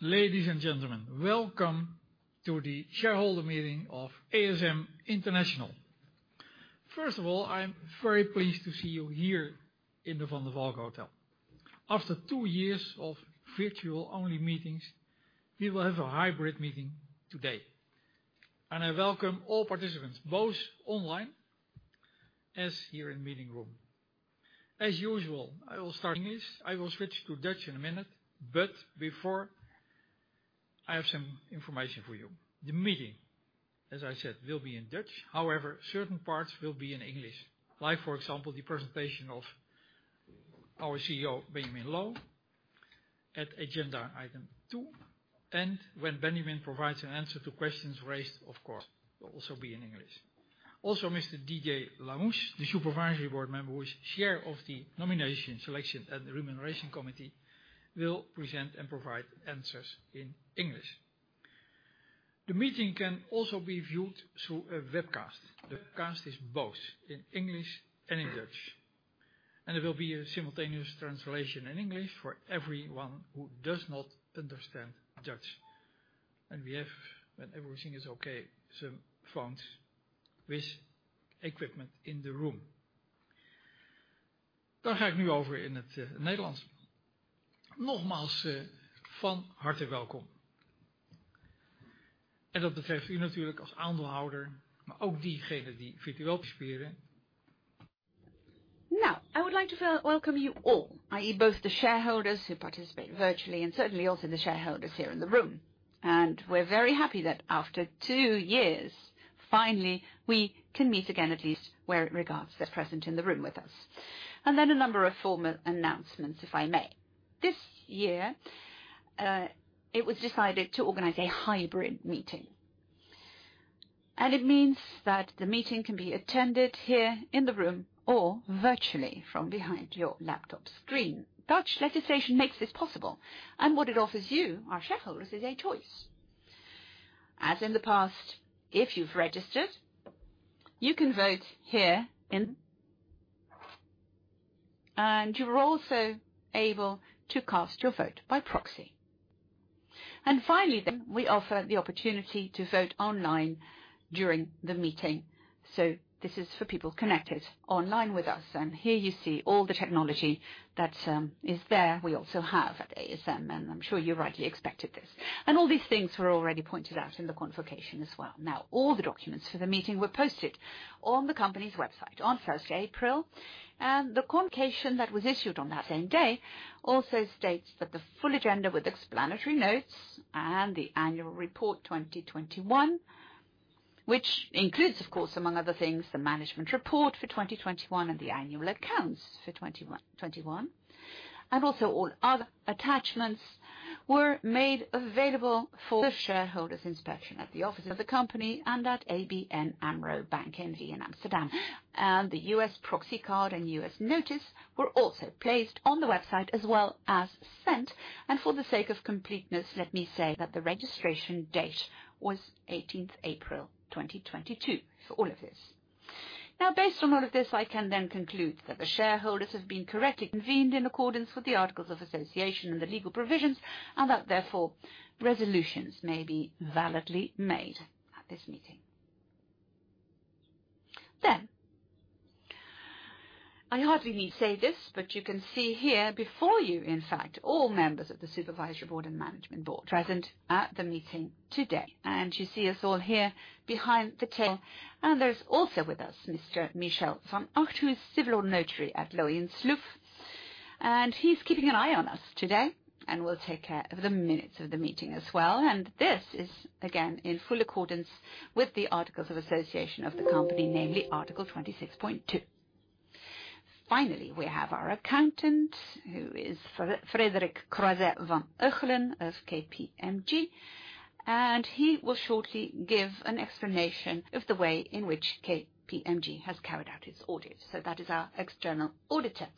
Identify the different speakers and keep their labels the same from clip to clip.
Speaker 1: Ladies and gentlemen, welcome to the shareholder meeting of ASM International. First of all, I'm very pleased to see you here in the Van der Valk Hotel. After two years of virtual only meetings, we will have a hybrid meeting today. I welcome all participants, both online and here in meeting room. As usual, I will start this. I will switch to Dutch in a minute, but before, I have some information for you. The meeting, as I said, will be in Dutch. However, certain parts will be in English. Like for example, the presentation of our CEO, Benjamin Loh, at agenda Item 2. When Benjamin provides an answer to questions raised, of course, will also be in English. Also, Mr. Didier Lamouche, the Supervisory Board Member who is Chair of the Nomination, Selection, and Remuneration Committee, will present and provide answers in English. The meeting can also be viewed through a webcast. The webcast is both in English and in Dutch, and it will be a simultaneous translation in English for everyone who does not understand Dutch. We have, when everything is okay, some phones with equipment in the room.
Speaker 2: Now, I would like to welcome you all, i.e., both the shareholders who participate virtually and certainly also the shareholders here in the room. We're very happy that after two years, finally, we can meet again, at least as regards those present in the room with us. A number of formal announcements, if I may. This year, it was decided to organize a hybrid meeting. It means that the meeting can be attended here in the room or virtually from behind your laptop screen. Dutch legislation makes this possible, and what it offers you, our shareholders, is a choice. As in the past, if you've registered, you can vote here in the room. You're also able to cast your vote by proxy. Finally, we offer the opportunity to vote online during the meeting. This is for people connected online with us. Here you see all the technology that is there. We also have at ASM, and I'm sure you rightly expected this. All these things were already pointed out in the convocation as well. Now, all the documents for the meeting were posted on the company's website on first of April. The convocation that was issued on that same day also states that the full agenda with explanatory notes and the annual report 2021, which includes, of course, among other things, the management report for 2021 and the annual accounts for 2021. Also all other attachments were made available for the shareholders' inspection at the office of the company and at ABN AMRO Bank N.V. in Amsterdam. The U.S. proxy card and U.S. notice were also placed on the website as well as sent. For the sake of completeness, let me say that the registration date was 18th April 2022 for all of this. Now, based on all of this, I can then conclude that the shareholders have been correctly convened in accordance with the articles of association and the legal provisions, and that therefore resolutions may be validly made at this meeting. I hardly need to say this, but you can see here before you, in fact, all members of the supervisory board and management board present at the meeting today. You see us all here behind the table. There's also with us Mr. Michel van Agt, Civil Law Notary at Loyens & Loeff, and he's keeping an eye on us today and will take care of the minutes of the meeting as well. This is again in full accordance with the articles of association of the company, namely article 26.2. Finally, we have our accountant, who is Frederik Croiset van Uchelen of KPMG, and he will shortly give an explanation of the way in which KPMG has carried out its audit. That is our external auditor.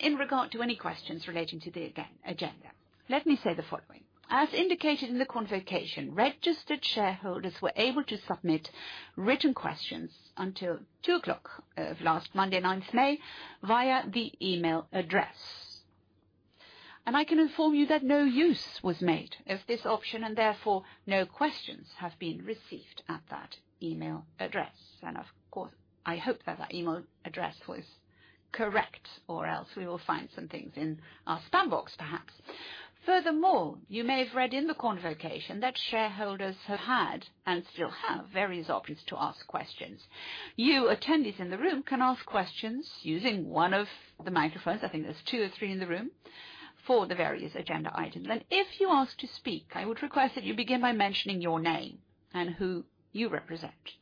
Speaker 2: In regard to any questions relating to the agenda, let me say the following. As indicated in the convocation, registered shareholders were able to submit written questions until 2:00 of last Monday, 9th May, via the email address. I can inform you that no use was made of this option and therefore no questions have been received at that email address. Of course, I hope that that email address was correct or else we will find some things in our spam box, perhaps. Furthermore, you may have read in the convocation that shareholders have had and still have various options to ask questions. You attendees in the room can ask questions using one of the microphones, I think there's two or three in the room, for the various agenda items. If you ask to speak, I would request that you begin by mentioning your name and who you represent.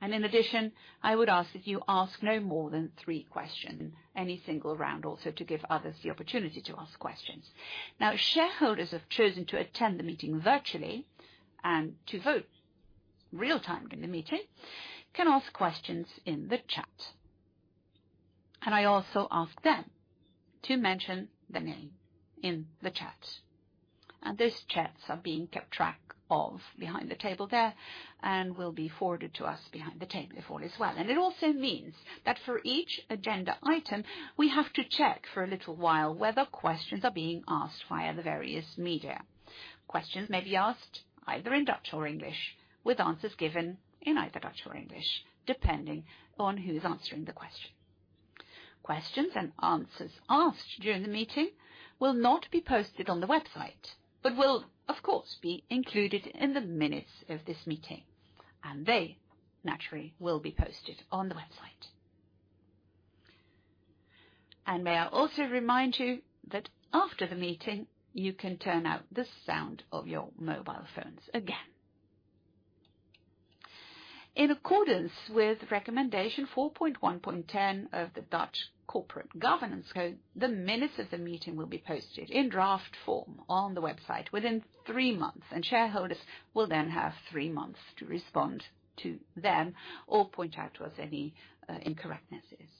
Speaker 2: In addition, I would ask that you ask no more than three questions any single round also to give others the opportunity to ask questions. Now, shareholders who have chosen to attend the meeting virtually and to vote real-time in the meeting can ask questions in the chat. I also ask them to mention the name in the chat. Those chats are being kept track of behind the table there and will be forwarded to us behind the table if all is well. It also means that for each agenda item, we have to check for a little while whether questions are being asked via the various media. Questions may be asked either in Dutch or English, with answers given in either Dutch or English, depending on who's answering the question. Questions and answers asked during the meeting will not be posted on the website, but will of course be included in the minutes of this meeting, and they naturally will be posted on the website. May I also remind you that after the meeting, you can turn out the sound of your mobile phones again. In accordance with recommendation 4.1.10 of the Dutch Corporate Governance Code, the minutes of the meeting will be posted in draft form on the website within three months, and shareholders will then have three months to respond to them or point out to us any incorrectnesses.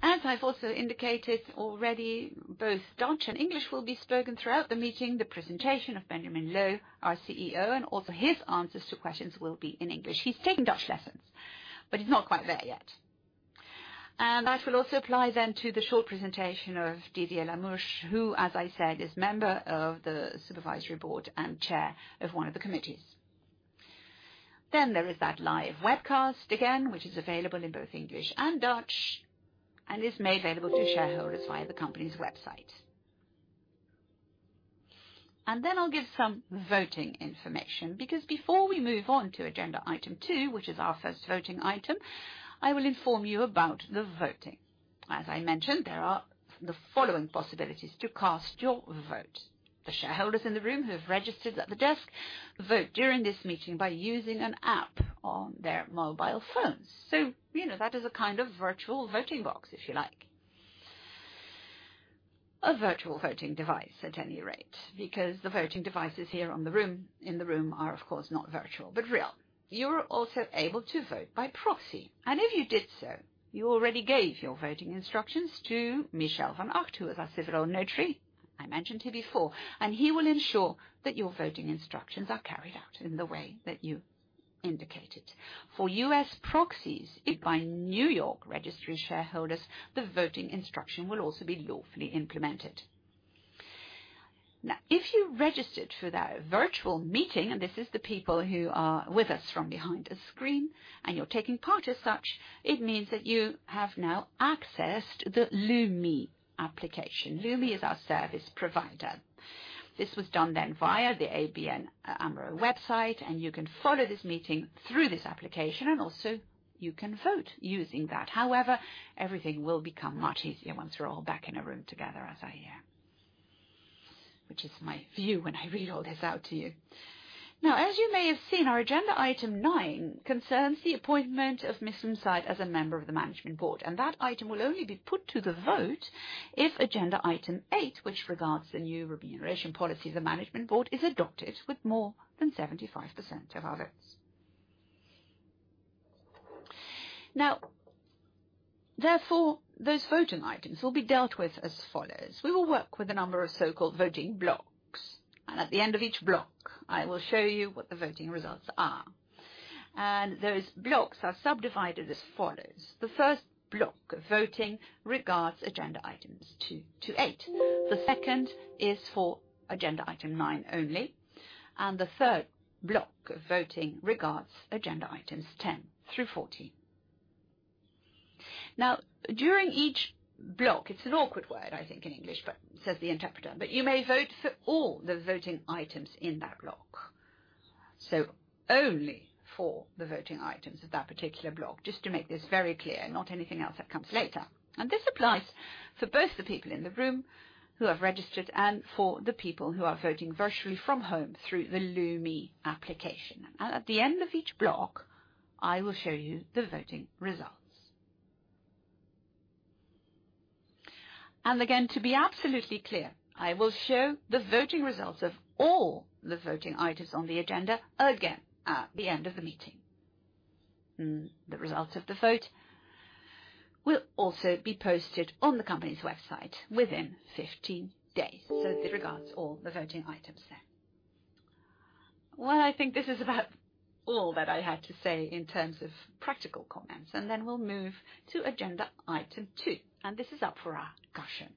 Speaker 2: As I've also indicated already, both Dutch and English will be spoken throughout the meeting. The presentation of Benjamin Loh, our CEO, and also his answers to questions will be in English. He's taking Dutch lessons, but he's not quite there yet. That will also apply then to the short presentation of Didier Lamouche, who, as I said, is member of the supervisory board and chair of one of the committees. There is that live webcast again, which is available in both English and Dutch and is made available to shareholders via the company's website. I'll give some voting information, because before we move on to agenda item two, which is our first voting item, I will inform you about the voting. As I mentioned, there are the following possibilities to cast your vote. The shareholders in the room who have registered at the desk vote during this meeting by using an app on their mobile phones. You know, that is a kind of virtual voting box, if you like. A virtual voting device, at any rate, because the voting devices in the room are, of course, not virtual, but real. You're also able to vote by proxy, and if you did so, you already gave your voting instructions to Michel van Agt, who is our civil notary. I mentioned him before, and he will ensure that your voting instructions are carried out in the way that you indicated. For U.S. proxies by New York registry shareholders, the voting instruction will also be lawfully implemented. Now, if you registered for that virtual meeting, and this is the people who are with us from behind a screen, and you're taking part as such, it means that you have now accessed the Lumi application. Lumi is our service provider. This was done then via the ABN AMRO website, and you can follow this meeting through this application, and also you can vote using that. However, everything will become much easier once we're all back in a room together as I am, which is my view when I read all this out to you. Now, as you may have seen, our agenda item 9 concerns the appointment of Hichem M'Saad as a member of the Management Board, and that item will only be put to the vote if agenda Item 8, which regards the new remuneration policy of the Management Board, is adopted with more than 75% of our votes. Now, therefore, those voting items will be dealt with as follows. We will work with a number of so-called voting blocks, and at the end of each block, I will show you what the voting results are. Those blocks are subdivided as follows. The first block of voting regards agenda Items 2-8. The second is for agenda Item 9 only, and the third block of voting regards agenda items 10 through 14. Now, during each block, it's an awkward word, I think, in English, but says the interpreter, but you may vote for all the voting items in that block. Only for the voting items of that particular block. Just to make this very clear, not anything else that comes later. This applies for both the people in the room who have registered and for the people who are voting virtually from home through the Lumi application. At the end of each block, I will show you the voting results. Again, to be absolutely clear, I will show the voting results of all the voting items on the agenda again at the end of the meeting. The results of the vote will also be posted on the company's website within 15 days. It regards all the voting items there. Well, I think this is about all that I had to say in terms of practical comments. We'll move to agenda Item 2, and this is up for our discussion.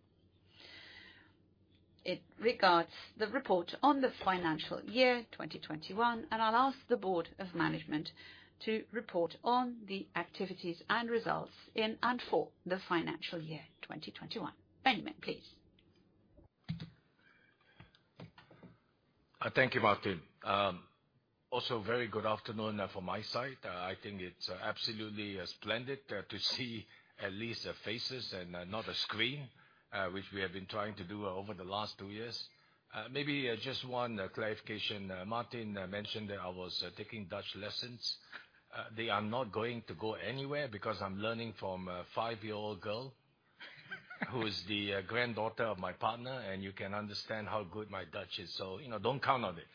Speaker 2: It regards the report on the financial year 2021, and I'll ask the Board of Management to report on the activities and results in and for the financial year 2021. Benjamin, please.
Speaker 3: Thank you, Martin. Also very good afternoon from my side. I think it's absolutely splendid to see at least faces and not a screen, which we have been trying to do over the last two years. Maybe just one clarification. Martin mentioned that I was taking Dutch lessons. They are not going to go anywhere because I'm learning from a five-year-old girl who is the granddaughter of my partner, and you can understand how good my Dutch is. You know, don't count on it.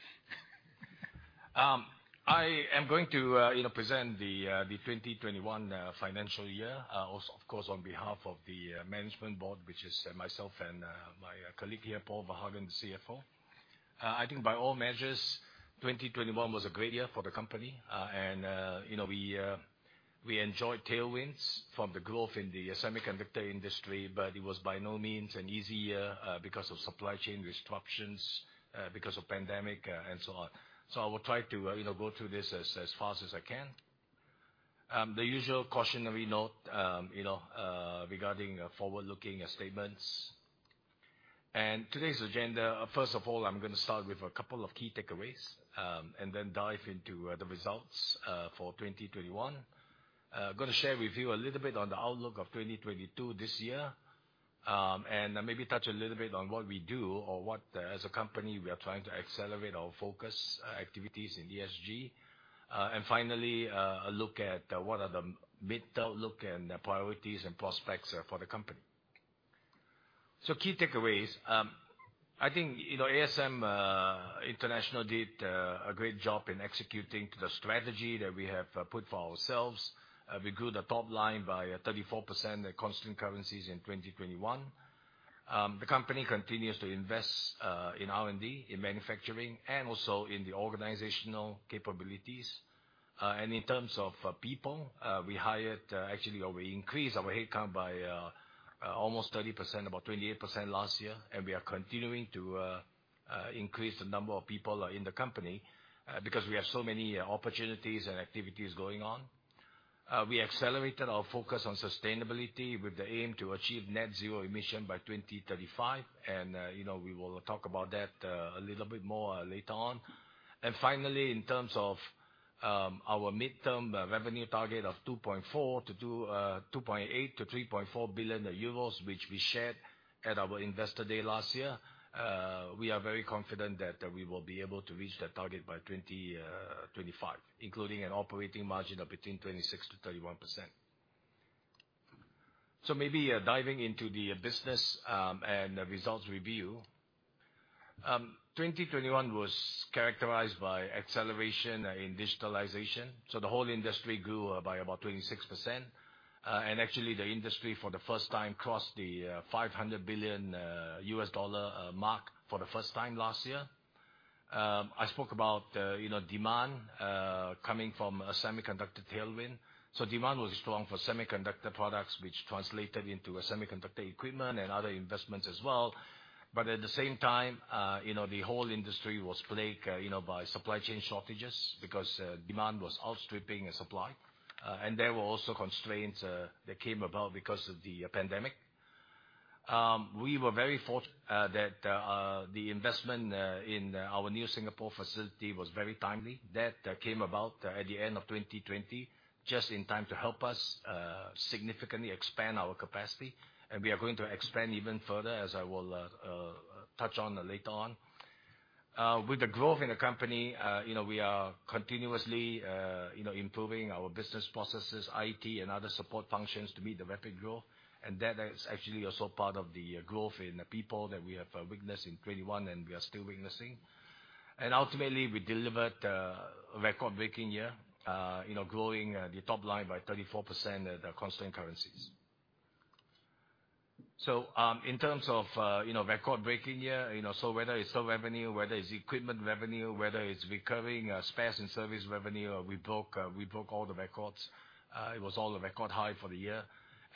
Speaker 3: I am going to, you know, present the 2021 financial year, as, of course, on behalf of the management board, which is myself and my colleague here, Paul Verhagen, the CFO. I think by all measures, 2021 was a great year for the company. You know, we enjoyed tailwinds from the growth in the semiconductor industry, but it was by no means an easy year because of supply chain disruptions because of pandemic and so on. I will try to go through this as fast as I can. The usual cautionary note you know regarding forward-looking statements. Today's agenda, first of all, I'm gonna start with a couple of key takeaways and then dive into the results for 2021. Gonna share with you a little bit on the outlook of 2022 this year. Maybe touch a little bit on what we do or what as a company we are trying to accelerate our focus activities in ESG. Finally, a look at what are the mid-term outlook and priorities and prospects for the company. Key takeaways, I think, you know, ASM International did a great job in executing the strategy that we have put for ourselves. We grew the top line by 34% at constant currencies in 2021. The company continues to invest in R&D, in manufacturing, and also in the organizational capabilities. In terms of people, we hired, actually, or we increased our headcount by almost 30%, about 28% last year. We are continuing to increase the number of people in the company because we have so many opportunities and activities going on. We accelerated our focus on sustainability with the aim to achieve net zero emission by 2035, and, you know, we will talk about that, a little bit more, later on. Finally, in terms of our mid-term revenue target of 2.8 billion-3.4 billion euros, which we shared at our Investor Day last year, we are very confident that we will be able to reach that target by 2025, including an operating margin of between 26%-31%. Maybe diving into the business and results review. 2021 was characterized by acceleration in digitalization, so the whole industry grew by about 26%. Actually the industry for the first time crossed the $500 billion US dollar mark for the first time last year. I spoke about you know demand coming from a semiconductor tailwind. Demand was strong for semiconductor products, which translated into a semiconductor equipment and other investments as well. At the same time you know the whole industry was plagued you know by supply chain shortages because demand was outstripping supply. There were also constraints that came about because of the pandemic. We were very fortunate that the investment in our new Singapore facility was very timely. That came about at the end of 2020, just in time to help us significantly expand our capacity. We are going to expand even further, as I will touch on later on. With the growth in the company, you know, we are continuously, you know, improving our business processes, IT and other support functions to meet the rapid growth. That is actually also part of the growth in the people that we have witnessed in 2021, and we are still witnessing. Ultimately, we delivered a record-breaking year, you know, growing the top line by 34% at constant currencies. In terms of record-breaking year, you know, so whether it's the revenue, whether it's equipment revenue, whether it's recurring spares and service revenue, we broke all the records. It was all a record high for the year.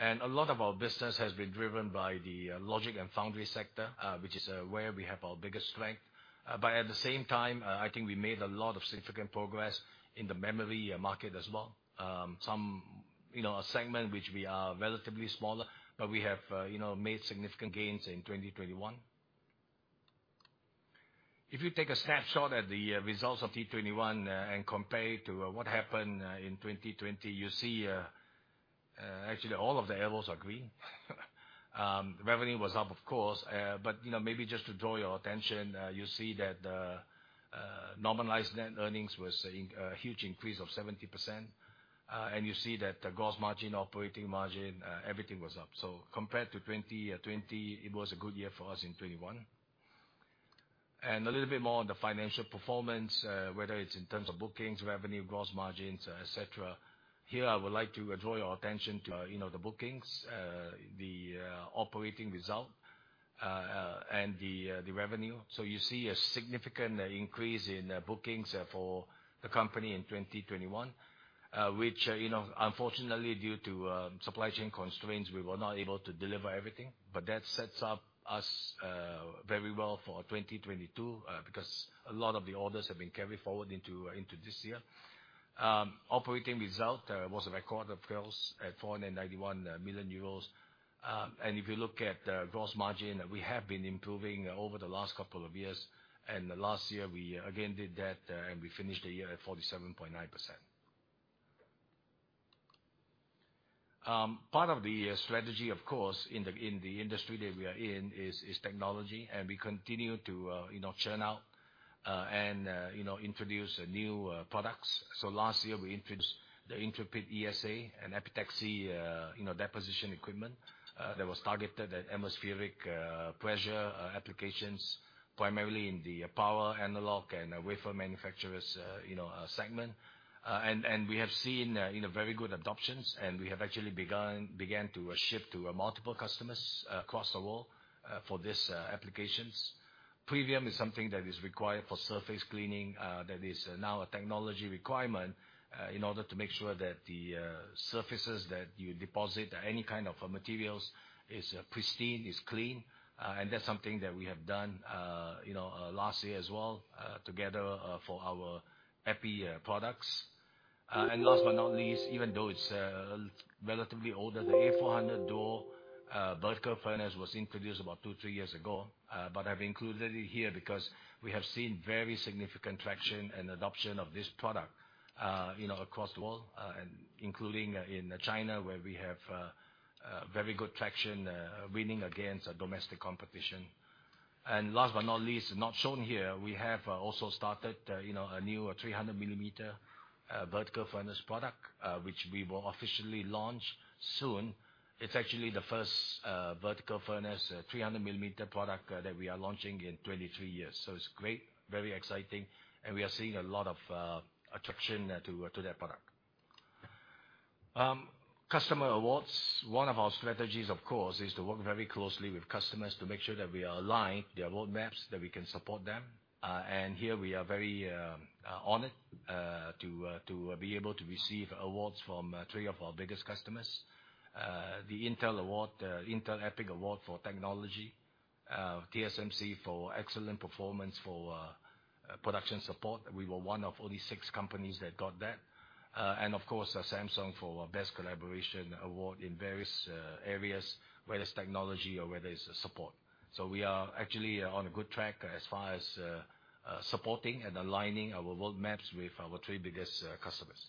Speaker 3: A lot of our business has been driven by the logic and foundry sector, which is where we have our biggest strength. At the same time, I think we made a lot of significant progress in the memory market as well. Some, you know, a segment which we are relatively smaller, but we have, you know, made significant gains in 2021. If you take a snapshot at the results of 2021, and compare it to what happened in 2020, you see actually all of the arrows are green. Revenue was up, of course. You know, maybe just to draw your attention, you see that normalized net earnings was a huge increase of 70%. You see that the gross margin, operating margin, everything was up. Compared to 20, it was a good year for us in 2021. A little bit more on the financial performance, whether it's in terms of bookings, revenue, gross margins, et cetera. Here, I would like to draw your attention to, you know, the bookings, the operating result, and the revenue. You see a significant increase in bookings for the company in 2021. Which, you know, unfortunately, due to supply chain constraints, we were not able to deliver everything, but that sets up us very well for 2022, because a lot of the orders have been carried forward into this year. Operating result was a record, of course, at 491 million euros. If you look at the gross margin, we have been improving over the last couple of years. Last year, we again did that, and we finished the year at 47.9%. Part of the strategy, of course, in the industry that we are in is technology, and we continue to, you know, churn out and, you know, introduce new products. Last year, we introduced the Intrepid ESA, an epitaxy, you know, deposition equipment, that was targeted at atmospheric pressure applications, primarily in the power analog and wafer manufacturers segment. We have seen very good adoptions, and we have actually begun to ship to multiple customers across the world for these applications. Previum is something that is required for surface cleaning, that is now a technology requirement, in order to make sure that the surfaces that you deposit any kind of materials is pristine, is clean. That's something that we have done, you know, last year as well, together for our EPI products. Last but not least, even though it's relatively older, the A400 DUO vertical furnace was introduced about two to three years ago. I've included it here because we have seen very significant traction and adoption of this product, you know, across the world, and including in China, where we have very good traction, winning against domestic competition. Last but not least, not shown here, we have also started, you know, a new 300 mm vertical furnace product, which we will officially launch soon. It's actually the first vertical furnace 300 mm product that we are launching in 23 years. It's great, very exciting, and we are seeing a lot of traction to that product. Customer awards. One of our strategies, of course, is to work very closely with customers to make sure that we are aligned, their roadmaps, that we can support them. Here we are very honored to be able to receive awards from three of our biggest customers. The Intel award, Intel EPIC Award for technology, TSMC for excellent performance for production support. We were one of only six companies that got that. Of course, Samsung for best collaboration award in various areas, whether it's technology or whether it's support. We are actually on a good track as far as supporting and aligning our roadmaps with our three biggest customers.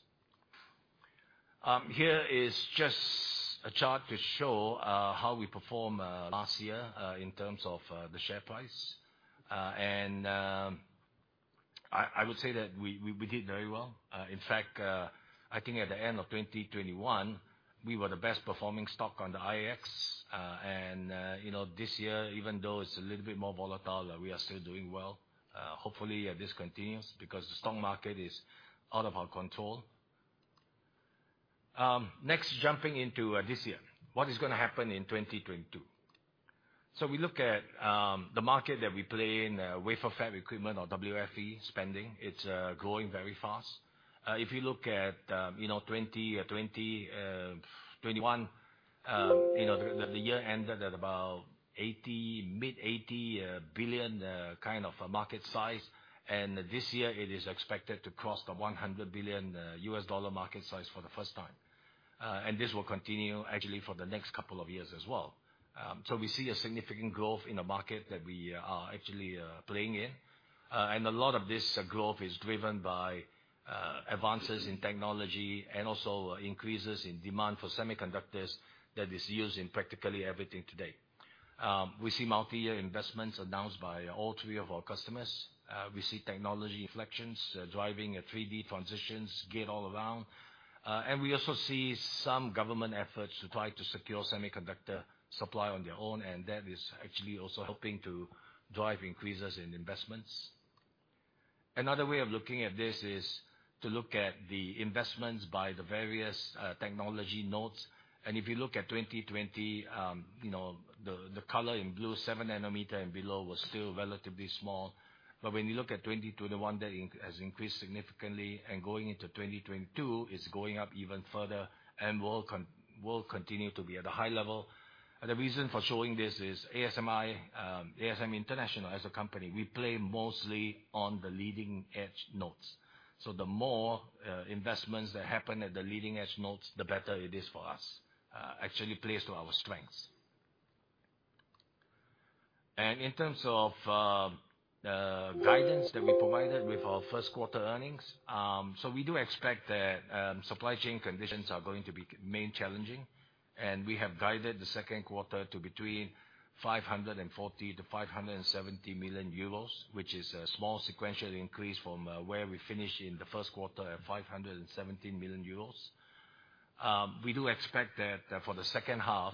Speaker 3: Here is just a chart to show how we performed last year in terms of the share price. I would say that we did very well. In fact, I think at the end of 2021, we were the best performing stock on the AEX. You know, this year, even though it's a little bit more volatile, we are still doing well. Hopefully this continues because the stock market is out of our control. Next, jumping into this year. What is gonna happen in 2022? We look at the market that we play in, wafer fab equipment or WFE spending. It's growing very fast. If you look at, you know, 2020, 2021, you know, the year ended at about mid-80 billion kind of a market size. This year it is expected to cross the $100 billion market size for the first time. This will continue actually for the next couple of years as well. We see a significant growth in the market that we are actually playing in. A lot of this growth is driven by advances in technology and also increases in demand for semiconductors that is used in practically everything today. We see multiyear investments announced by all three of our customers. We see technology inflections driving 3D transitions all around. We also see some government efforts to try to secure semiconductor supply on their own, and that is actually also helping to drive increases in investments. Another way of looking at this is to look at the investments by the various technology nodes. If you look at 2020, you know, the color in blue, 7 nm and below was still relatively small. When you look at 2022, the one that has increased significantly, and going into 2022, is going up even further and will continue to be at a high level. The reason for showing this is ASMI, ASM International as a company, we play mostly on the leading-edge nodes. The more investments that happen at the leading-edge nodes, the better it is for us. Actually plays to our strengths. In terms of guidance that we provided with our first quarter earnings, we do expect that supply chain conditions are going to be mainly challenging, and we have guided the second quarter to between 540 million-570 million euros, which is a small sequential increase from where we finished in the first quarter at 517 million euros. We do expect that for the second half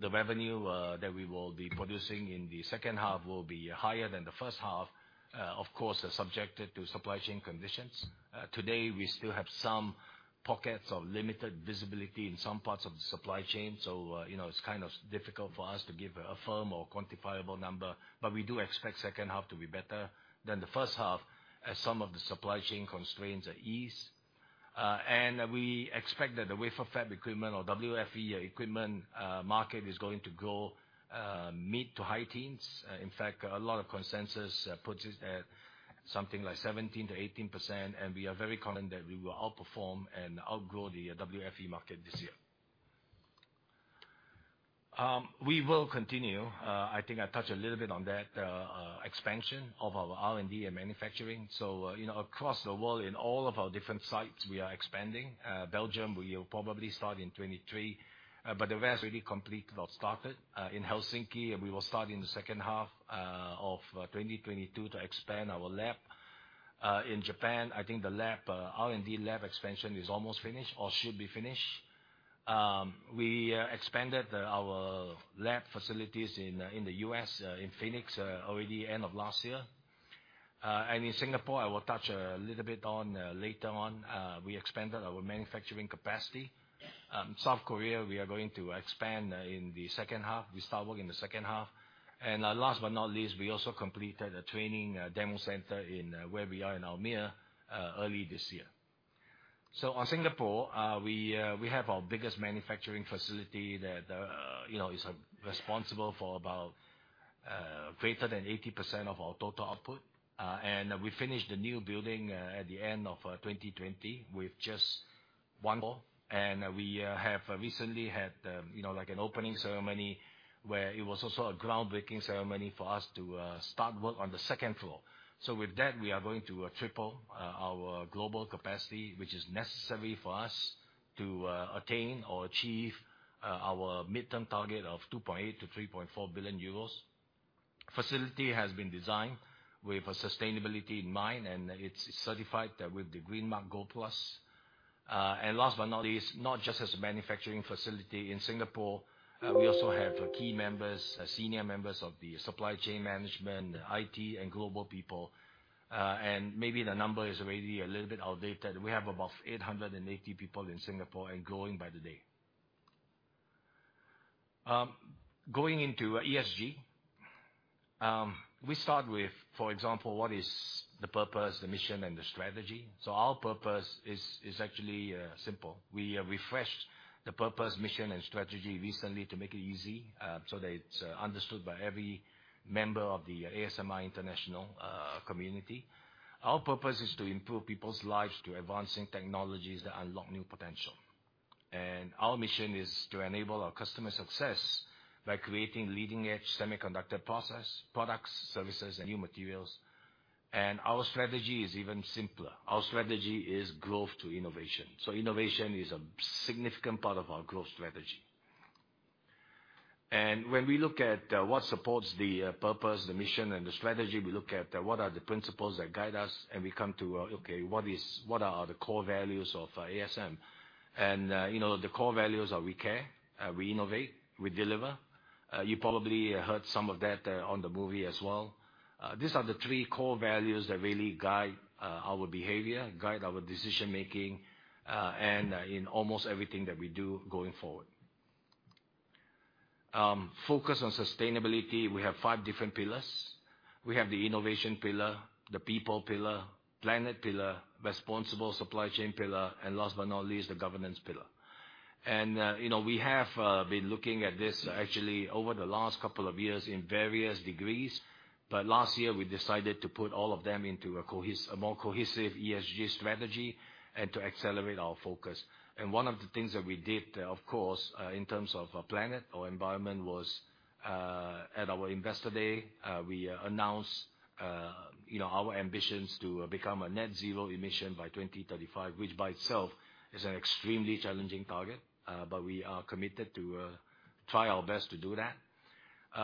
Speaker 3: the revenue that we will be producing in the second half will be higher than the first half, of course, subject to supply chain conditions. Today, we still have some pockets of limited visibility in some parts of the supply chain, so, you know, it's kind of difficult for us to give a firm or quantifiable number. We do expect second half to be better than the first half as some of the supply chain constraints are eased. We expect that the wafer fab equipment or WFE equipment market is going to grow mid- to high teens. In fact, a lot of consensus puts it at something like 17%-18%, and we are very confident that we will outperform and outgrow the WFE market this year. We will continue, I think I touched a little bit on that, expansion of our R&D and manufacturing. You know, across the world in all of our different sites, we are expanding. Belgium, we'll probably start in 2023, but the rest really completely got started. In Helsinki, we will start in the second half of 2022 to expand our lab. In Japan, I think the R&D lab expansion is almost finished or should be finished. We expanded our lab facilities in the U.S., in Phoenix, already end of last year. In Singapore, I will touch a little bit on later on. We expanded our manufacturing capacity. South Korea, we are going to expand in the second half. We start work in the second half. Last but not least, we also completed a training demo center in Almere, where we are, early this year. In Singapore, we have our biggest manufacturing facility that, you know, is responsible for about greater than 80% of our total output. We finished the new building at the end of 2020 with just one floor. We have recently had, you know, like an opening ceremony where it was also a groundbreaking ceremony for us to start work on the second floor. With that, we are going to triple our global capacity, which is necessary for us to attain or achieve our midterm target of 2.8 billion-3.4 billion euros. The facility has been designed with sustainability in mind, and it's certified with the Green Mark GoldPLUS. Last but not least, not just as a manufacturing facility in Singapore, we also have key members, senior members of the supply chain management, IT, and global people. Maybe the number is already a little bit outdated. We have about 880 people in Singapore and growing by the day. Going into ESG, we start with, for example, what is the purpose, the mission, and the strategy. Our purpose is actually simple. We refreshed the purpose, mission, and strategy recently to make it easy so that it's understood by every member of the ASM International community. Our purpose is to improve people's lives through advancing technologies that unlock new potential. Our mission is to enable our customer success by creating leading-edge semiconductor process, products, services, and new materials. Our strategy is even simpler. Our strategy is growth through innovation. Innovation is a significant part of our growth strategy. When we look at what supports the purpose, the mission, and the strategy, we look at what are the principles that guide us, and we come to, okay, what are the core values of ASM? You know, the core values are we care, we innovate, we deliver. You probably heard some of that on the movie as well. These are the three core values that really guide our behavior, guide our decision-making, and in almost everything that we do going forward. Focus on sustainability. We have five different pillars. We have the innovation pillar, the people pillar, planet pillar, responsible supply chain pillar, and last but not least, the governance pillar. You know, we have been looking at this actually over the last couple of years in various degrees. Last year, we decided to put all of them into a more cohesive ESG strategy and to accelerate our focus. One of the things that we did, of course, in terms of our planet, our environment, was at our investor day, we announced, you know, our ambitions to become a net zero emission by 2035, which by itself is an extremely challenging target. We are committed to try our best to do that.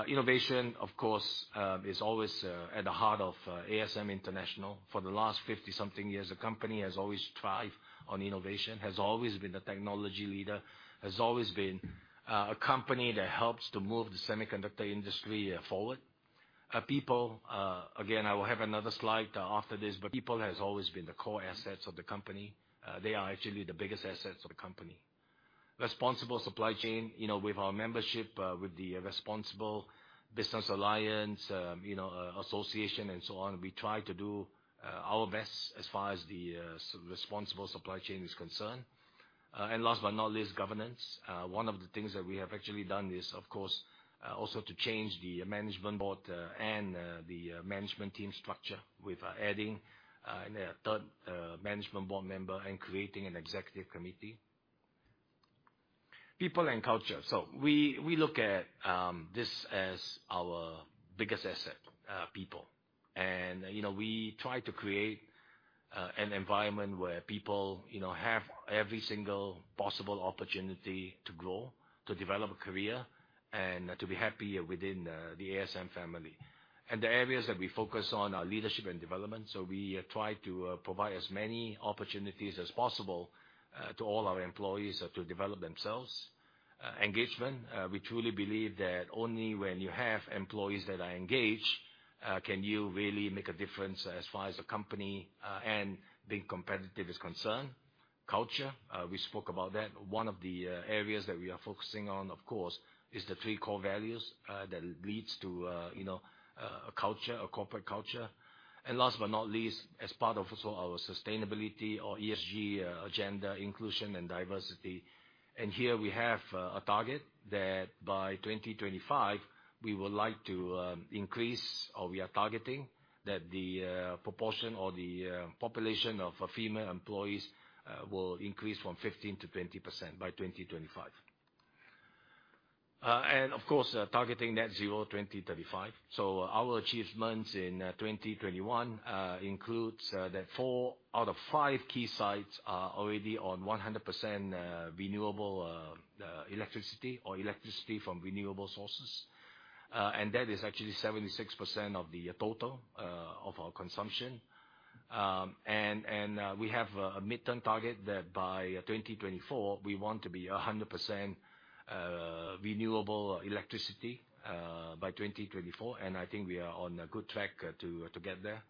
Speaker 3: Innovation, of course, is always at the heart of ASM International. For the last 50-something years, the company has always thrived on innovation, has always been a technology leader, has always been a company that helps to move the semiconductor industry forward. Our people, again, I will have another slide after this, but people has always been the core assets of the company. They are actually the biggest assets of the company. Responsible supply chain. You know, with our membership with the Responsible Business Alliance, you know, Association and so on, we try to do our best as far as the responsible supply chain is concerned. Last but not least, governance. One of the things that we have actually done is, of course, also to change the management board and the management team structure with adding a third management board member and creating an executive committee. People and culture. We look at this as our biggest asset, people. You know, we try to create an environment where people have every single possible opportunity to grow, to develop a career, and to be happy within the ASM family. The areas that we focus on are leadership and development. We try to provide as many opportunities as possible to all our employees to develop themselves. Engagement. We truly believe that only when you have employees that are engaged, can you really make a difference as far as the company, and being competitive is concerned. Culture, we spoke about that. One of the areas that we are focusing on, of course, is the three core values that leads to, you know, a culture, a corporate culture. Last but not least, as part of also our sustainability or ESG agenda, inclusion and diversity. Here we have a target that by 2025, we would like to increase or we are targeting that the proportion or the population of female employees will increase from 15%-20% by 2025. Of course, targeting net zero 2035. Our achievements in 2021 includes that four out of five key sites are already on 100% renewable electricity or electricity from renewable sources. That is actually 76% of the total of our consumption. We have a midterm target that by 2024 we want to be 100% renewable electricity by 2024, and I think we are on a good track to get there.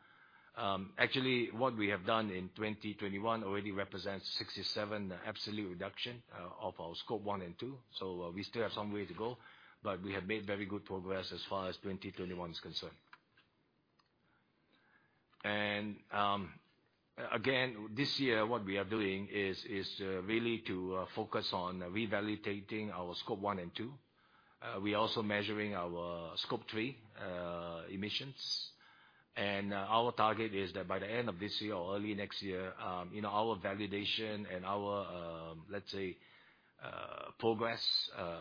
Speaker 3: Actually, what we have done in 2021 already represents 67 absolute reduction of our Scope 1 and 2. We still have some way to go, but we have made very good progress as far as 2021 is concerned. This year, what we are doing is really to focus on revalidating our Scope 1 and 2. We're also measuring our scope three emissions. Our target is that by the end of this year or early next year, you know, our validation and our, let's say, progress,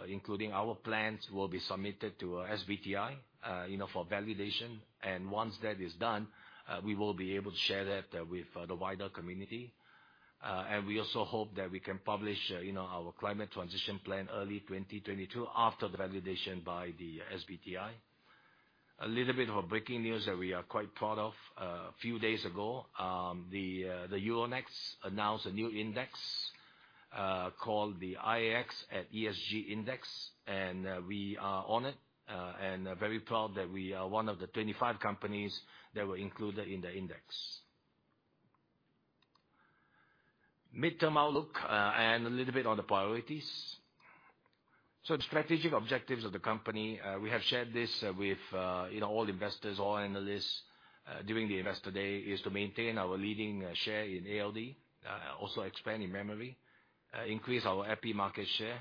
Speaker 3: including our plans, will be submitted to SBTi, you know, for validation. Once that is done, we will be able to share that with the wider community. We also hope that we can publish, you know, our climate transition plan early 2022 after the validation by the SBTi. A little bit of breaking news that we are quite proud of, a few days ago, the Euronext announced a new index, called the AEX ESG Index, and we are honored and very proud that we are one of the 25 companies that were included in the index. Midterm outlook and a little bit on the priorities. The strategic objectives of the company we have shared this with you know all investors all analysts during the Investor Day is to maintain our leading share in ALD also expand in memory increase our EPI market share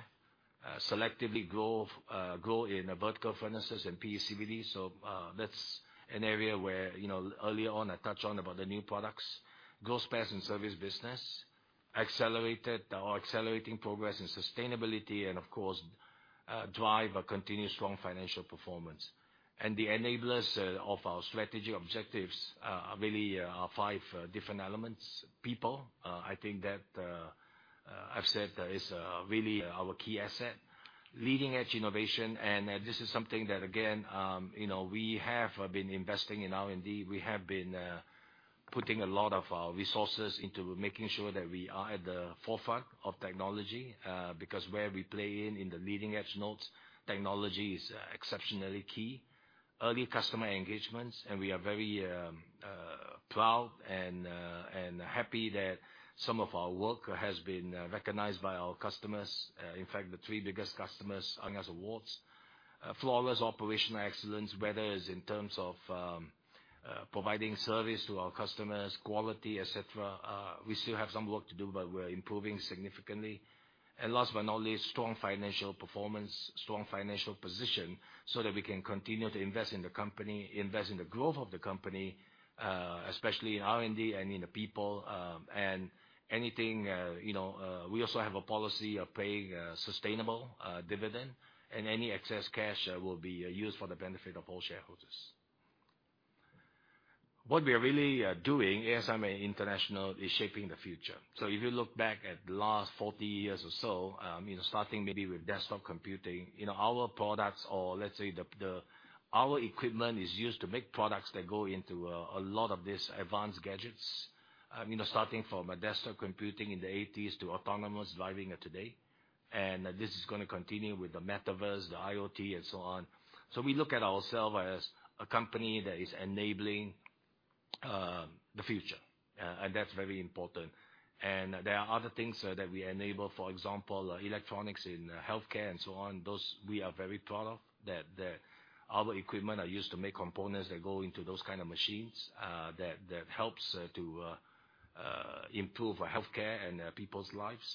Speaker 3: selectively grow in vertical furnaces and PECVD. That's an area where you know earlier on I touched on about the new products. Grow spares and service business. Accelerated or accelerating progress in sustainability, and of course, drive a continuous strong financial performance. The enablers of our strategic objectives are really five different elements. People, I think that I've said is really our key asset. Leading-edge innovation, and this is something that, again, you know, we have been investing in R&D. We have been putting a lot of our resources into making sure that we are at the forefront of technology, because where we play in the leading-edge nodes, technology is exceptionally key. Early customer engagements, and we are very proud and happy that some of our work has been recognized by our customers. In fact, the three biggest customers earned us awards. Flawless operational excellence, whether it's in terms of providing service to our customers, quality, et cetera. We still have some work to do, but we're improving significantly. Last but not least, strong financial performance, strong financial position, so that we can continue to invest in the company, invest in the growth of the company, especially in R&D and in the people, and anything, you know, we also have a policy of paying a sustainable dividend, and any excess cash will be used for the benefit of all shareholders. What we are really doing, ASM International is shaping the future. If you look back at the last 40 years or so, you know, starting maybe with desktop computing, you know, our products or let's say the... Our equipment is used to make products that go into a lot of these advanced gadgets, you know, starting from desktop computing in the 1980s to autonomous driving of today. This is gonna continue with the metaverse, the IoT and so on. We look at ourselves as a company that is enabling the future, and that's very important. There are other things that we enable, for example, electronics in healthcare and so on. Those we are very proud of, that our equipment are used to make components that go into those kind of machines, that helps to improve healthcare and people's lives.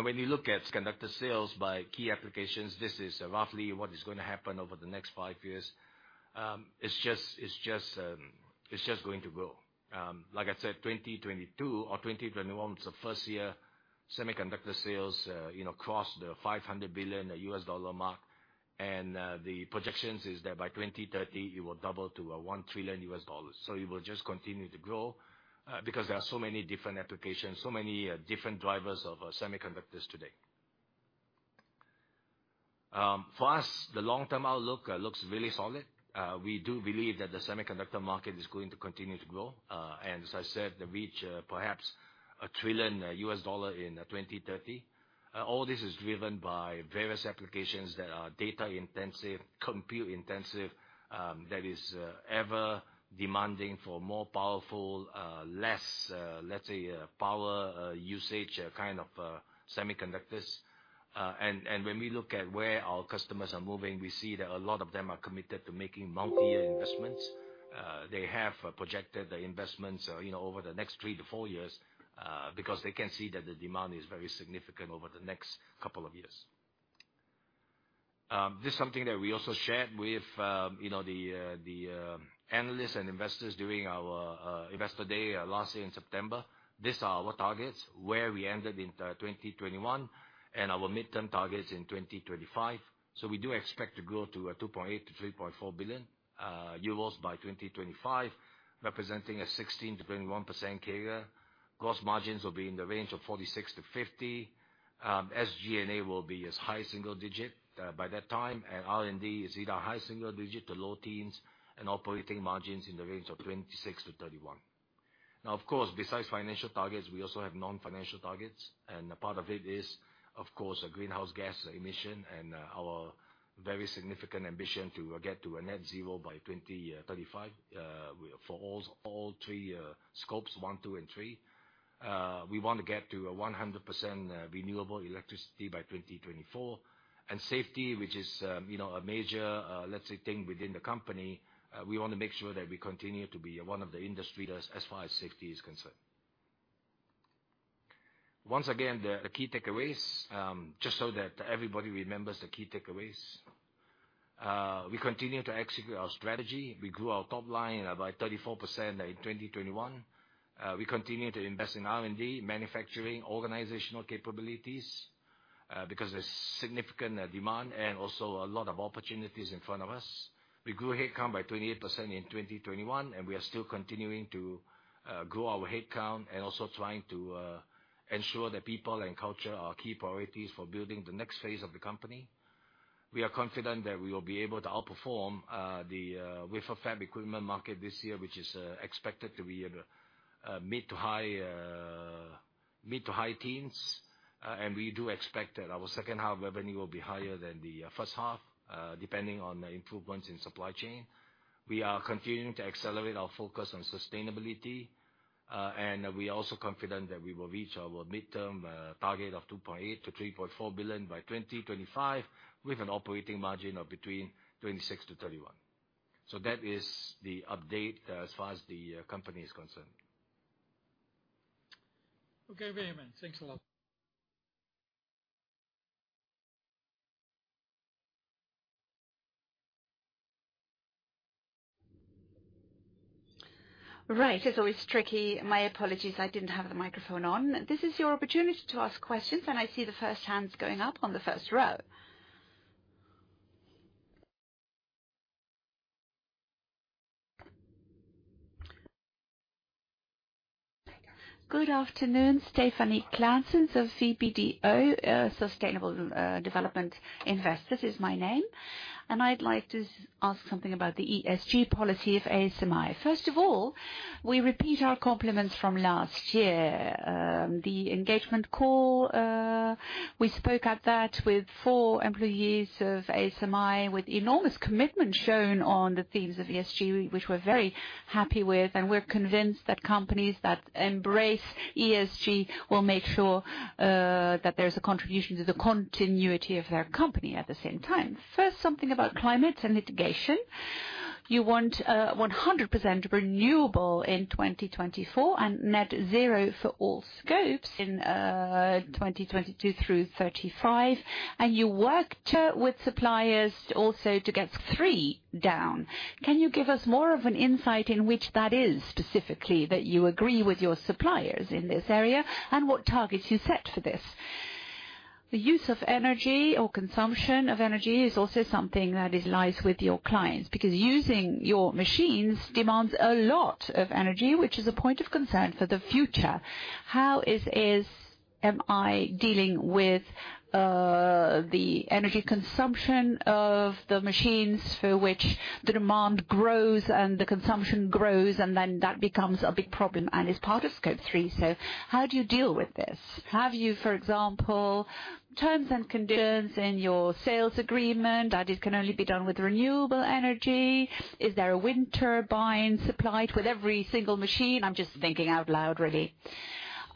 Speaker 3: When you look at semiconductor sales by key applications, this is roughly what is going to happen over the next five years. It's just going to grow. Like I said, 2022 or 2021 was the first year semiconductor sales, you know, crossed the $500 billion mark. The projections is that by 2030, it will double to $1 trillion. It will just continue to grow, because there are so many different applications, so many different drivers of semiconductors today. For us, the long-term outlook looks really solid. We do believe that the semiconductor market is going to continue to grow, and as I said, reach perhaps $1 trillion in 2030. All this is driven by various applications that are data-intensive, compute-intensive, that is, ever demanding for more powerful, less, let's say, power usage, kind of semiconductors. When we look at where our customers are moving, we see that a lot of them are committed to making multi-year investments. They have projected the investments, you know, over the next three to four years, because they can see that the demand is very significant over the next couple of years. This is something that we also shared with, you know, the analysts and investors during our Investor Day last year in September. These are our targets, where we ended in 2021, and our midterm targets in 2025. We do expect to grow to 2.8 billion-3.4 billion euros by 2025, representing a 16%-21% CAGR. Gross margins will be in the range of 46%-50%. SG&A will be as high single digit by that time, and R&D is either high single digit to low teens and operating margins in the range of 26%-31%. Now, of course, besides financial targets, we also have non-financial targets. A part of it is, of course, a greenhouse gas emission and our very significant ambition to get to a net zero by 2035 for all three scopes, one, two, and three. We want to get to 100% renewable electricity by 2024. Safety, which is, you know, a major, let's say, thing within the company, we wanna make sure that we continue to be one of the industry leaders as far as safety is concerned. Once again, the key takeaways, just so that everybody remembers the key takeaways. We continue to execute our strategy. We grew our top line by 34% in 2021. We continue to invest in R&D, manufacturing, organizational capabilities, because there's significant demand and also a lot of opportunities in front of us. We grew headcount by 28% in 2021, and we are still continuing to grow our headcount and also trying to ensure that people and culture are key priorities for building the next phase of the company. We are confident that we will be able to outperform the wafer fab equipment market this year, which is expected to be at mid to high-teens. We do expect that our second half revenue will be higher than the first half, depending on the improvements in supply chain. We are continuing to accelerate our focus on sustainability, and we are also confident that we will reach our midterm target of 2.8 billion-3.4 billion by 2025, with an operating margin of between 26%-31%. That is the update as far as the company is concerned. Okay, very well. Thanks a lot.
Speaker 2: Right. It's always tricky. My apologies, I didn't have the microphone on. This is your opportunity to ask questions, and I see the first hands going up on the first row. Good afternoon. Stefanie Claessens of CPDO, Sustainable Development Investors is my name. I'd like to ask something about the ESG policy of ASMI. First of all, we repeat our compliments from last year. The engagement call, we spoke at that with four employees of ASMI with enormous commitment shown on the themes of ESG, which we're very happy with. We're convinced that companies that embrace ESG will make sure that there's a contribution to the continuity of their company at the same time. First, something about climate and litigation. You want 100% renewable in 2024 and net zero for all scopes in 2022-2035. You worked with suppliers also to get three down. Can you give us more of an insight into which that is specifically that you agree with your suppliers in this area and what targets you set for this? The use of energy or consumption of energy is also something that lies with your clients, because using your machines demands a lot of energy, which is a point of concern for the future. How is ASMI dealing with the energy consumption of the machines for which the demand grows and the consumption grows, and then that becomes a big problem and is part of Scope 3? How do you deal with this? Do you have, for example, terms and conditions in your sales agreement that it can only be done with renewable energy? Is there a wind turbine supplied with every single machine? I'm just thinking out loud, really.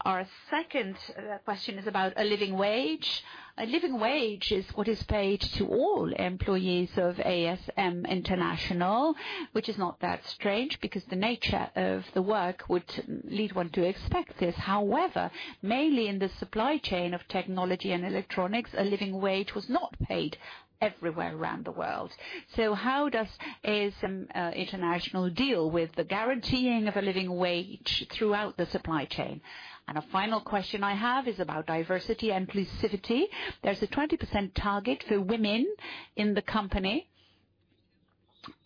Speaker 2: Our second question is about a living wage. A living wage is what is paid to all employees of ASM International, which is not that strange because the nature of the work would lead one to expect this. However, mainly in the supply chain of technology and electronics, a living wage was not paid everywhere around the world. How does ASM International deal with the guaranteeing of a living wage throughout the supply chain? And a final question I have is about diversity and inclusivity. There's a 20% target for women in the company,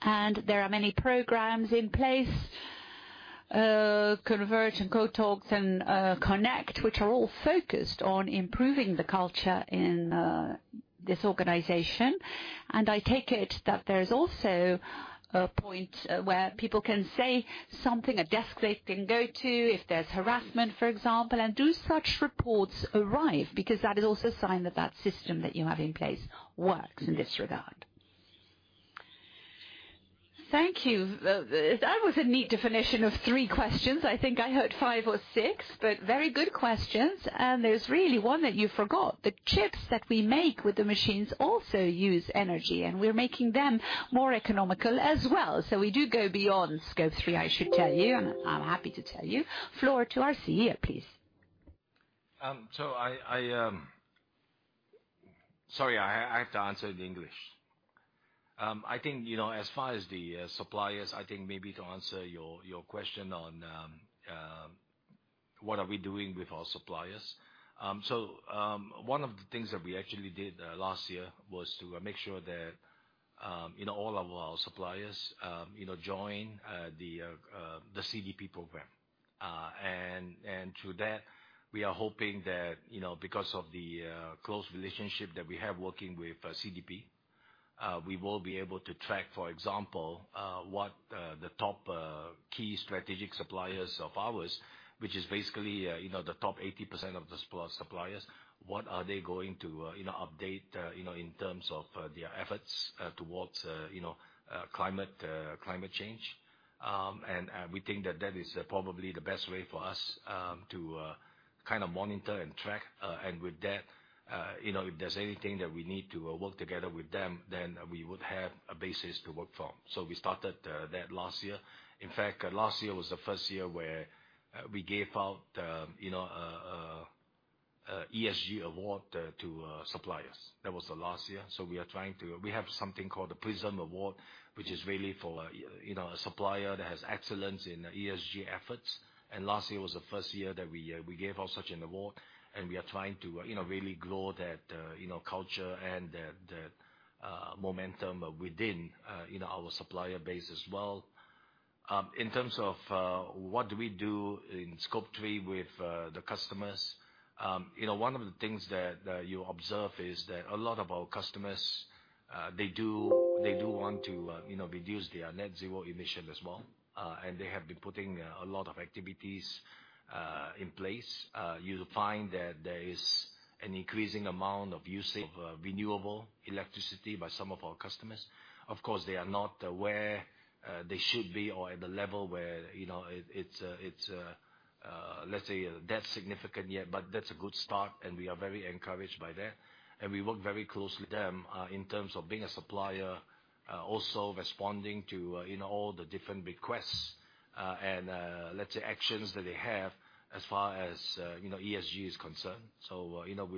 Speaker 2: and there are many programs in place, Converge and CoTalks and Connect, which are all focused on improving the culture in this organization. I take it that there's also a point where people can say something, a desk they can go to if there's harassment, for example, and do such reports arrive? Because that is also a sign that that system that you have in place works in this regard. Thank you. That was a neat definition of three questions. I think I heard five or six, but very good questions. There's really one that you forgot. The chips that we make with the machines also use energy, and we're making them more economical as well. We do go beyond Scope 3, I should tell you, and I'm happy to tell you. Floor to our CEO, please.
Speaker 3: Sorry, I have to answer in English. I think, you know, as far as the suppliers, I think maybe to answer your question on what we are doing with our suppliers. One of the things that we actually did last year was to make sure that you know, all of our suppliers, you know, join the CDP program. Through that, we are hoping that, you know, because of the close relationship that we have working with CDP, we will be able to track, for example, what the top key strategic suppliers of ours, which is basically, you know, the top 80% of the suppliers, what are they going to, you know, update, you know, in terms of their efforts towards, you know, climate change. We think that that is probably the best way for us to kind of monitor and track. With that, you know, if there's anything that we need to work together with them, then we would have a basis to work from. We started that last year. In fact, last year was the first year where we gave out, you know, an ESG award to suppliers. That was the last year. We are trying to. We have something called the PRISM Award, which is really for, you know, a supplier that has excellence in ESG efforts. Last year was the first year that we gave out such an award, and we are trying to, you know, really grow that, you know, culture and that momentum within, you know, our supplier base as well. In terms of what do we do in scope three with the customers, you know, one of the things that you observe is that a lot of our customers, they do want to, you know, reduce their net zero emission as well. They have been putting a lot of activities in place. You'll find that there is an increasing amount of usage of renewable electricity by some of our customers. Of course, they are not where they should be or at the level where, you know, it's, let's say, that significant yet, but that's a good start, and we are very encouraged by that. We work very closely with them in terms of being a supplier, also responding to, you know, all the different requests, and let's say actions that they have as far as, you know, ESG is concerned. You know,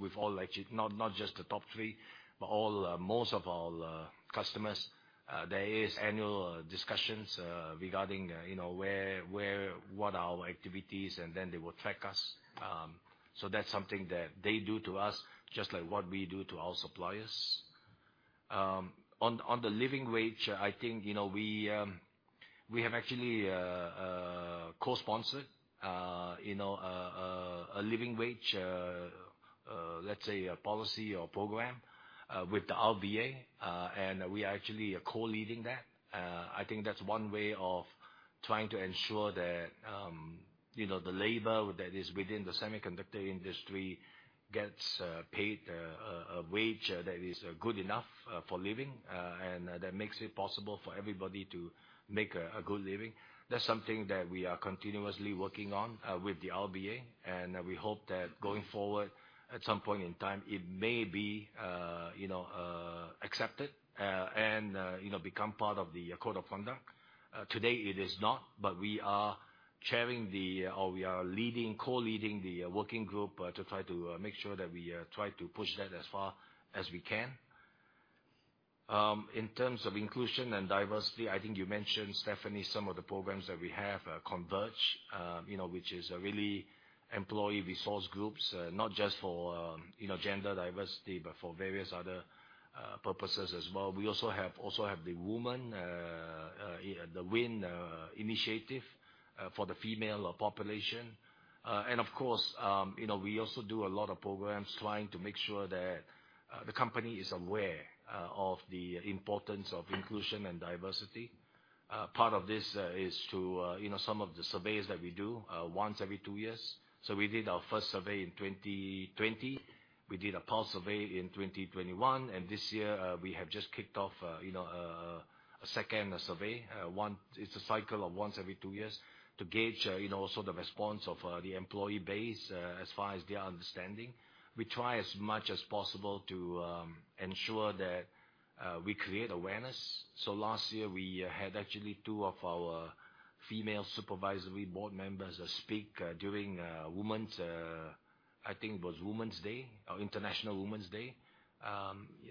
Speaker 3: with all actually, not just the top three, but all most of our customers, there is annual discussions regarding, you know, where what our activities, and then they will track us. That's something that they do to us, just like what we do to our suppliers. On the living wage, I think, you know, we have actually co-sponsored, you know, a living wage, let's say a policy or program, with the RBA, and we are actually co-leading that. I think that's one way of trying to ensure that, you know, the labor that is within the semiconductor industry gets paid a wage that is good enough for living, and that makes it possible for everybody to make a good living. That's something that we are continuously working on with the RBA, and we hope that going forward, at some point in time, it may be, you know, accepted, and, you know, become part of the code of conduct. Today it is not, but we are leading, co-leading the working group to try to make sure that we try to push that as far as we can. In terms of inclusion and diversity, I think you mentioned, Stephanie, some of the programs that we have, Converge, you know, which are employee resource groups, not just for, you know, gender diversity, but for various other purposes as well. We also have the WIN initiative for the female population. Of course, you know, we also do a lot of programs trying to make sure that the company is aware of the importance of inclusion and diversity. Part of this is through, you know, some of the surveys that we do once every two years. We did our first survey in 2020. We did a pulse survey in 2021, and this year we have just kicked off a second survey. It's a cycle of once every two years to gauge you know sort of response of the employee base as far as their understanding. We try as much as possible to ensure that we create awareness. Last year, we had actually two of our female supervisory board members speak during women's I think it was Women's Day or International Women's Day.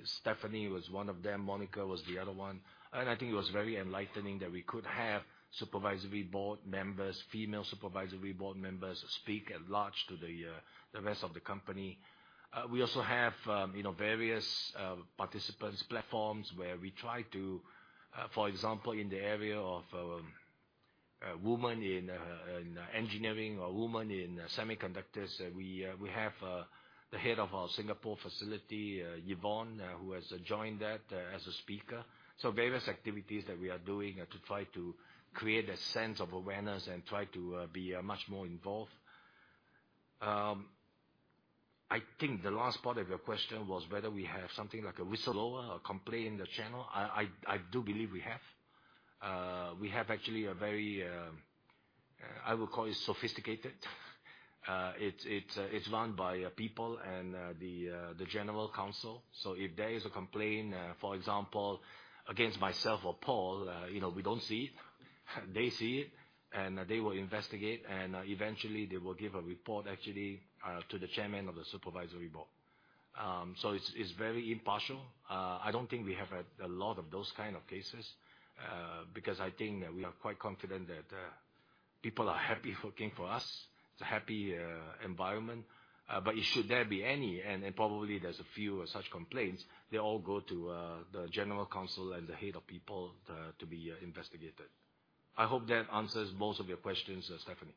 Speaker 3: Stephanie was one of them, Monica was the other one. I think it was very enlightening that we could have supervisory board members, female supervisory board members speak at large to the rest of the company. We also have, you know, various participants platforms where we try to, for example, in the area of women in engineering or women in semiconductors, we have the head of our Singapore facility, Yvonne, who has joined that as a speaker. Various activities that we are doing to try to create a sense of awareness and try to be much more involved. I think the last part of your question was whether we have something like a whistleblower or complaint channel. I do believe we have. We have actually a very, I would call it sophisticated. It's run by people and the general counsel. If there is a complaint, for example, against myself or Paul, you know, we don't see it. They see it, and they will investigate, and eventually they will give a report actually to the chairman of the supervisory board. It's very impartial. I don't think we have had a lot of those kind of cases, because I think that we are quite confident that people are happy working for us. It's a happy environment. Should there be any, and probably there's a few such complaints, they all go to the general counsel and the head of people to be investigated. I hope that answers most of your questions, Stephanie.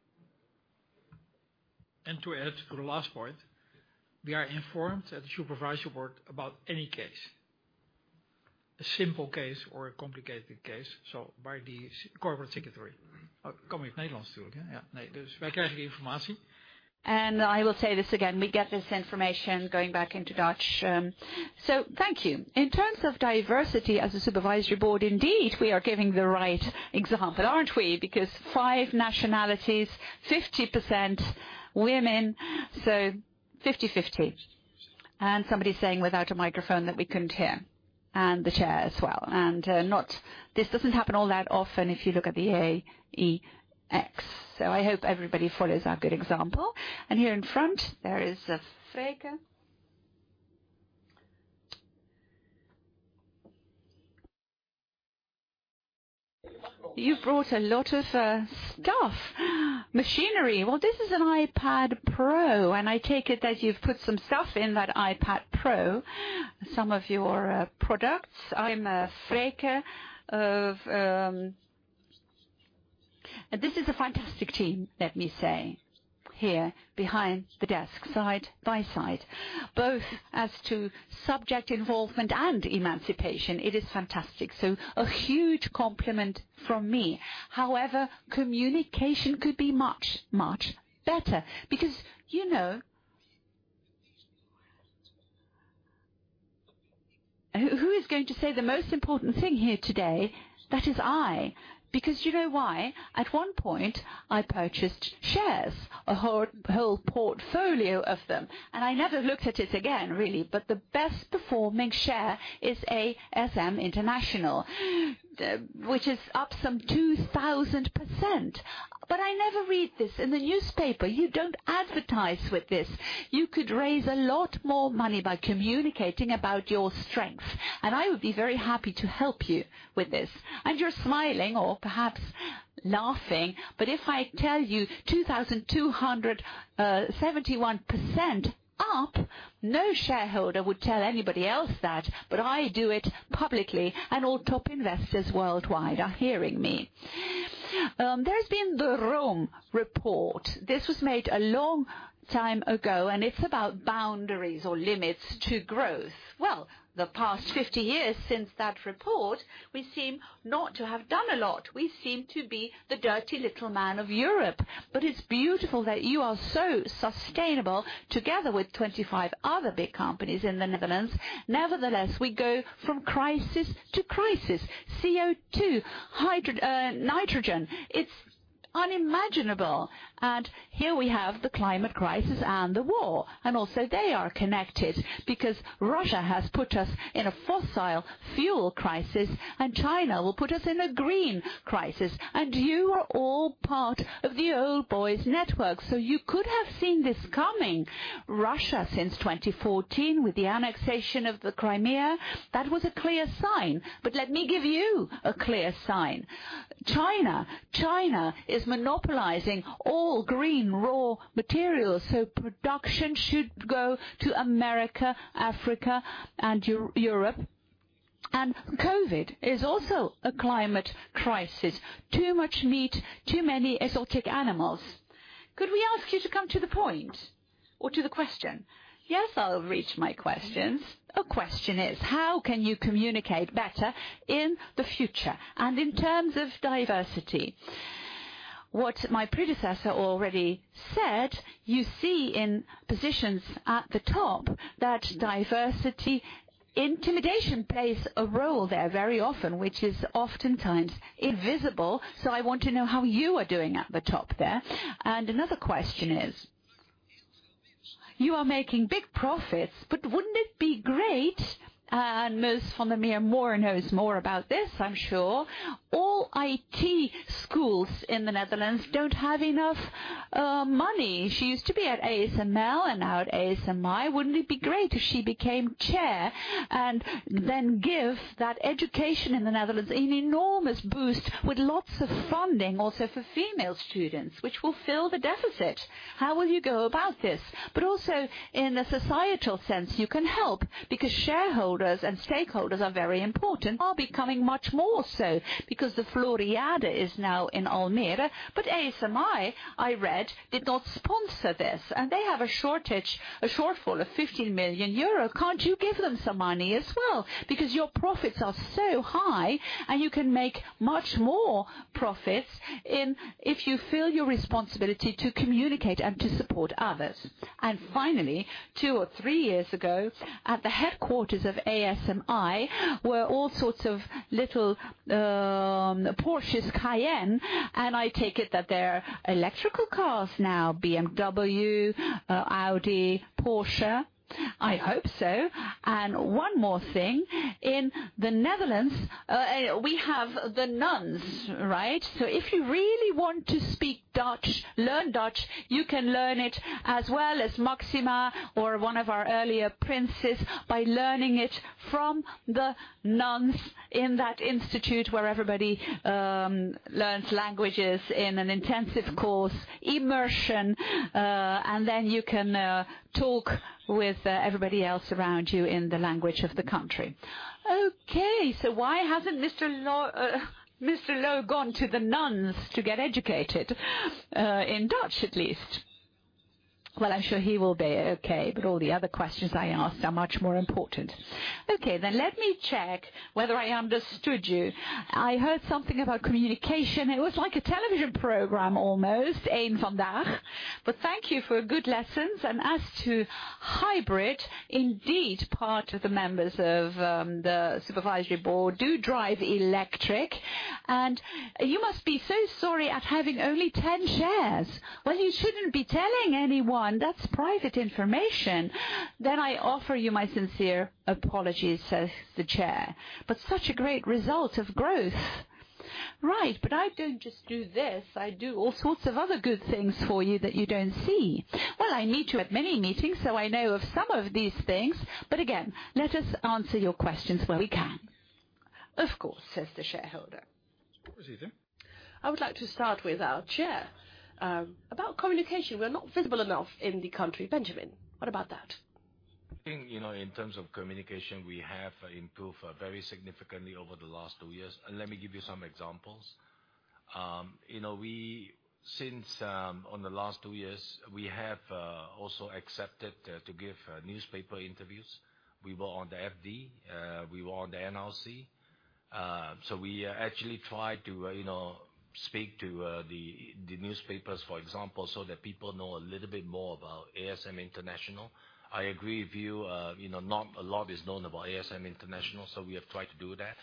Speaker 4: To add to the last point, we are informed at the supervisory board about any case, a simple case or a complicated case, so by the corporate secretary.
Speaker 2: I will say this again, we get this information going back into Dutch. Thank you. In terms of diversity as a supervisory board, indeed, we are giving the right example, aren't we? Because five nationalities, 50% women, so 50/50. Somebody's saying without a microphone that we couldn't hear, and the chair as well. This doesn't happen all that often if you look at the AEX. I hope everybody follows our good example. Here in front, there is Vreeke. You've brought a lot of stuff, machinery. Well, this is an iPad Pro, and I take it that you've put some stuff in that iPad Pro, some of your products. I'm Vreeke of... This is a fantastic team, let me say, here behind the desk side by side, both as to subject involvement and emancipation. It is fantastic. A huge compliment from me. However, communication could be much, much better because, you know, who is going to say the most important thing here today? That is I. Because you know why? At one point, I purchased shares, a whole portfolio of them, and I never looked at it again, really. The best performing share is ASM International, which is up some 2,000%. I never read this in the newspaper. You don't advertise with this. You could raise a lot more money by communicating about your strengths, and I would be very happy to help you with this. You're smiling or perhaps laughing, but if I tell you 2,271% up, no shareholder would tell anybody else that, but I do it publicly, and all top investors worldwide are hearing me. There's been the Club of Rome report. This was made a long time ago, and it's about boundaries or limits to growth. Well, the past 50 years since that report, we seem not to have done a lot. We seem to be the dirty little man of Europe. It's beautiful that you are so sustainable together with 25 other big companies in the Netherlands. Nevertheless, we go from crisis to crisis. CO2, nitrogen. It's unimaginable. Here we have the climate crisis and the war, and also they are connected because Russia has put us in a fossil fuel crisis, and China will put us in a green crisis. You are all part of the old boys network. You could have seen this coming. Russia since 2014 with the annexation of the Crimea, that was a clear sign. Let me give you a clear sign. China. China is monopolizing all green raw materials, so production should go to America, Africa, and Europe. COVID is also a climate crisis. Too much meat, too many exotic animals. Could we ask you to come to the point or to the question? Yes, I'll reach my questions. A question is: how can you communicate better in the future? In terms of diversity, what my predecessor already said, you see in positions at the top that diversity intimidation plays a role there very often, which is oftentimes invisible. I want to know how you are doing at the top there. Another question is, you are making big profits, but wouldn't it be great, and Ms. van der Meer Mohr knows more about this, I'm sure. All IT schools in the Netherlands don't have enough money. She used to be at ASML and now at ASMI. Wouldn't it be great if she became chair and then give that education in the Netherlands an enormous boost with lots of funding also for female students, which will fill the deficit. How will you go about this? Also in a societal sense, you can help because shareholders and stakeholders are very important, are becoming much more so because the Floriade is now in Almere. ASMI, I read, did not sponsor this, and they have a shortage, a shortfall of 50 million euros. Can't you give them some money as well? Because your profits are so high, and you can make much more profits if you feel your responsibility to communicate and to support others. Finally, two or three years ago, at the headquarters of ASMI were all sorts of little, Porsche Cayennes, and I take it that they're electric cars now, BMW, Audi, Porsche. I hope so. One more thing. In the Netherlands, we have the nuns, right? If you really want to speak Dutch, learn Dutch, you can learn it as well as Maxima or one of our earlier princes by learning it from the nuns in that institute where everybody learns languages in an intensive course, immersion, and then you can talk with everybody else around you in the language of the country. Okay, why hasn't Mr. Loh gone to the nuns to get educated in Dutch at least? Well, I'm sure he will be okay, but all the other questions I asked are much more important. Okay, let me check whether I understood you. I heard something about communication. It was like a television program almost. Thank you for good lessons. As to hybrid, indeed, part of the members of the supervisory board do drive electric. You must be so sorry at having only 10 shares. Well, you shouldn't be telling anyone. That's private information. I offer you my sincere apologies, says the Chair. Such a great result of growth. Right, I don't just do this. I do all sorts of other good things for you that you don't see. Well, I attend many meetings, so I know of some of these things. Again, let us answer your questions where we can. Of course, says the shareholder. I would like to start with our Chair. About communication. We are not visible enough in the country. Benjamin, what about that?
Speaker 3: I think, you know, in terms of communication, we have improved very significantly over the last two years. Let me give you some examples. You know, on the last two years, we have also accepted to give newspaper interviews. We were on the FD, we were on the NRC. So we actually tried to, you know, speak to the newspapers, for example, so that people know a little bit more about ASM International. I agree with you. You know, not a lot is known about ASM International, so we have tried to do that.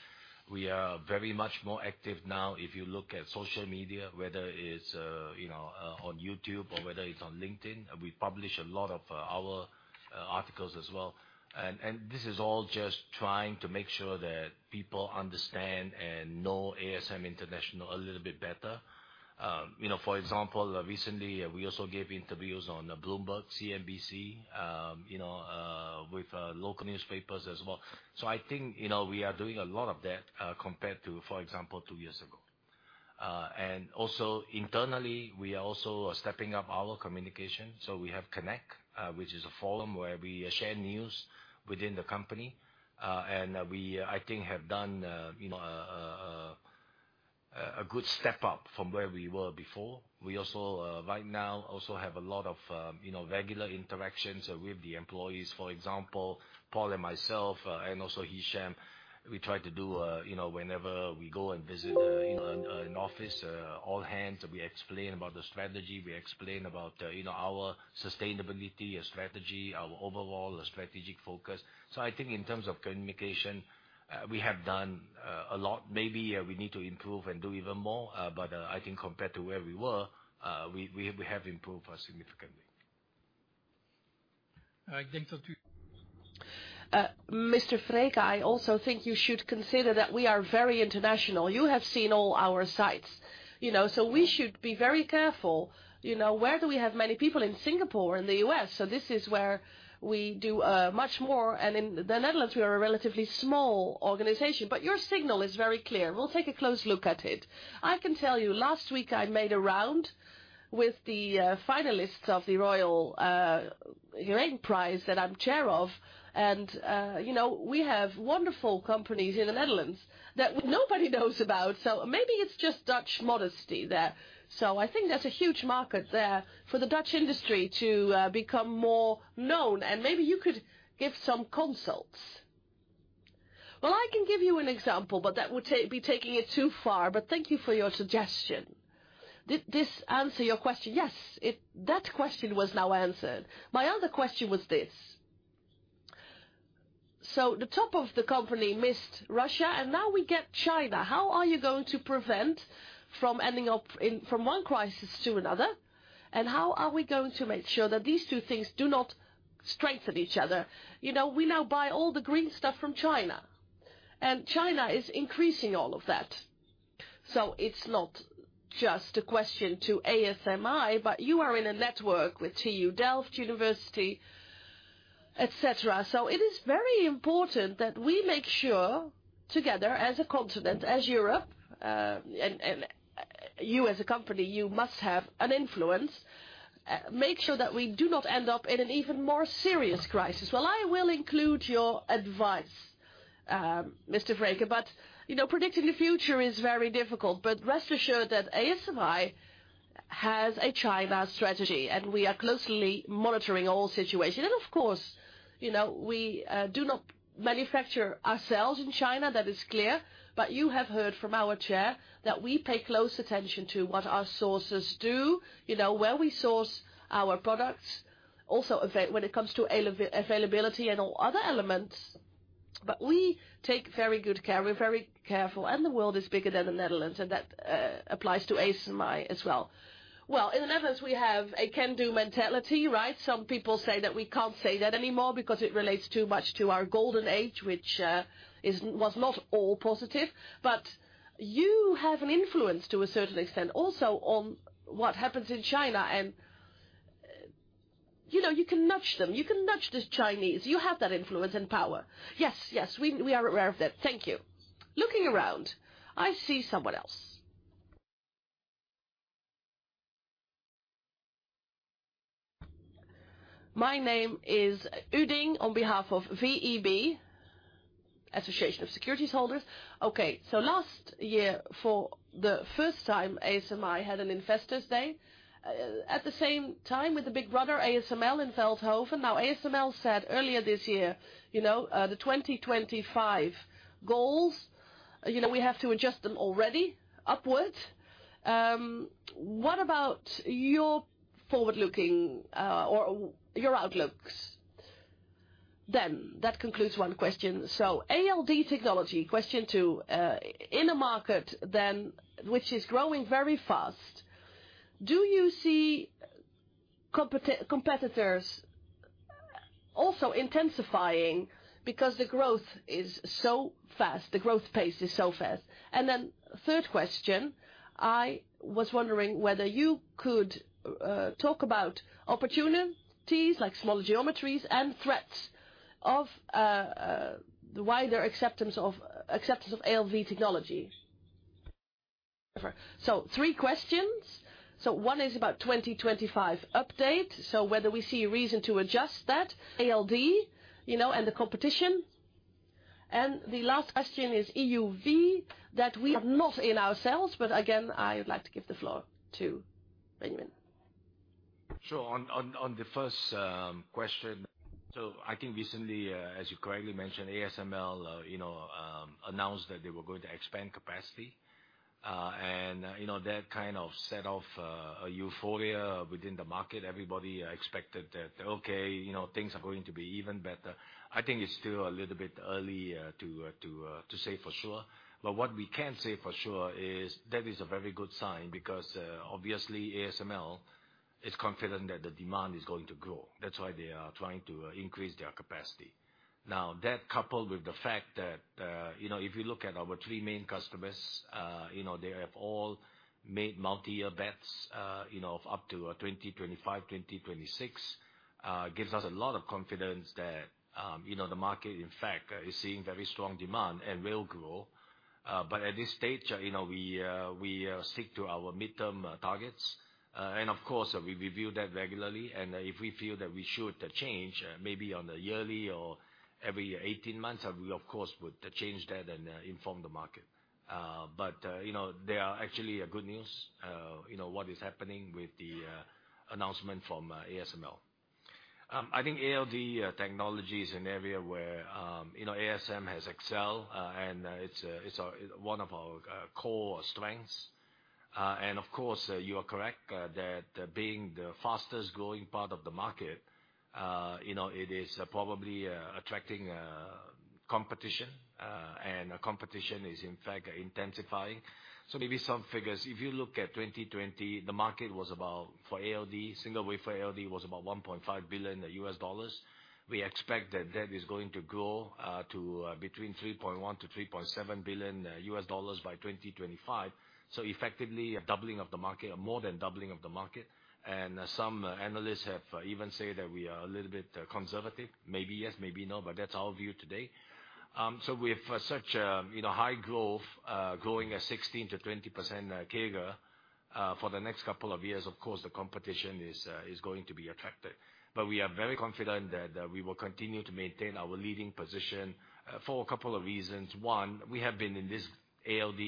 Speaker 3: We are very much more active now. If you look at social media, whether it's, you know, on YouTube or whether it's on LinkedIn, we publish a lot of our articles as well. This is all just trying to make sure that people understand and know ASM International a little bit better. You know, for example, recently we also gave interviews on Bloomberg, CNBC, with local newspapers as well. So I think, you know, we are doing a lot of that, compared to, for example, two years ago. Also internally, we are also stepping up our communication. So we have Connect, which is a forum where we share news within the company. We, I think, have done, you know, a good step up from where we were before. We also right now also have a lot of, you know, regular interactions with the employees. For example, Paul and myself and also Hichem, we try to do, you know, whenever we go and visit, you know, an office, all hands, we explain about the strategy, we explain about, you know, our sustainability strategy, our overall strategic focus. I think in terms of communication, we have done a lot. Maybe, we need to improve and do even more, but I think compared to where we were, we have improved significantly.
Speaker 2: Mr. Vreeke, I also think you should consider that we are very international. You have seen all our sites, you know, so we should be very careful. You know, where do we have many people in Singapore and the U.S.? This is where we do much more. In the Netherlands, we are a relatively small organization. Your signal is very clear. We'll take a close look at it. I can tell you last week I made a round with the finalists of the Royal Prize that I'm chair of. You know, we have wonderful companies in the Netherlands that nobody knows about. Maybe it's just Dutch modesty there. I think there's a huge market there for the Dutch industry to become more known. Maybe you could give some consults. Well, I can give you an example, but that would be taking it too far. But thank you for your suggestion. Did this answer your question? Yes. That question was now answered. My other question was this. The top of the company missed Russia and now we get China. How are you going to prevent from ending up from one crisis to another? And how are we going to make sure that these two things do not strengthen each other? You know, we now buy all the green stuff from China, and China is increasing all of that. It's not just a question to ASMI, but you are in a network with TU Delft University, et cetera. It is very important that we make sure together as a continent, as Europe, and you as a company, you must have an influence. Make sure that we do not end up in an even more serious crisis. Well, I will include your advice, Mr. Vreeke, but, you know, predicting the future is very difficult. Rest assured that ASMI has a China strategy, and we are closely monitoring all situations. Of course, you know, we do not manufacture ourselves in China. That is clear. You have heard from our chair that we pay close attention to what our sources do, you know, where we source our products. Also, when it comes to availability and all other elements. We take very good care. We're very careful, and the world is bigger than the Netherlands, and that applies to ASMI as well. Well, in the Netherlands, we have a can-do mentality, right? Some people say that we can't say that anymore because it relates too much to our golden age, which was not all positive. You have an influence to a certain extent also on what happens in China, and, you know, you can nudge them. You can nudge the Chinese. You have that influence and power. Yes. Yes. We are aware of that. Thank you. Looking around, I see someone else. My name is Uding, on behalf of VEB, Association of Securities Holders. Okay, last year, for the first time, ASMI had an investors day at the same time with the big brother, ASML in Veldhoven. Now, ASML said earlier this year, you know, the 2025 goals, you know, we have to adjust them already upward. What about your forward-looking or your outlooks then? That concludes one question. ALD technology, question two. In a market that which is growing very fast, do you see competitors also intensifying because the growth is so fast, the growth pace is so fast? Then third question, I was wondering whether you could talk about opportunities like smaller geometries and threats of the wider acceptance of ALD technology. Three questions. One is about 2025 update, whether we see a reason to adjust that. ALD, you know, and the competition. The last question is EUV, that we are not in ourselves, but again, I would like to give the floor to Benjamin.
Speaker 3: Sure. On the first question. I think recently, as you correctly mentioned, ASML, you know, announced that they were going to expand capacity, and, you know, that kind of set off a euphoria within the market. Everybody expected that, okay, you know, things are going to be even better. I think it's still a little bit early to say for sure. What we can say for sure is that is a very good sign because, obviously ASML is confident that the demand is going to grow. That's why they are trying to increase their capacity. Now, that coupled with the fact that, you know, if you look at our three main customers, you know, they have all made multi-year bets, you know, of up to 2025, 2026, gives us a lot of confidence that, you know, the market, in fact, is seeing very strong demand and will grow. At this stage, you know, we stick to our midterm targets. Of course, we review that regularly. If we feel that we should change, maybe on a yearly or every 18 months, we of course would change that and inform the market. They are actually a good news, you know, what is happening with the announcement from ASML. I think ALD technology is an area where, you know, ASM has excelled, and it's one of our core strengths. And of course, you are correct that being the fastest-growing part of the market, you know, it is probably attracting competition, and competition is in fact intensifying. Maybe some figures. If you look at 2020, the market was about, for ALD, single wafer ALD was about $1.5 billion. We expect that is going to grow to between $3.1 billion-$3.7 billion by 2025. Effectively, a doubling of the market, more than doubling of the market. Some analysts have even said that we are a little bit conservative. Maybe yes, maybe no, but that's our view today. With such, you know, high growth, growing at 16%-20% CAGR, for the next couple of years, of course, the competition is going to be attracted. We are very confident that we will continue to maintain our leading position, for a couple of reasons. One, we have been in this ALD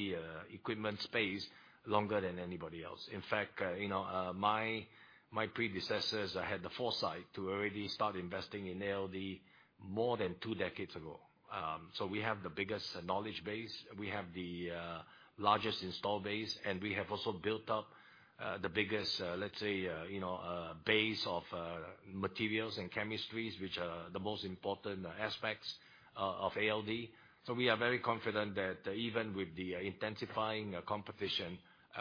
Speaker 3: equipment space longer than anybody else. In fact, you know, my predecessors had the foresight to already start investing in ALD more than two decades ago. We have the biggest knowledge base, we have the largest installed base, and we have also built up the biggest, let's say, you know, base of materials and chemistries, which are the most important aspects of ALD. We are very confident that even with the intensifying competition,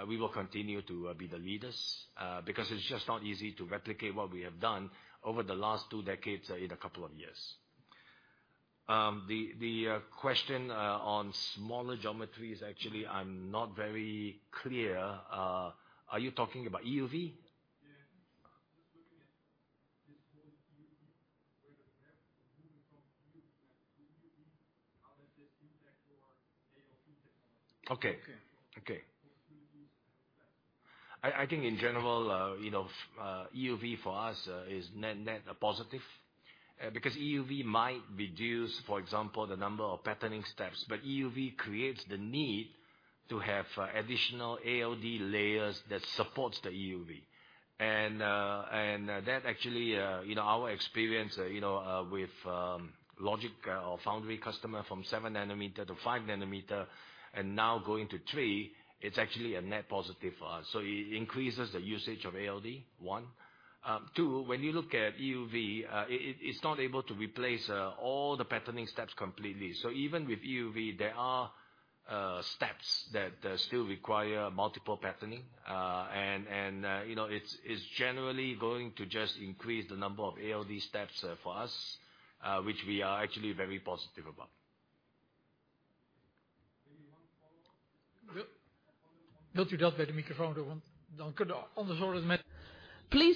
Speaker 3: we will continue to be the leaders, because it's just not easy to replicate what we have done over the last two decades in a couple of years. The question on smaller geometries, actually, I'm not very clear. Are you talking about EUV?
Speaker 5: Yeah. Just looking at this whole EUV, where does it have to move from EUV to EUV? How does this impact your ALD technology?
Speaker 3: I think in general, you know, EUV for us is net a positive because EUV might reduce, for example, the number of patterning steps, but EUV creates the need to have additional ALD layers that supports the EUV. That actually, in our experience, you know, with logic or foundry customer from 7 nm to 5 nm and now going to 3 nm, it's actually a net positive for us. It increases the usage of ALD, one. Two, when you look at EUV, it's not able to replace all the patterning steps completely. Even with EUV, there are steps that still require multiple patterning. It's generally going to just increase the number of ALD steps for us, which we are actually very positive about.
Speaker 2: Please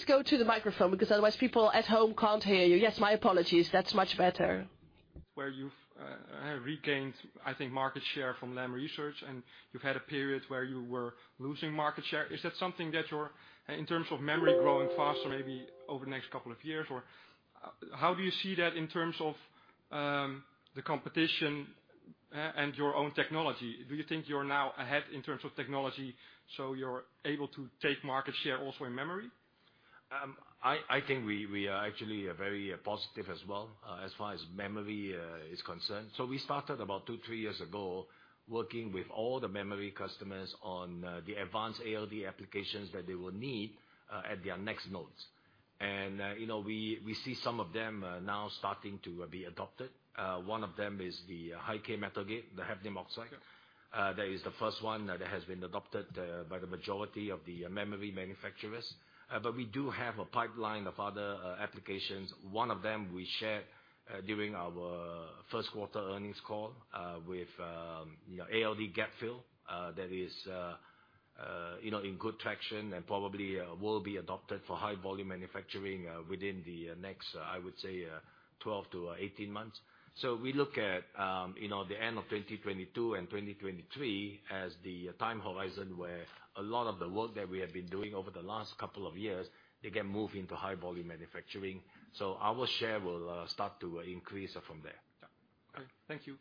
Speaker 2: go to the microphone because otherwise people at home can't hear you. Yes, my apologies. That's much better.
Speaker 5: Where you've regained, I think, market share from Lam Research, and you've had a period where you were losing market share. Is that something that you're in terms of memory growing faster, maybe over the next couple of years? Or how do you see that in terms of the competition, and your own technology? Do you think you're now ahead in terms of technology, so you're able to take market share also in memory?
Speaker 3: I think we are actually very positive as well as far as memory is concerned. We started about two-three years ago working with all the memory customers on the advanced ALD applications that they will need at their next nodes. You know, we see some of them now starting to be adopted. One of them is the high-k metal gate, the hafnium oxide. That is the first one that has been adopted by the majority of the memory manufacturers. We do have a pipeline of other applications. One of them we shared during our first quarter earnings call with you know, ALD gap fill. That is, you know, in good traction and probably will be adopted for high volume manufacturing within the next, I would say, 12-18 months. We look at, you know, the end of 2022 and 2023 as the time horizon where a lot of the work that we have been doing over the last couple of years, they can move into high volume manufacturing. Our share will start to increase from there.
Speaker 5: Yeah. Okay. Thank you.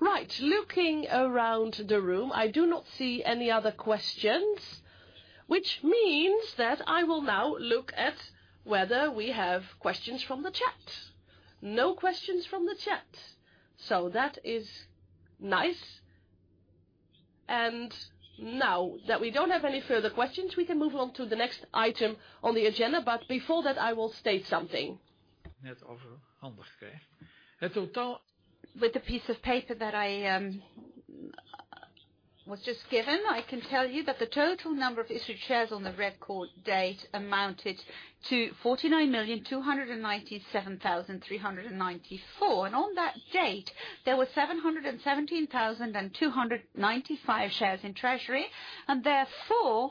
Speaker 2: Right. Looking around the room, I do not see any other questions, which means that I will now look at whether we have questions from the chat. No questions from the chat. That is nice. Now that we don't have any further questions, we can move on to the next item on the agenda. Before that, I will state something. With the piece of paper that I was just given, I can tell you that the total number of issued shares on the record date amounted to 49,297,394. On that date, there were 717,295 shares in treasury, and therefore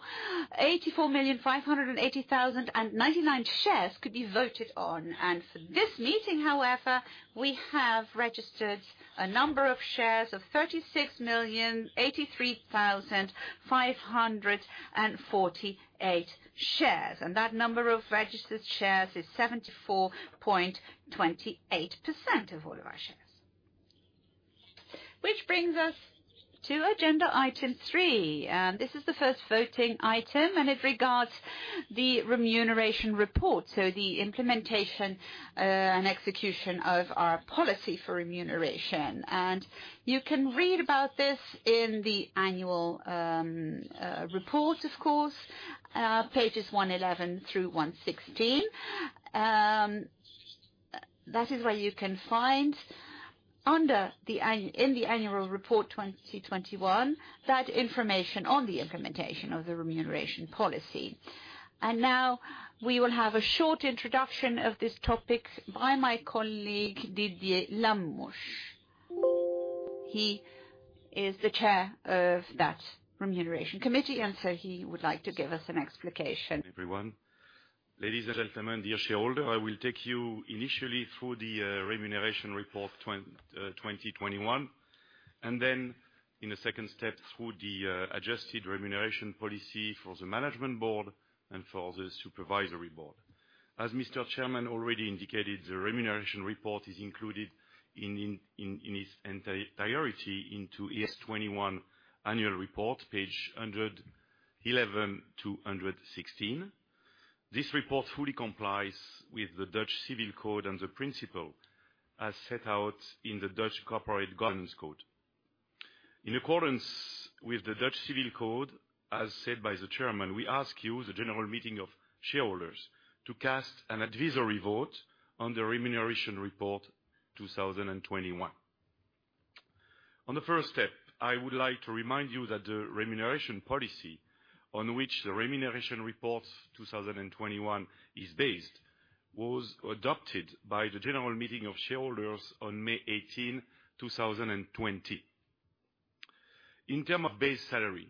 Speaker 2: 84,580,099 shares could be voted on. For this meeting, however, we have registered a number of shares of 36,083,548 shares, and that number of registered shares is 74.28% of all of our shares. Which brings us to agenda Item 3. This is the first voting item, and it regards the remuneration report, so the implementation and execution of our policy for remuneration. You can read about this in the annual report, of course, pages 111 through 116. That is where you can find in the annual report 2021, that information on the implementation of the remuneration policy. Now we will have a short introduction of this topic by my colleague, Didier Lamouche. He is the chair of that remuneration committee, and so he would like to give us an explanation.
Speaker 4: Everyone. Ladies and gentlemen, dear shareholder, I will take you initially through the remuneration report 2021, and then in a second step through the adjusted remuneration policy for the management board and for the supervisory board. As Mr. Chairman already indicated, the remuneration report is included in its entirety into the ASM 2021 annual report, page 111 to 116. This report fully complies with the Dutch Civil Code and the principle as set out in the Dutch Corporate Governance Code. In accordance with the Dutch Civil Code, as said by the Chairman, we ask you, the general meeting of shareholders, to cast an advisory vote on the remuneration report 2021. As the first step, I would like to remind you that the remuneration policy on which the remuneration report 2021 is based was adopted by the general meeting of shareholders on May 18, 2020. In terms of base salary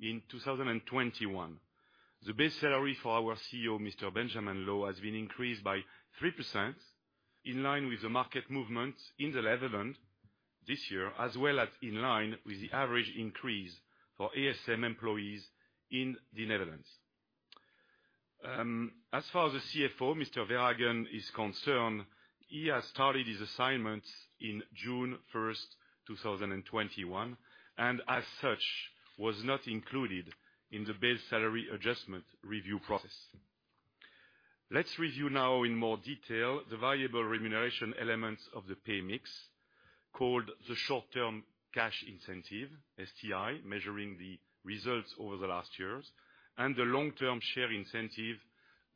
Speaker 4: in 2021, the base salary for our CEO, Mr. Benjamin Loh, has been increased by 3% in line with the market movement in the Netherlands this year, as well as in line with the average increase for ASM employees in the Netherlands. As far as the CFO, Mr. Verhagen, is concerned, he has started his assignment in June 1st, 2021, and as such, was not included in the base salary adjustment review process. Let's review now in more detail the variable remuneration elements of the pay mix. Called the short-term cash incentive, STI, measuring the results over the last years, and the long-term share incentive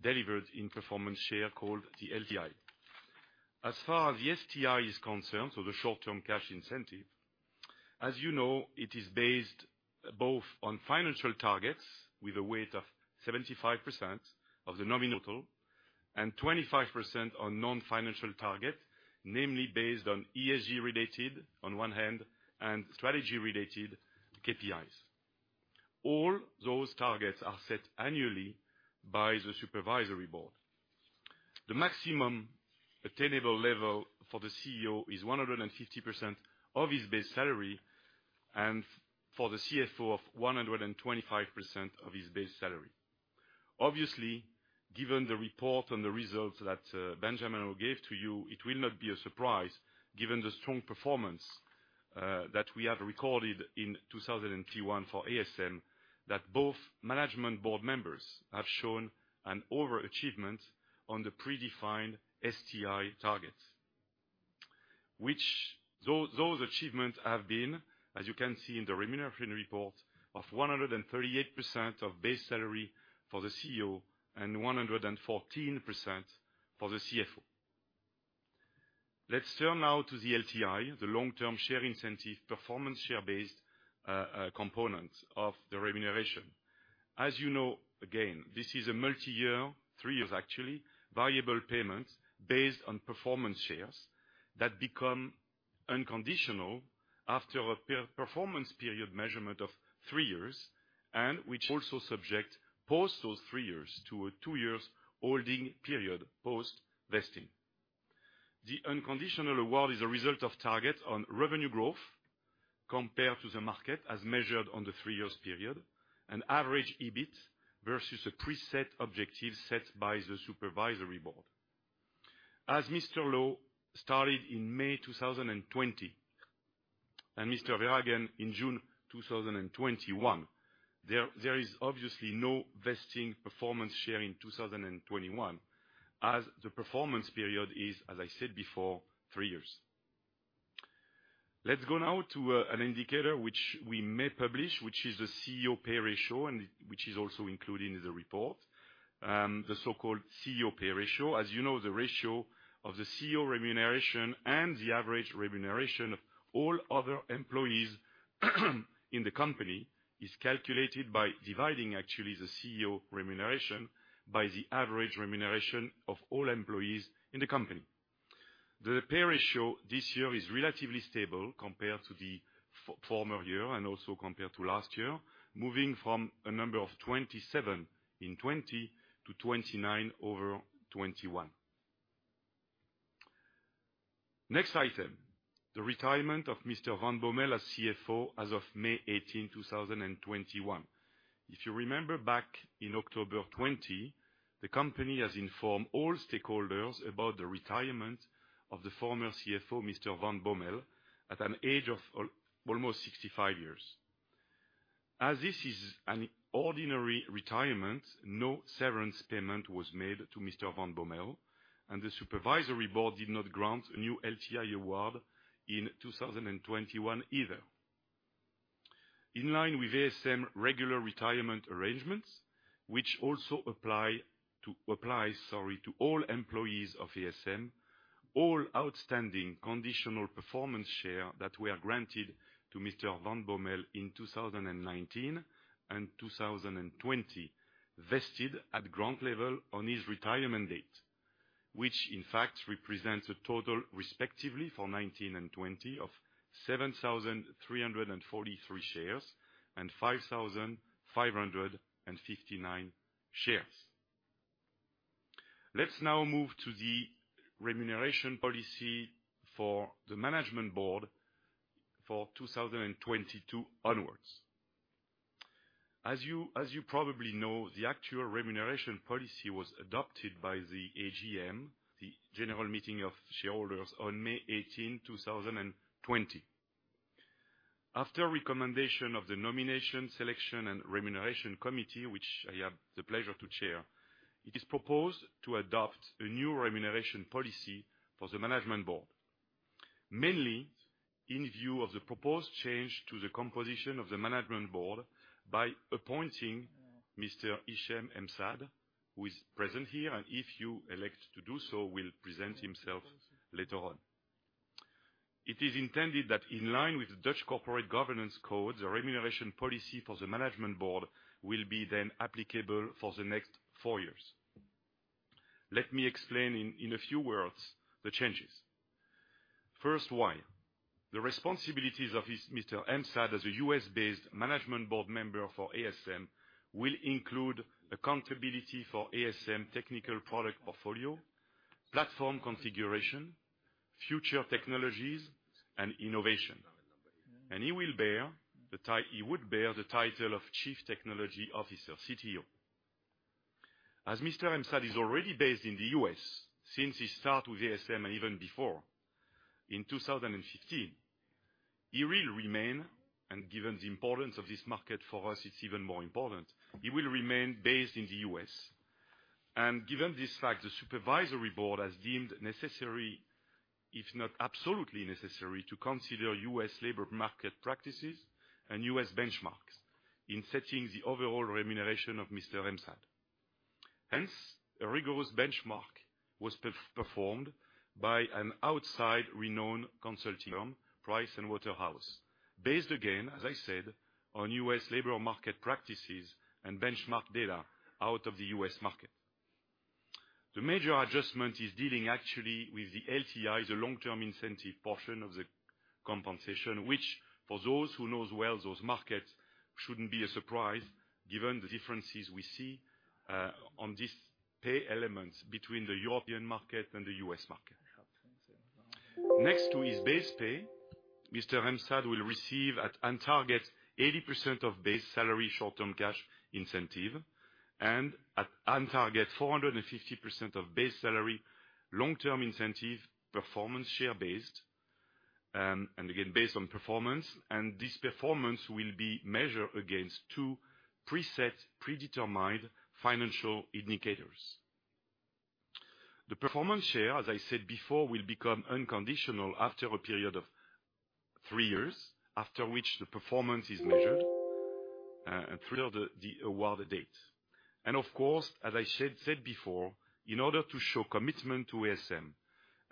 Speaker 4: delivered in performance share called the LTI. As far as the STI is concerned, so the short-term cash incentive, as you know, it is based both on financial targets with a weight of 75% of the nominal, and 25% on non-financial target, namely based on ESG related on one hand, and strategy related KPIs. All those targets are set annually by the supervisory board. The maximum attainable level for the CEO is 150% of his base salary, and for the CFO of 125% of his base salary. Obviously, given the report and the results that Benjamin will give to you, it will not be a surprise given the strong performance that we have recorded in 2021 for ASM, that both management board members have shown an overachievement on the predefined STI targets. Those achievements have been, as you can see in the remuneration report, of 138% of base salary for the CEO and 114% for the CFO. Let's turn now to the LTI, the long-term share incentive performance share-based component of the remuneration. As you know, again, this is a multi-year, three years actually, variable payment based on performance shares that become unconditional after a performance period measurement of three years, and which also subject post those three years to a two years holding period post-vesting. The unconditional award is a result of targets on revenue growth compared to the market as measured on the three years period, an average EBIT versus a preset objective set by the supervisory board. As Mr. Loh started in May 2020, and Mr. Verhagen in June 2021, there is obviously no vesting performance share in 2021, as the performance period is, as I said before, three years. Let's go now to an indicator which we may publish, which is a CEO pay ratio and which is also included in the report. The so-called CEO pay ratio. As you know, the ratio of the CEO remuneration and the average remuneration of all other employees in the company is calculated by dividing actually the CEO remuneration by the average remuneration of all employees in the company. The pay ratio this year is relatively stable compared to the former year and also compared to last year, moving from a number of 27 in 2020 to 29 over 2021. Next item, the retirement of Mr. Van Bommel as CFO as of May 18th, 2021. If you remember back in October of 2020, the company has informed all stakeholders about the retirement of the former CFO, Mr. Van Bommel, at an age of almost 65 years. As this is an ordinary retirement, no severance payment was made to Mr. Van Bommel, and the supervisory board did not grant a new LTI award in 2021 either. In line with ASM regular retirement arrangements, which also apply to all employees of ASM, all outstanding conditional performance share that were granted to Mr. van Bommel in 2019 and 2020 vested at grant level on his retirement date, which in fact represents a total respectively for 2019 and 2020 of 7,343 shares and 5,559 shares. Let's now move to the remuneration policy for the Management Board for 2022 onwards. As you probably know, the actual remuneration policy was adopted by the AGM, the General Meeting of Shareholders on May 18, 2020. After recommendation of the Nomination, Selection, and Remuneration Committee, which I have the pleasure to chair, it is proposed to adopt a new remuneration policy for the Management Board. Mainly in view of the proposed change to the composition of the Management Board by appointing Mr. Hichem M'Saad, who is present here, and if you elect to do so, will present himself later on. It is intended that in line with the Dutch Corporate Governance Code, the remuneration policy for the management board will be then applicable for the next four years. Let me explain in a few words the changes. First, why? The responsibilities of Mr. M'Saad as a U.S.-based management board member for ASM will include accountability for ASM technical product portfolio, platform configuration, future technologies, and innovation. He would bear the title of Chief Technology Officer, CTO. As Mr. M'Saad is already based in the U.S. since he start with ASM and even before, in 2015. He will remain, and given the importance of this market for us, it's even more important, he will remain based in the U.S. Given this fact, the supervisory board has deemed necessary, if not absolutely necessary, to consider US labor market practices and US benchmarks in setting the overall remuneration of Mr. Hichem M'Saad. Hence, a rigorous benchmark was performed by an outside renowned consulting firm, PricewaterhouseCoopers, based again, as I said, on US labor market practices and benchmark data out of the US market. The major adjustment is dealing actually with the LTI, the long-term incentive portion of the compensation, which for those who knows well those markets, shouldn't be a surprise given the differences we see, on these pay elements between the European market and the US market. Next to his base pay, Mr. Hichem M'Saad will receive at on target 80% of base salary, short-term cash incentive, and at on target 450% of base salary, long-term incentive performance share based, and again based on performance. This performance will be measured against two preset predetermined financial indicators. The performance share, as I said before, will become unconditional after a period of three years, after which the performance is measured through the award date. Of course, as I said before, in order to show commitment to ASM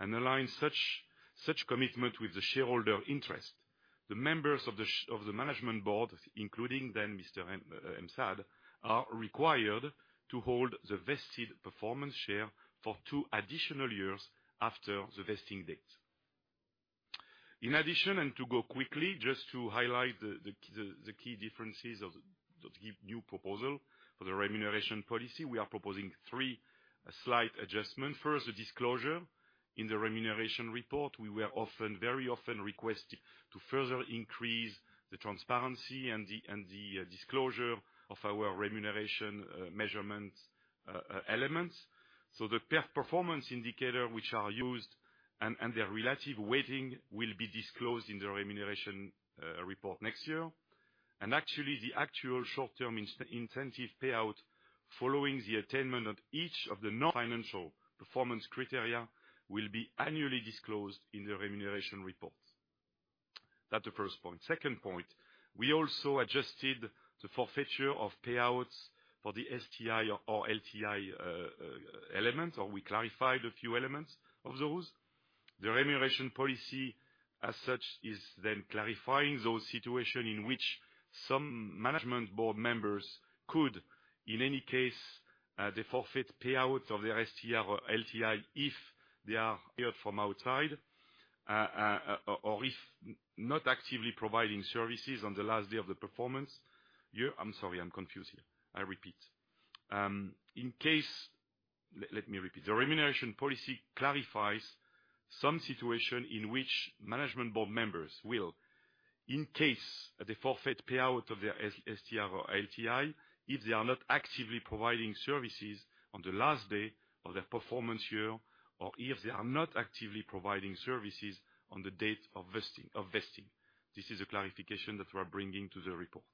Speaker 4: and align such commitment with the shareholder interest, the members of the management board, including the Mr. Hichem M'Saad, are required to hold the vested performance share for two additional years after the vesting date. In addition, to go quickly, just to highlight the key differences of the new proposal for the remuneration policy, we are proposing three slight adjustments. First, the disclosure in the remuneration report. We were often, very often requested to further increase the transparency and the disclosure of our remuneration measurement elements. The performance indicator which are used and their relative weighting will be disclosed in the remuneration report next year. Actually, the actual short-term incentive payout following the attainment of each of the non-financial performance criteria will be annually disclosed in the remuneration report. That's the first point. Second point, we also adjusted the forfeiture of payouts for the STI or LTI elements, or we clarified a few elements of those. The remuneration policy as such is then clarifying those situations in which some management board members could, in any case, they forfeit payouts of their STI or LTI if they are hired from outside, or if not actively providing services on the last day of the performance year. I'm sorry, I'm confused here. I repeat. Let me repeat. The remuneration policy clarifies some situations in which management board members will, in case they forfeit payout of their STI or LTI, if they are not actively providing services on the last day of their performance year, or if they are not actively providing services on the date of vesting. This is a clarification that we're bringing to the report.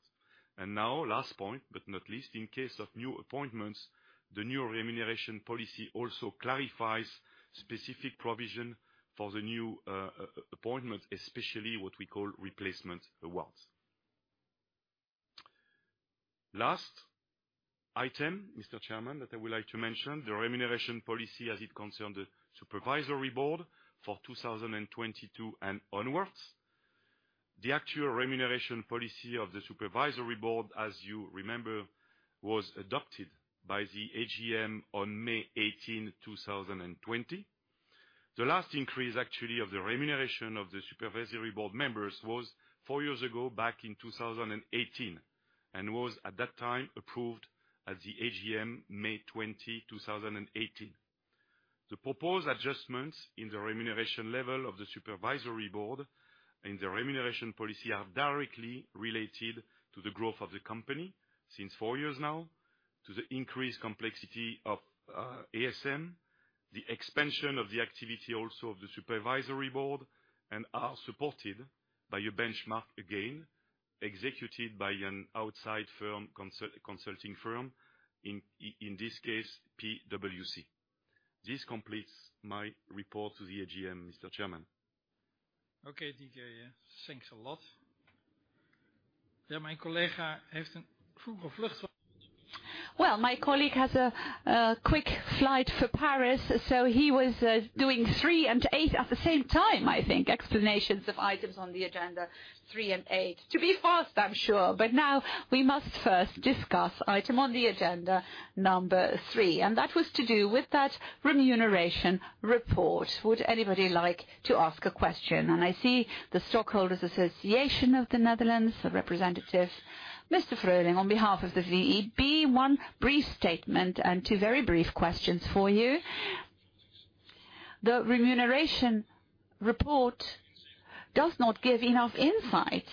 Speaker 4: Now last point, but not least, in case of new appointments, the new remuneration policy also clarifies specific provision for the new appointment, especially what we call replacement awards. Last item, Mr. Chairman, that I would like to mention, the remuneration policy as it concerned the supervisory board for 2022 and onwards. The actual remuneration policy of the supervisory board, as you remember, was adopted by the AGM on May 18, 2020. The last increase, actually, of the remuneration of the supervisory board members was four years ago, back in 2018, and was at that time approved at the AGM May 20, 2018. The proposed adjustments in the remuneration level of the supervisory board and the remuneration policy are directly related to the growth of the company since four years now, to the increased complexity of ASM, the expansion of the activity also of the supervisory board, and are supported by a benchmark again executed by an outside firm, consulting firm, in this case, PwC. This completes my report to the AGM, Mr. Chairman.
Speaker 3: Okay, Didier. Thanks a lot.
Speaker 2: Yeah, my colleague has a quick flight to Paris, so he was doing three and eight at the same time, I think, explanations of items on the agenda, three and eight. To be fast, I'm sure. Now we must first discuss item on the agenda number three, and that was to do with that remuneration report. Would anybody like to ask a question? I see the Stockholders Association of the Netherlands representative, Mr. Vrolijk, on behalf of the VEB, one brief statement and two very brief questions for you. The remuneration report does not give enough insights.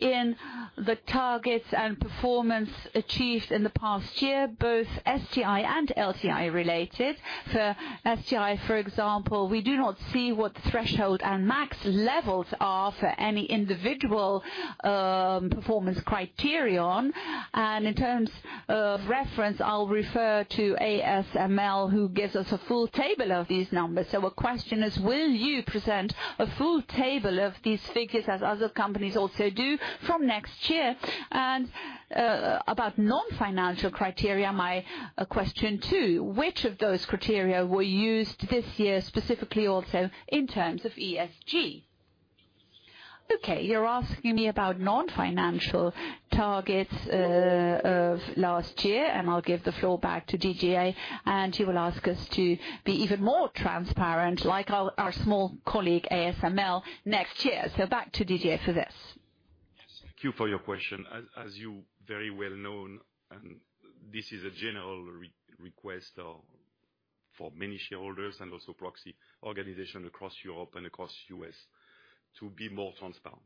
Speaker 2: In the targets and performance achieved in the past year, both STI and LTI related. For STI, for example, we do not see what the threshold and max levels are for any individual performance criterion. In terms of reference, I'll refer to ASML, who gives us a full table of these numbers. Our question is, will you present a full table of these figures as other companies also do from next year? About non-financial criteria, my question too, which of those criteria were used this year, specifically also in terms of ESG? Okay, you're asking me about non-financial targets of last year, and I'll give the floor back to Didier, and he will ask us to be even more transparent, like our small colleague, ASML, next year. Back to Didier for this.
Speaker 4: Yes. Thank you for your question. As you very well know, this is a general request for many shareholders and also proxy organizations across Europe and across the U.S., to be more transparent.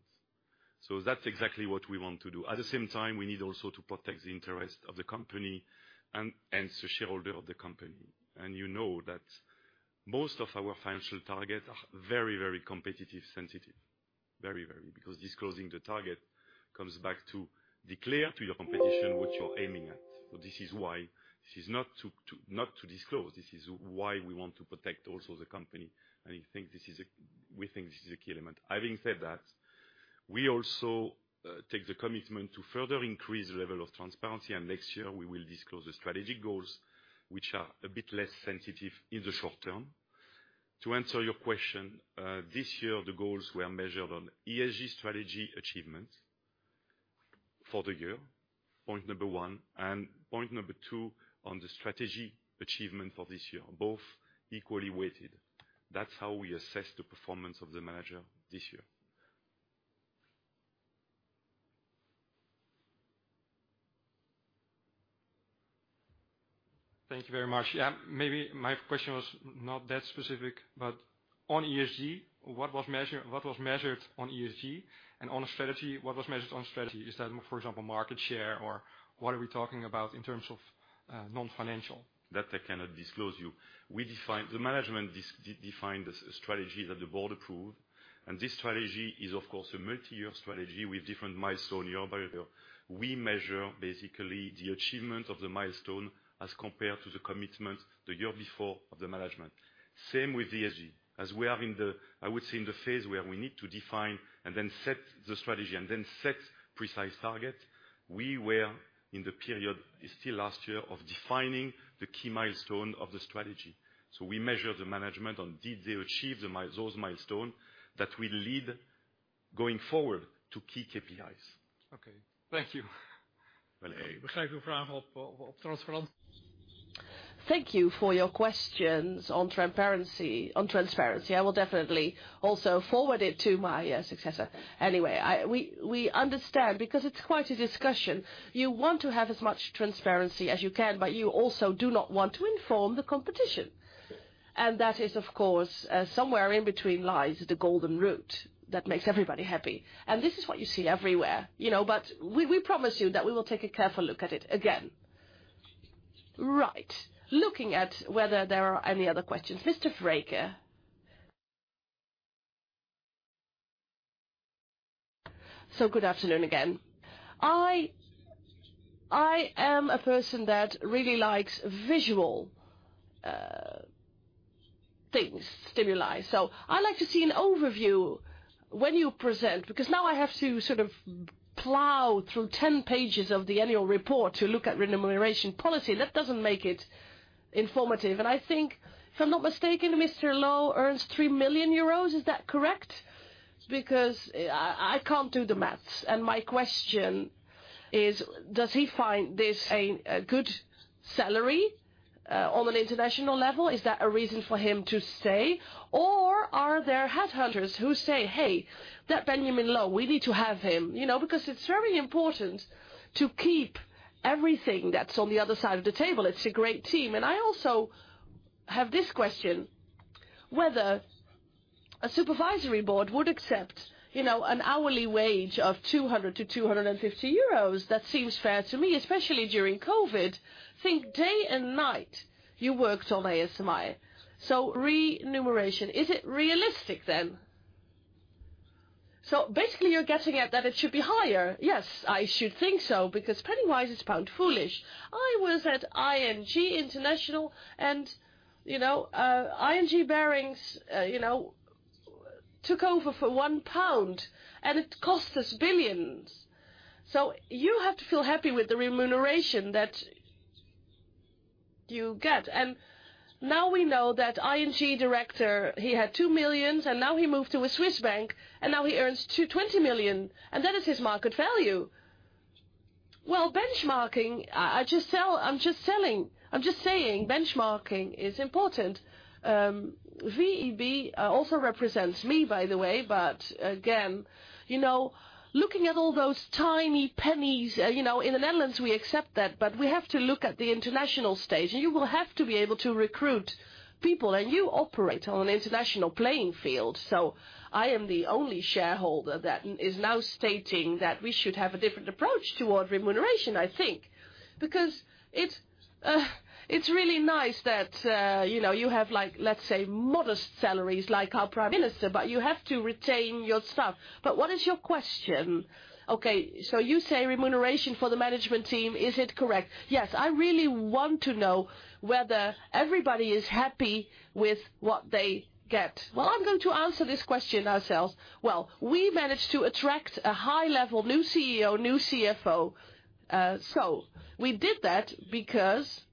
Speaker 4: That's exactly what we want to do. At the same time, we need also to protect the interests of the company and the shareholders of the company. You know that most of our financial targets are very competitively sensitive. Very. Because disclosing the target comes back to declaring to your competition what you're aiming at. This is why we do not disclose. This is why we want to protect also the company, and I think this is a key element. We think this is a key element. Having said that, we also take the commitment to further increase the level of transparency, and next year we will disclose the strategic goals, which are a bit less sensitive in the short term. To answer your question, this year the goals were measured on ESG strategy achievements for the year, point number one, and point number two on the strategy achievement for this year. Both equally weighted. That's how we assess the performance of the manager this year.
Speaker 5: Thank you very much. Yeah, maybe my question was not that specific, but on ESG, what was measured on ESG? On strategy, what was measured on strategy? Is that, for example, market share or what are we talking about in terms of non-financial?
Speaker 4: That I cannot disclose you. The management defined the strategy that the board approved, and this strategy is of course a multi-year strategy with different milestone year by year. We measure basically the achievement of the milestone as compared to the commitment the year before of the management. Same with ESG, as we are in the, I would say, in the phase where we need to define and then set the strategy and then set precise targets. We were in the period, still last year, of defining the key milestone of the strategy. We measure the management on did they achieve the milestones that will lead going forward to key KPIs.
Speaker 5: Okay. Thank you.
Speaker 2: Thank you for your questions on transparency. I will definitely also forward it to my successor. Anyway, we understand because it's quite a discussion. You want to have as much transparency as you can, but you also do not want to inform the competition. That is, of course, somewhere in between lies the golden route that makes everybody happy. This is what you see everywhere, you know. We promise you that we will take a careful look at it again. Right. Looking at whether there are any other questions. Mr. Vreeke. Good afternoon again. I am a person that really likes visual things, stimuli. I like to see an overview when you present, because now I have to sort of plow through 10 pages of the annual report to look at remuneration policy. That doesn't make it informative. I think if I'm not mistaken, Mr. Loh earns 3 million euros. Is that correct? Because I can't do the math. My question is, does he find this a good salary on an international level? Is that a reason for him to stay? Or are there headhunters who say, "Hey, that Benjamin Loh, we need to have him." You know, because it's very important to keep everything that's on the other side of the table. It's a great team. I also have this question, whether a supervisory board would accept you know, an hourly wage of 200-250 euros. That seems fair to me, especially during COVID. Think day and night you worked on ASMI. Remuneration. Is it realistic then? Basically you're getting at that it should be higher. Yes, I should think so, because penny-wise is pound-foolish. I was at ING Group and, you know, ING Barings, you know, took over for 1 pound and it cost us billions. You have to feel happy with the remuneration that you get. Now we know that ING director, he had 2 million and now he moved to a Swiss bank, and now he earns 20 million, and that is his market value. Well, benchmarking, I'm just saying benchmarking is important. VEB also represents me, by the way. Again, you know, looking at all those tiny pennies, you know, in the Netherlands we accept that, but we have to look at the international stage, and you will have to be able to recruit people, and you operate on an international playing field. I am the only shareholder that is now stating that we should have a different approach toward remuneration, I think, because it's really nice that, you know, you have like, let's say, modest salaries like our prime minister, but you have to retain your staff. But what is your question? Okay, so you say remuneration for the management team. Is it correct? Yes. I really want to know whether everybody is happy with what they get. Well, I'm going to answer this question ourselves. Well, we managed to attract a high-level new CEO, new CFO. So we did that because,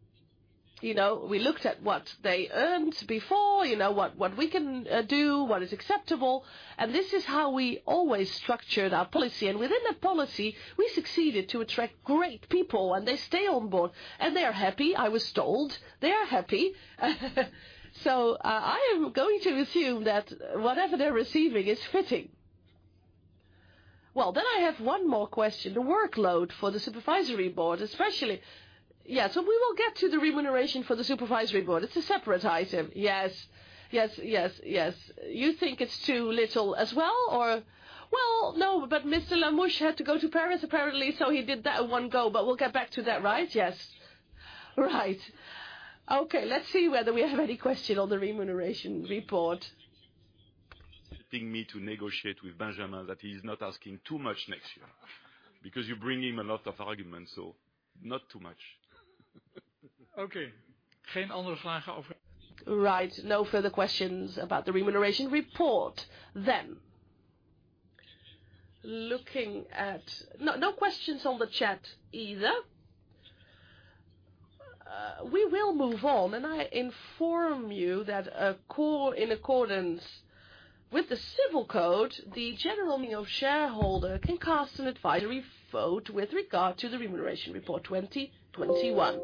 Speaker 2: you know, we looked at what they earned before, you know, what we can do, what is acceptable. This is how we always structured our policy. Within that policy, we succeeded to attract great people, and they stay on board, and they are happy, I was told. They are happy. I am going to assume that whatever they're receiving is fitting. Well, then I have one more question. The workload for the Supervisory Board, especially. Yes. We will get to the remuneration for the Supervisory Board. It's a separate item. Yes. Yes. Yes. Yes. You think it's too little as well, or? Well, no, but Mr. Lamouche had to go to Paris, apparently, so he did that in one go. We'll get back to that, right? Yes. Right. Okay, let's see whether we have any question on the remuneration report.
Speaker 4: Getting me to negotiate with Benjamin that he's not asking too much next year, because you bring him a lot of arguments, so not too much.
Speaker 2: Right. No further questions about the remuneration report then. No questions on the chat either. We will move on. I inform you that in accordance with the Dutch Civil Code, the general meeting of shareholders can cast an advisory vote with regard to the remuneration report 2021.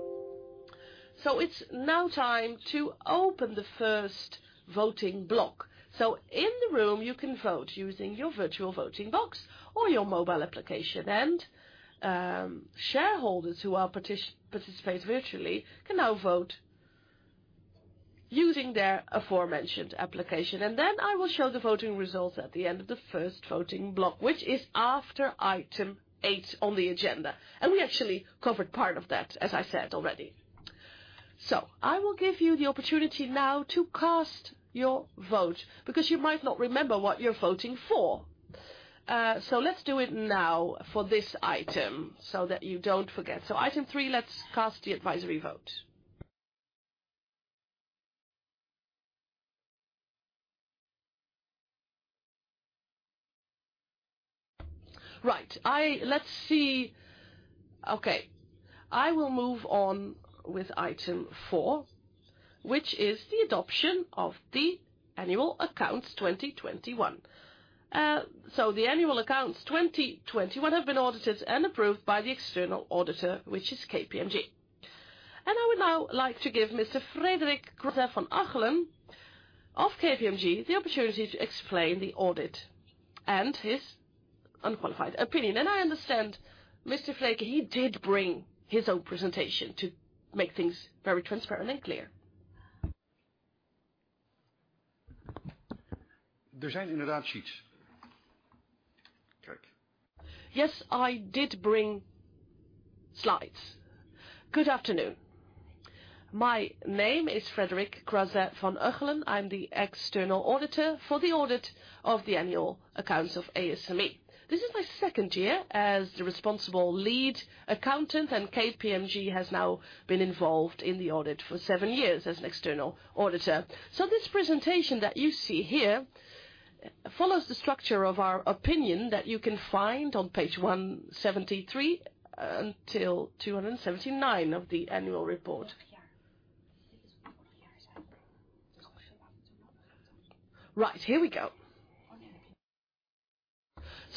Speaker 2: It's now time to open the first voting block. In the room you can vote using your virtual voting box or your mobile application. Shareholders who participate virtually can now vote using their aforementioned application. I will show the voting results at the end of the first voting block, which is after Item 8 on the agenda. We actually covered part of that, as I said already. I will give you the opportunity now to cast your vote, because you might not remember what you're voting for. Let's do it now for this item so that you don't forget. Item three, let's cast the advisory vote. Right. I will move on with Item 4, which is the adoption of the annual accounts 2021. The annual accounts 2021 have been audited and approved by the external auditor, which is KPMG. I would now like to give Mr. Frederik Croiset van Uchelen of KPMG the opportunity to explain the audit and his unqualified opinion. I understand, Mr. Frederik, he did bring his own presentation to make things very transparent and clear. Yes, I did bring slides. Good afternoon. My name is Frederik Croiset van Uchelen. I'm the external auditor for the audit of the annual accounts of ASMI. This is my second year as the responsible lead accountant, and KPMG has now been involved in the audit for seven years as an external auditor. This presentation that you see here follows the structure of our opinion that you can find on page 173 until 279 of the annual report. Right. Here we go.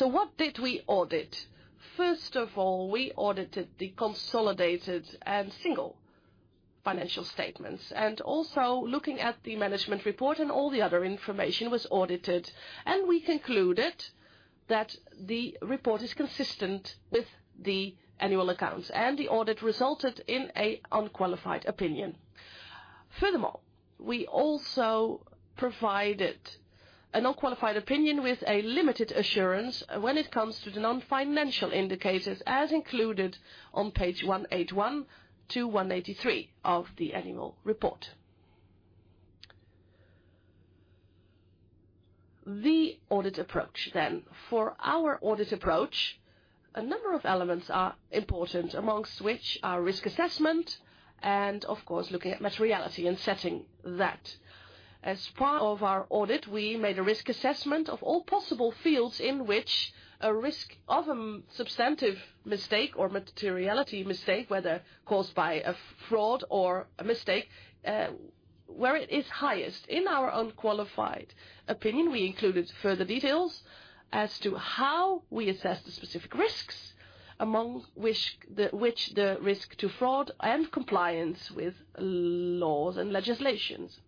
Speaker 2: What did we audit? First of all, we audited the consolidated and single financial statements, and also looking at the management report, and all the other information was audited, and we concluded that the report is consistent with the annual accounts, and the audit resulted in a unqualified opinion. Furthermore, we also provided an unqualified opinion with a limited assurance when it comes to the non-financial indicators, as included on Page 181 to 183 of the annual report. The audit approach then. For our audit approach, a number of elements are important, among which are risk assessment and, of course, looking at materiality and setting that. As part of our audit, we made a risk assessment of all possible fields in which a risk of a substantive mistake or materiality mistake, whether caused by a fraud or a mistake, where it is highest. In our unqualified opinion, we included further details as to how we assess the specific risks, among which the risk to fraud and compliance with laws and legislations.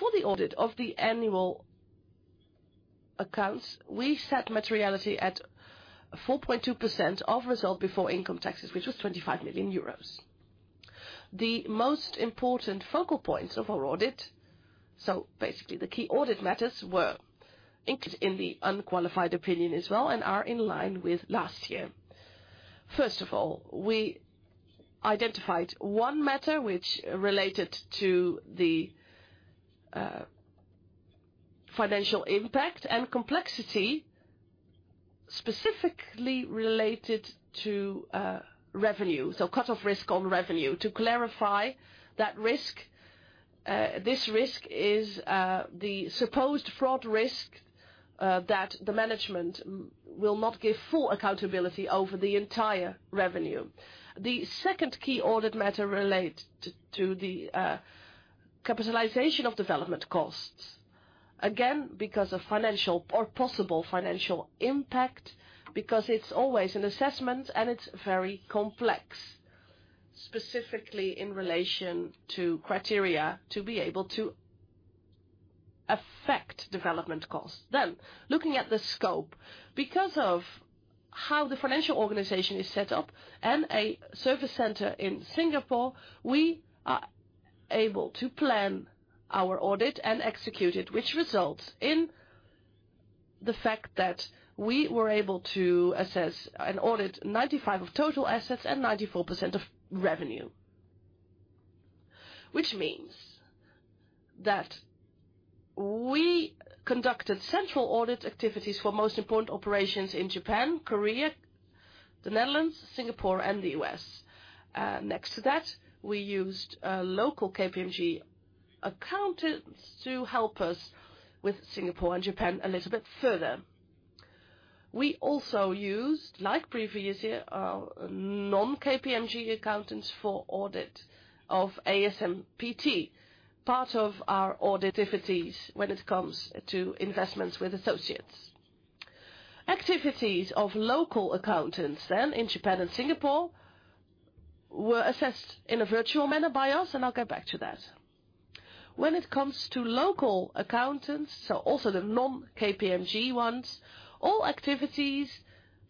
Speaker 2: For the audit of the annual accounts, we set materiality at 4.2% of result before income taxes, which was 25 million euros. The most important focal points of our audit. Basically, the key audit matters were included in the unqualified opinion as well and are in line with last year. First of all, we identified one matter which related to the financial impact and complexity specifically related to revenue. Cut-off risk on revenue. To clarify that risk, this risk is the supposed fraud risk that the management will not give full accountability over the entire revenue. The second key audit matter relates to the capitalization of development costs. Again, because of financial or possible financial impact, because it's always an assessment and it's very complex, specifically in relation to criteria to be able to affect development costs. Looking at the scope, because of how the financial organization is set up and a service center in Singapore, we are able to plan our audit and execute it, which results in the fact that we were able to assess and audit 95% of total assets and 94% of revenue. Which means that we conducted central audit activities for most important operations in Japan, Korea, the Netherlands, Singapore and the U.S. Next to that, we used local KPMG accountants to help us with Singapore and Japan a little bit further. We also used, like previous year, non-KPMG accountants for audit of ASMPT, part of our audit activities when it comes to investments with associates. Activities of local accountants then in Japan and Singapore were assessed in a virtual manner by us, and I'll get back to that. When it comes to local accountants, so also the non-KPMG ones, all activities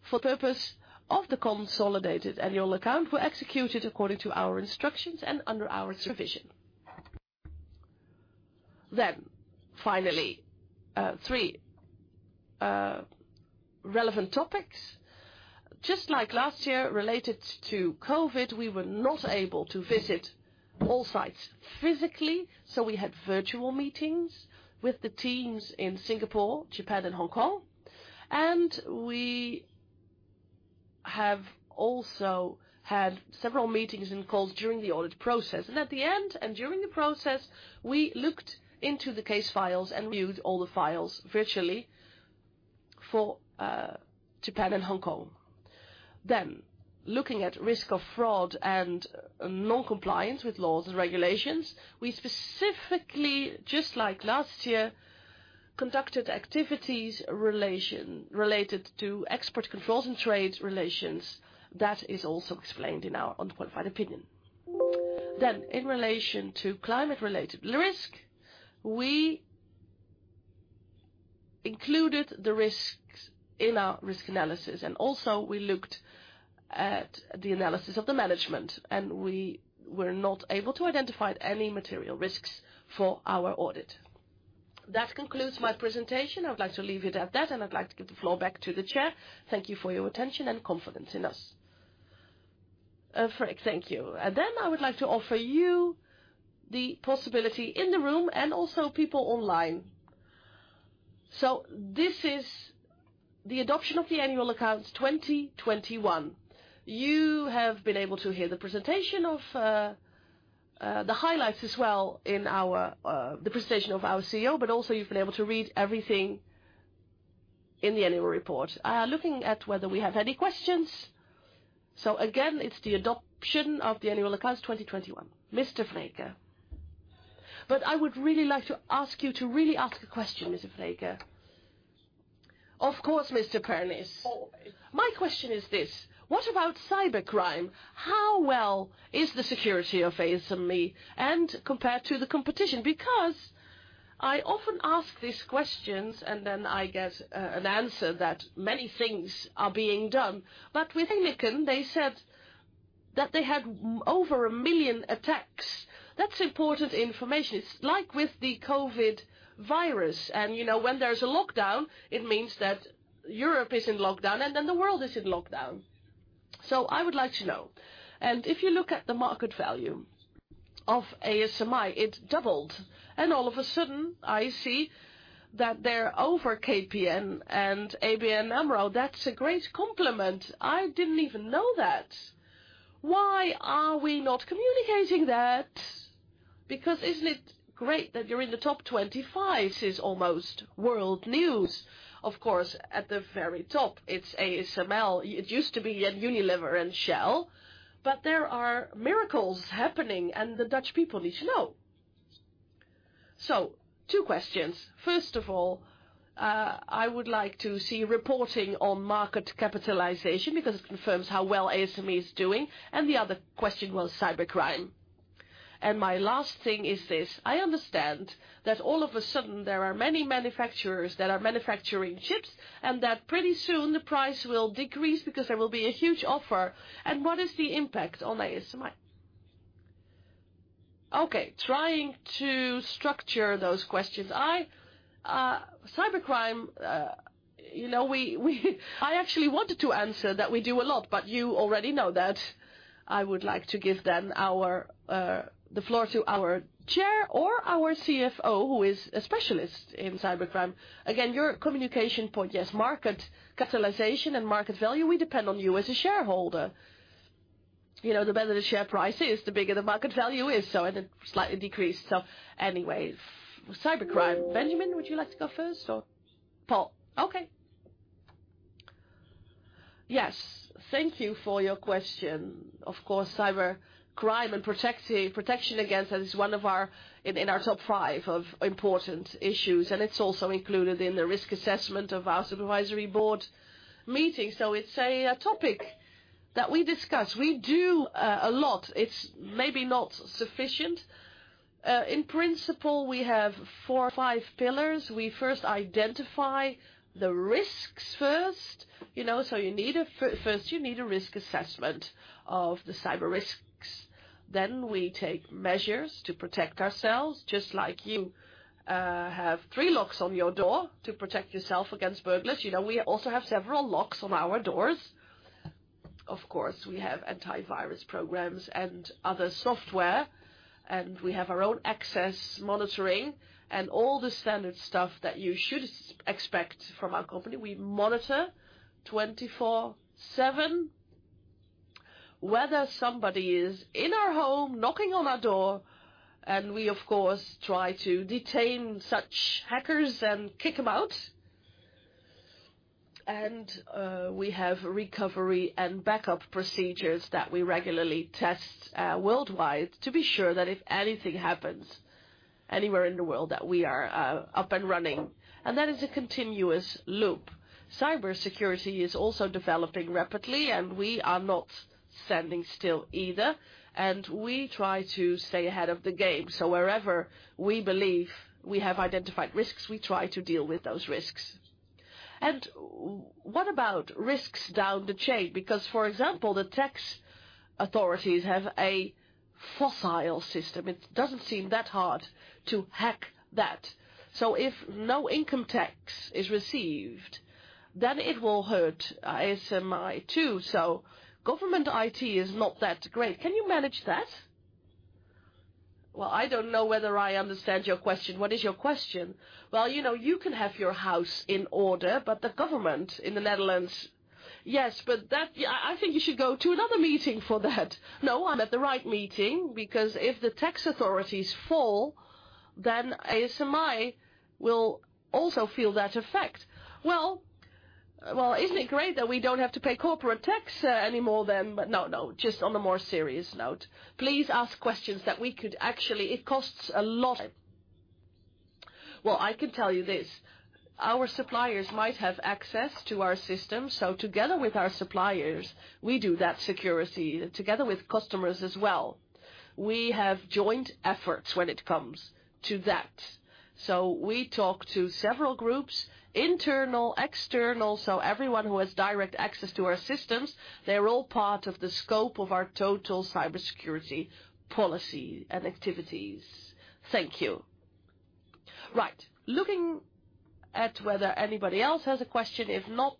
Speaker 2: for purpose of the consolidated annual account were executed according to our instructions and under our supervision. Finally, three relevant topics. Just like last year related to COVID, we were not able to visit all sites physically, so we had virtual meetings with the teams in Singapore, Japan and Hong Kong. We have also had several meetings and calls during the audit process. At the end and during the process, we looked into the case files and reviewed all the files virtually for Japan and Hong Kong. Looking at risk of fraud and non-compliance with laws and regulations, we specifically, just like last year, conducted activities related to export controls and trade relations. That is also explained in our unqualified opinion. In relation to climate related risk, we included the risks in our risk analysis. We also looked at the analysis of the management, and we were not able to identify any material risks for our audit. That concludes my presentation. I would like to leave it at that, and I'd like to give the floor back to the chair. Thank you for your attention and confidence in us. Frank, thank you. Then I would like to offer you the possibility in the room and also people online. This is the adoption of the annual accounts 2021. You have been able to hear the presentation of the highlights as well as the presentation of our CEO, but also you've been able to read everything in the annual report. Looking at whether we have any questions. Again, it's the adoption of the annual accounts 2021. Mr. Vreeke. I would really like to ask you to really ask a question, Mr. Vreeke. Of course, Mr. Pernis. My question is this: What about cybercrime? How well is the security of ASMI, and compared to the competition? I often ask these questions and then I get an answer that many things are being done. With Maersk, they said that they had more than a million attacks. That's important information. It's like with the COVID virus, and you know when there's a lockdown, it means that Europe is in lockdown and then the world is in lockdown. I would like to know. If you look at the market value of ASMI, it doubled. All of a sudden, I see that they're over KPN and ABN AMRO. That's a great compliment. I didn't even know that. Why are we not communicating that? Isn't it great that you're in the top 25? This is almost world news. Of course, at the very top, it's ASML. It used to be Unilever and Shell. There are miracles happening, and the Dutch people need to know. Two questions. First of all, I would like to see reporting on market capitalization because it confirms how well ASMI is doing. The other question was cybercrime. My last thing is this: I understand that all of a sudden there are many manufacturers that are manufacturing chips, and that pretty soon the price will decrease because there will be a huge offer, and what is the impact on ASMI? Trying to structure those questions. Cybercrime, you know, we actually wanted to answer that we do a lot, but you already know that. I would like to give then our the floor to our Chair or our CFO, who is a specialist in cybercrime. Again, your communication point. Yes, market capitalization and market value, we depend on you as a shareholder. You know, the better the share price is, the bigger the market value is, and it slightly decreased. Anyways, cybercrime. Benjamin, would you like to go first or Paul? Okay. Yes. Thank you for your question. Of course, cybercrime and protection against that is one of our top five important issues, and it's also included in the risk assessment of our supervisory board meeting. It's a topic that we discuss. We do a lot. It's maybe not sufficient. In principle, we have four, five pillars. We first identify the risks, you know. You need a risk assessment of the cyber risks. Then we take measures to protect ourselves. Just like you have three locks on your door to protect yourself against burglars, you know, we also have several locks on our doors. Of course, we have antivirus programs and other software, and we have our own access monitoring and all the standard stuff that you should expect from our company. We monitor 24/7 whether somebody is in our home knocking on our door, and we of course try to detain such hackers and kick them out. We have recovery and backup procedures that we regularly test worldwide to be sure that if anything happens anywhere in the world, that we are up and running. That is a continuous loop. Cybersecurity is also developing rapidly, and we are not standing still either. We try to stay ahead of the game. Wherever we believe we have identified risks, we try to deal with those risks. What about risks down the chain? Because, for example, the tax authorities have a fossilized system. It doesn't seem that hard to hack that. If no income tax is received, then it will hurt ASMI too. Government IT is not that great. Can you manage that? Well, I don't know whether I understand your question. What is your question? Well, you know, you can have your house in order, but the government in the Netherlands. I think you should go to another meeting for that. No, I'm at the right meeting because if the tax authorities fall, then ASMI will also feel that effect. Well- Well, isn't it great that we don't have to pay corporate tax anymore then? No, just on a more serious note, please ask questions that we could actually. It costs a lot. Well, I can tell you this. Our suppliers might have access to our system, so together with our suppliers, we do that security together with customers as well. We have joint efforts when it comes to that. We talk to several groups, internal, external. Everyone who has direct access to our systems, they're all part of the scope of our total cybersecurity policy and activities. Thank you. Right. Looking at whether anybody else has a question. If not,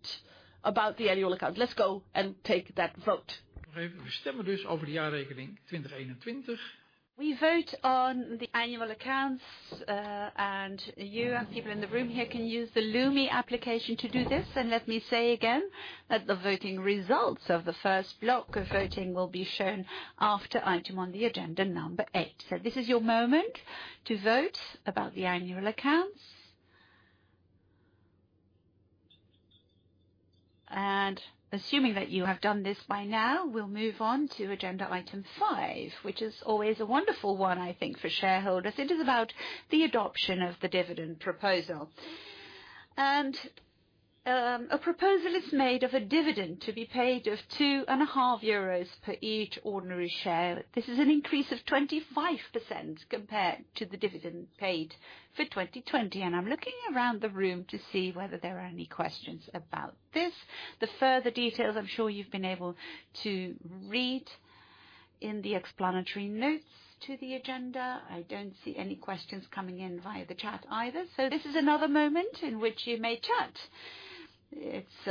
Speaker 2: about the annual account, let's go and take that vote. We vote on the annual accounts, and you and people in the room here can use the Lumi application to do this. Let me say again that the voting results of the first block of voting will be shown after item on the agenda number eight. This is your moment to vote about the annual accounts. Assuming that you have done this by now, we'll move on to agenda item five, which is always a wonderful one, I think, for shareholders. It is about the adoption of the dividend proposal. A proposal is made of a dividend to be paid of 2.5 euros per each ordinary share. This is an increase of 25% compared to the dividend paid for 2020. I'm looking around the room to see whether there are any questions about this. The further details, I'm sure you've been able to read in the explanatory notes to the agenda. I don't see any questions coming in via the chat either. This is another moment in which you may chat. It's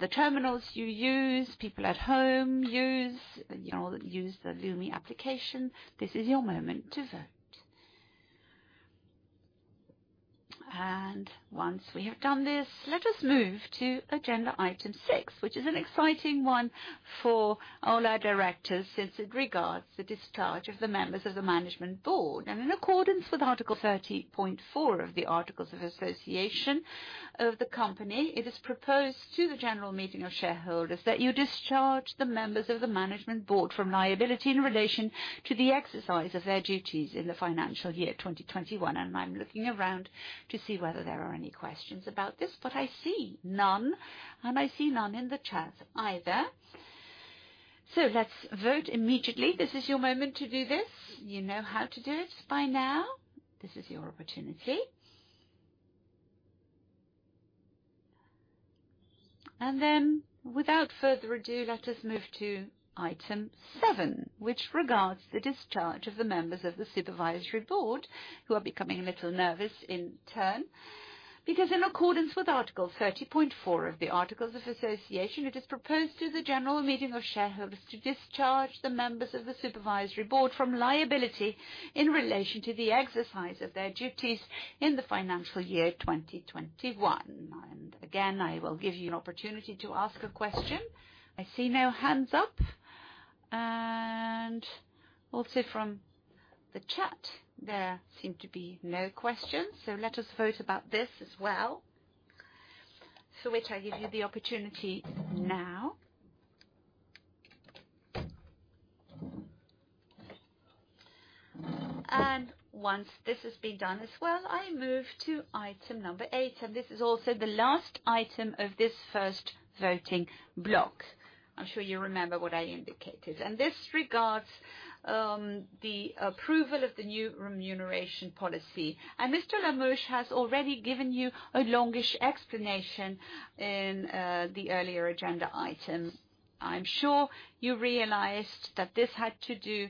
Speaker 2: the terminals you use, people at home use, you know, use the Lumi application. This is your moment to vote. Once we have done this, let us move to agenda Item 6, which is an exciting one for all our directors, since it regards the discharge of the members of the management board. In accordance with article 13.4 of the articles of association of the company, it is proposed to the general meeting of shareholders that you discharge the members of the management board from liability in relation to the exercise of their duties in the financial year 2021. I'm looking around to see whether there are any questions about this, but I see none, and I see none in the chat either. Let's vote immediately. This is your moment to do this. You know how to do it by now. This is your opportunity. Without further ado, let us move to Item 7, which regards the discharge of the members of the supervisory board who are becoming a little nervous in turn, because in accordance with Article 30.4 of the Articles of Association, it is proposed to the annual meeting of shareholders to discharge the members of the supervisory board from liability in relation to the exercise of their duties in the financial year 2021. Again, I will give you an opportunity to ask a question. I see no hands up and also from the chat there seem to be no questions. Let us vote about this as well, for which I give you the opportunity now. Once this has been done as well, I move to item number 8. This is also the last item of this first voting block. I'm sure you remember what I indicated. This regards the approval of the new remuneration policy. Mr. Lamouche has already given you a longish explanation in the earlier agenda item. I'm sure you realized that this had to do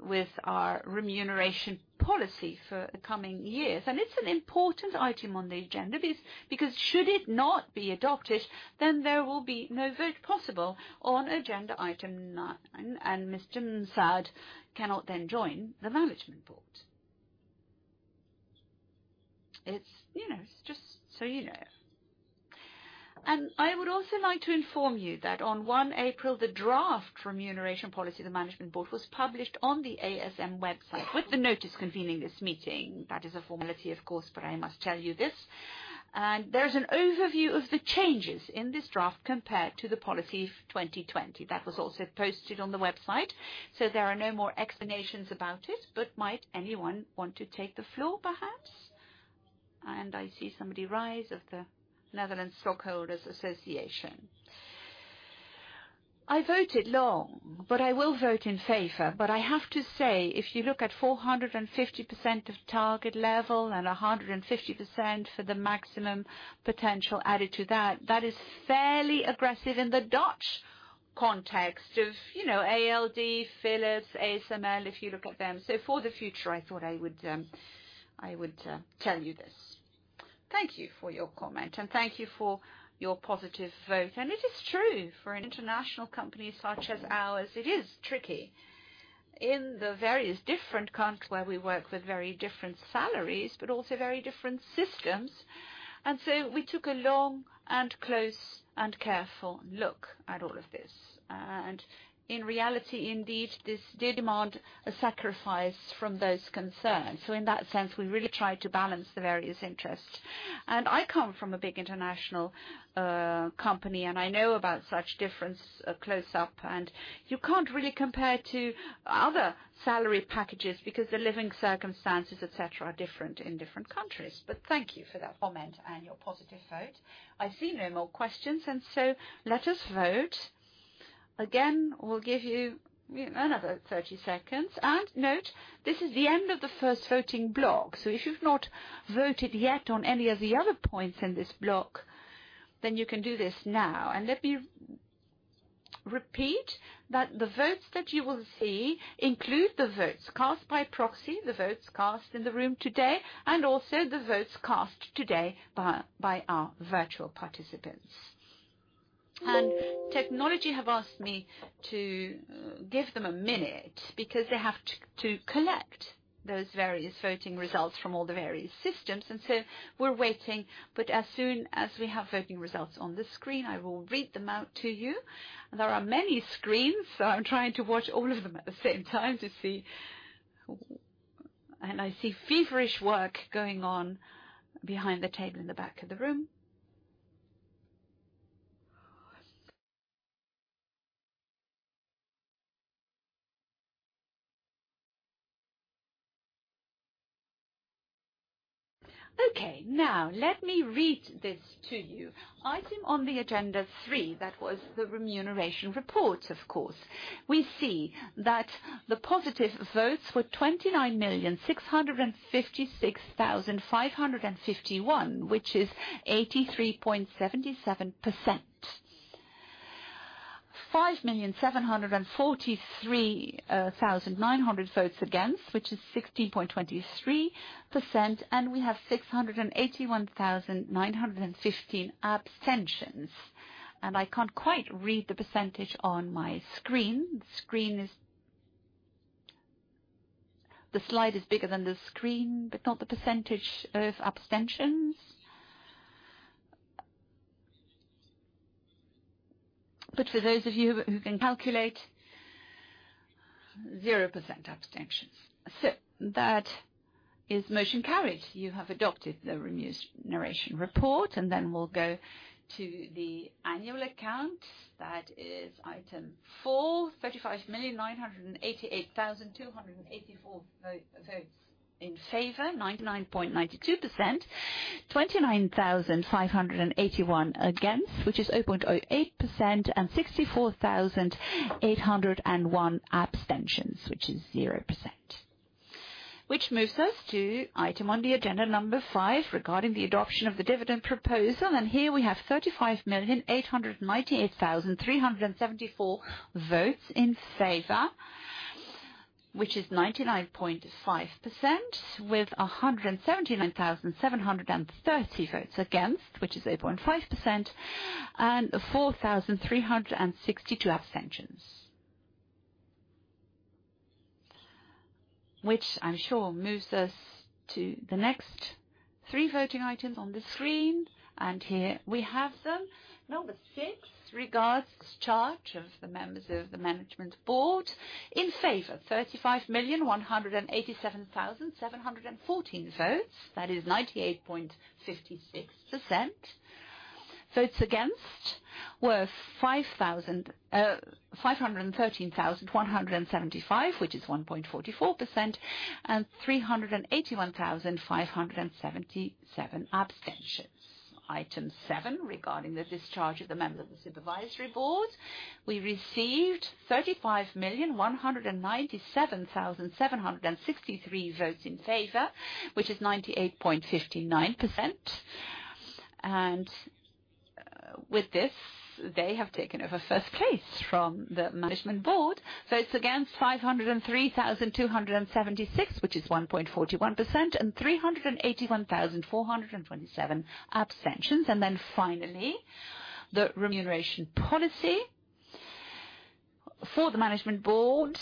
Speaker 2: with our remuneration policy for the coming years. It's an important item on the agenda because should it not be adopted, then there will be no vote possible on agenda Item 9. Mr. M'Saad cannot then join the management board. It's, you know, just so you know. I would also like to inform you that on 1 April, the draft remuneration policy of the management board was published on the ASM website with the notice convening this meeting. That is a formality, of course, but I must tell you this. There is an overview of the changes in this draft compared to the policy of 2020. That was also posted on the website. There are no more explanations about it. Might anyone want to take the floor, perhaps? I see somebody from the Stockholders Association of the Netherlands. I vote along, but I will vote in favor. I have to say, if you look at 450% of target level and 150% for the maximum potential added to that is fairly aggressive in the Dutch context of, you know, ALD, Philips, ASML, if you look at them. For the future, I thought I would tell you this. Thank you for your comment and thank you for your positive vote. It is true for an international company such as ours, it is tricky in the various different countries where we work with very different salaries, but also very different systems. We took a long and close and careful look at all of this. In reality, indeed, this did demand a sacrifice from those concerned. In that sense, we really tried to balance the various interests. I come from a big international company, and I know about such difference close up. You can't really compare to other salary packages because the living circumstances, etc., are different in different countries. Thank you for that comment and your positive vote. I see no more questions. Let us vote. Again, we'll give you another 30 seconds. Note this is the end of the first voting block. If you've not voted yet on any of the other points in this block, then you can do this now. Let me repeat that the votes that you will see include the votes cast by proxy, the votes cast in the room today, and also the votes cast today by our virtual participants. Technology have asked me to give them a minute because they have to collect those various voting results from all the various systems. We're waiting. As soon as we have voting results on the screen, I will read them out to you. There are many screens, so I'm trying to watch all of them at the same time to see. I see feverish work going on behind the table in the back of the room. Okay, now let me read this to you. Item on the Agenda 3. That was the remuneration report of course. We see that the positive votes were 29,656,551, which is 83.77%. 5,743,900 votes against, which is 16.23%. We have 681,915 abstentions. I can't quite read the percentage on my screen. The slide is bigger than the screen, but not the percentage of abstentions. For those of you who can calculate 0% abstentions. That is motion carried. You have adopted the remuneration report. We'll go to the annual account. That is Item 4. 35,988,284 votes in favor, 99.92%. 29,581 against, which is 0.08%. 64,801 abstentions, which is 0%. Which moves us to item on the agenda number five, regarding the adoption of the dividend proposal. Here we have 35,898,374 votes in favor, which is 99.5%, with 179,730 votes against, which is 8.5%, and 4,362 abstentions. Which I'm sure moves us to the next three voting items on the screen, and here we have them. Number six regards discharge of the members of the management board. In favor, 35,187,714 votes. That is 98.56%. Votes against were 513,175, which is 1.44%, and 381,577 abstentions. Item 7, regarding the discharge of the members of the supervisory board. We received 35,197,763 votes in favor, which is 98.59%. With this, they have taken over first place from the management board. Votes against, 503,276, which is 1.41%, and 381,427 abstentions. Finally, the remuneration policy for the management board,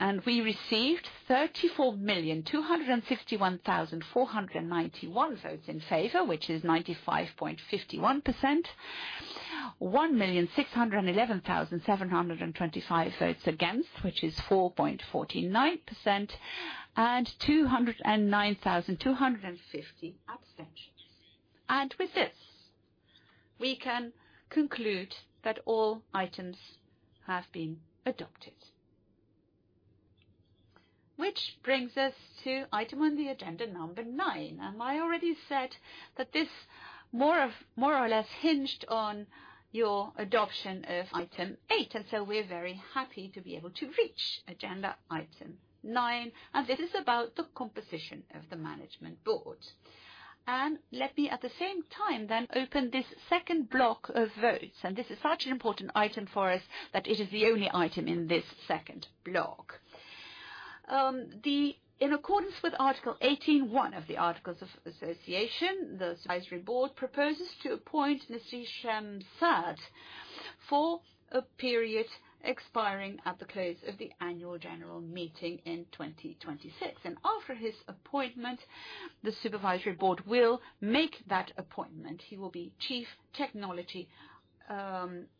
Speaker 2: and we received 34,251,491 votes in favor, which is 95.51%. 1,611,725 votes against, which is 4.49%, and 209,250 abstentions. With this, we can conclude that all items have been adopted. Which brings us to item on the agenda number nine. I already said that this more or less hinged on your adoption of Item 8. We're very happy to be able to reach agenda Item 9, and it is about the composition of the management board. Let me at the same time then open this second block of votes. This is such an important item for us that it is the only item in this second block. In accordance with Article 18.1 of the Articles of Association, the Supervisory Board proposes to appoint Hichem M'Saad for a period expiring at the close of the annual general meeting in 2026. After his appointment, the Supervisory Board will make that appointment. He will be Chief Technology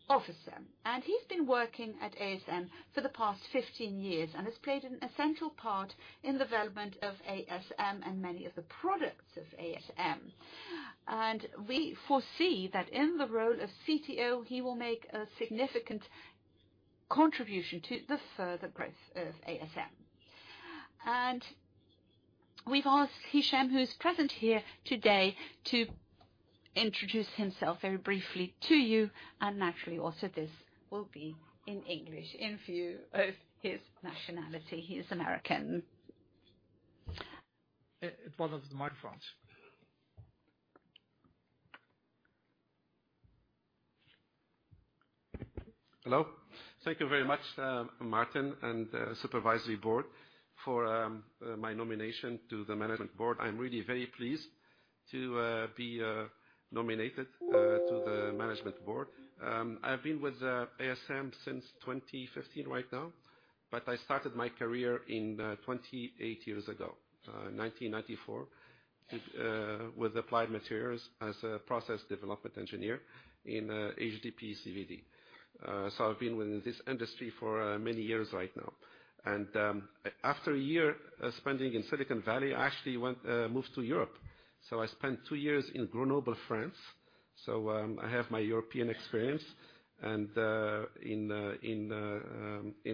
Speaker 2: Officer. He's been working at ASM for the past 15 years and has played an essential part in development of ASM and many of the products of ASM. We foresee that in the role of CTO, he will make a significant contribution to the further growth of ASM. We've asked Hichem, who's present here today, to introduce himself very briefly to you. Naturally also, this will be in English in view of his nationality. He is American.
Speaker 6: One of the microphones. Hello. Thank you very much, Martin and Supervisory Board for my nomination to the Management Board. I'm really very pleased to be nominated to the Management Board. I've been with ASM since 2015 right now, but I started my career 28 years ago, 1994, with Applied Materials as a process development engineer in HDP-CVD. I've been with this industry for many years right now. After a year spending in Silicon Valley, I actually moved to Europe. I spent two years in Grenoble, France. I have my European experience, and in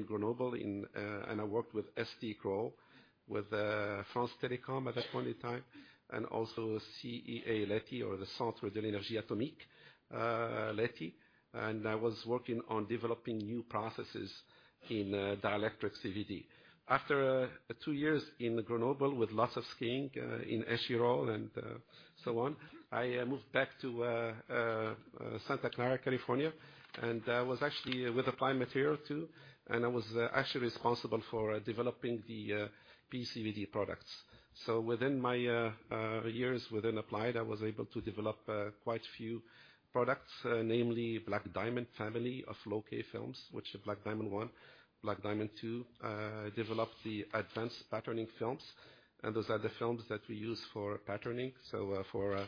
Speaker 6: Grenoble. I worked with STMicroelectronics, with France Télécom at that point in time, and also CEA-Leti, or the Commissariat à l'énergie atomique et aux énergies alternatives, Leti. I was working on developing new processes in dielectric CVD. After two years in Grenoble with lots of skiing in Isère and so on, I moved back to Santa Clara, California. I was actually with Applied Materials too. I was actually responsible for developing the PECVD products. Within my years within Applied, I was able to develop quite a few products, namely Black Diamond family of low-k films, which are Black Diamond 1, Black Diamond 2. Developed the advanced patterning films, and those are the films that we use for patterning, for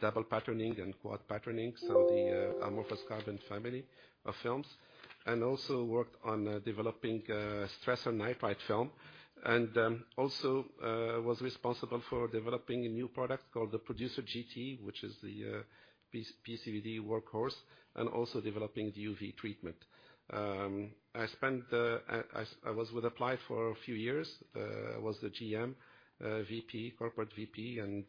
Speaker 6: double patterning and quad patterning. The amorphous carbon family of films, and also worked on developing stress and nitride film. Also was responsible for developing a new product called the Producer GT, which is the PECVD workhorse, and also developing the UV treatment. I was with Applied for a few years. I was the GM, VP, corporate VP, and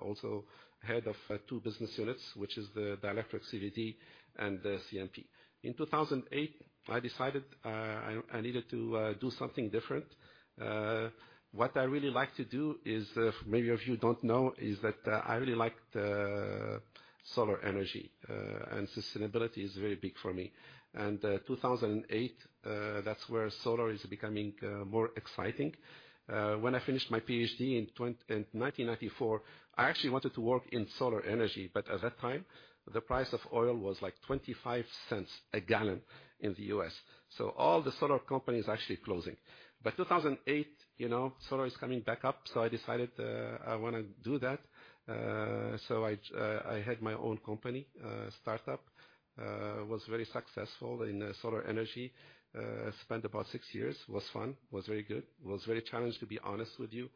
Speaker 6: also head of two business units, which is the dielectric CVD and the CMP. In 2008, I decided I needed to do something different. What I really like to do is maybe if you don't know is that I really liked solar energy and sustainability is very big for me. 2008, that's where solar is becoming more exciting. When I finished my PhD in 1994, I actually wanted to work in solar energy, but at that time, the price of oil was like $0.25 a gallon in the U.S. All the solar companies actually closing. By 2008, you know, solar is coming back up, so I decided, I wanna do that. I had my own company, startup. Was very successful in solar energy. Spent about six years, was fun, was very good. Was very challenged, to be honest with you.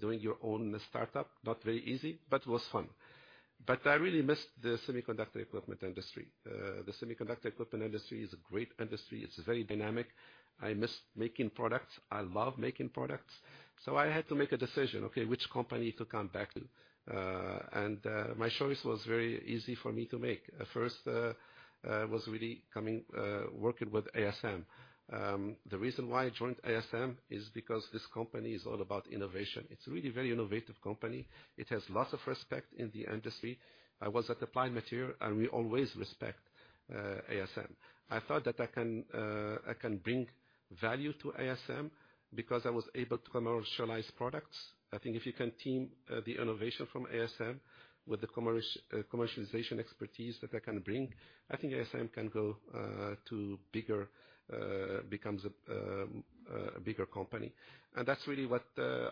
Speaker 6: Doing your own startup, not very easy, but it was fun. I really missed the semiconductor equipment industry. The semiconductor equipment industry is a great industry. It's very dynamic. I miss making products. I love making products. I had to make a decision, okay, which company to come back to. My choice was very easy for me to make. At first, working with ASM. The reason why I joined ASM is because this company is all about innovation. It's really very innovative company. It has lots of respect in the industry. I was at Applied Materials, and we always respect ASM. I thought that I can bring value to ASM because I was able to commercialize products. I think if you can team the innovation from ASM with the commercialization expertise that I can bring, I think ASM can become a bigger company. That's really what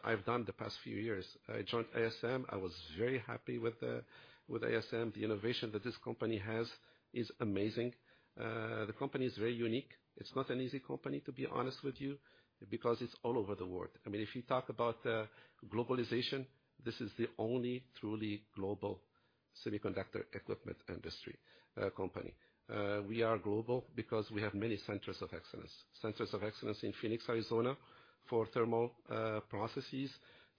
Speaker 6: I've done the past few years. I joined ASM. I was very happy with ASM. The innovation that this company has is amazing. The company is very unique. It's not an easy company, to be honest with you, because it's all over the world. I mean, if you talk about globalization, this is the only truly global semiconductor equipment industry company. We are global because we have many centers of excellence. Centers of excellence in Phoenix, Arizona, for thermal processes,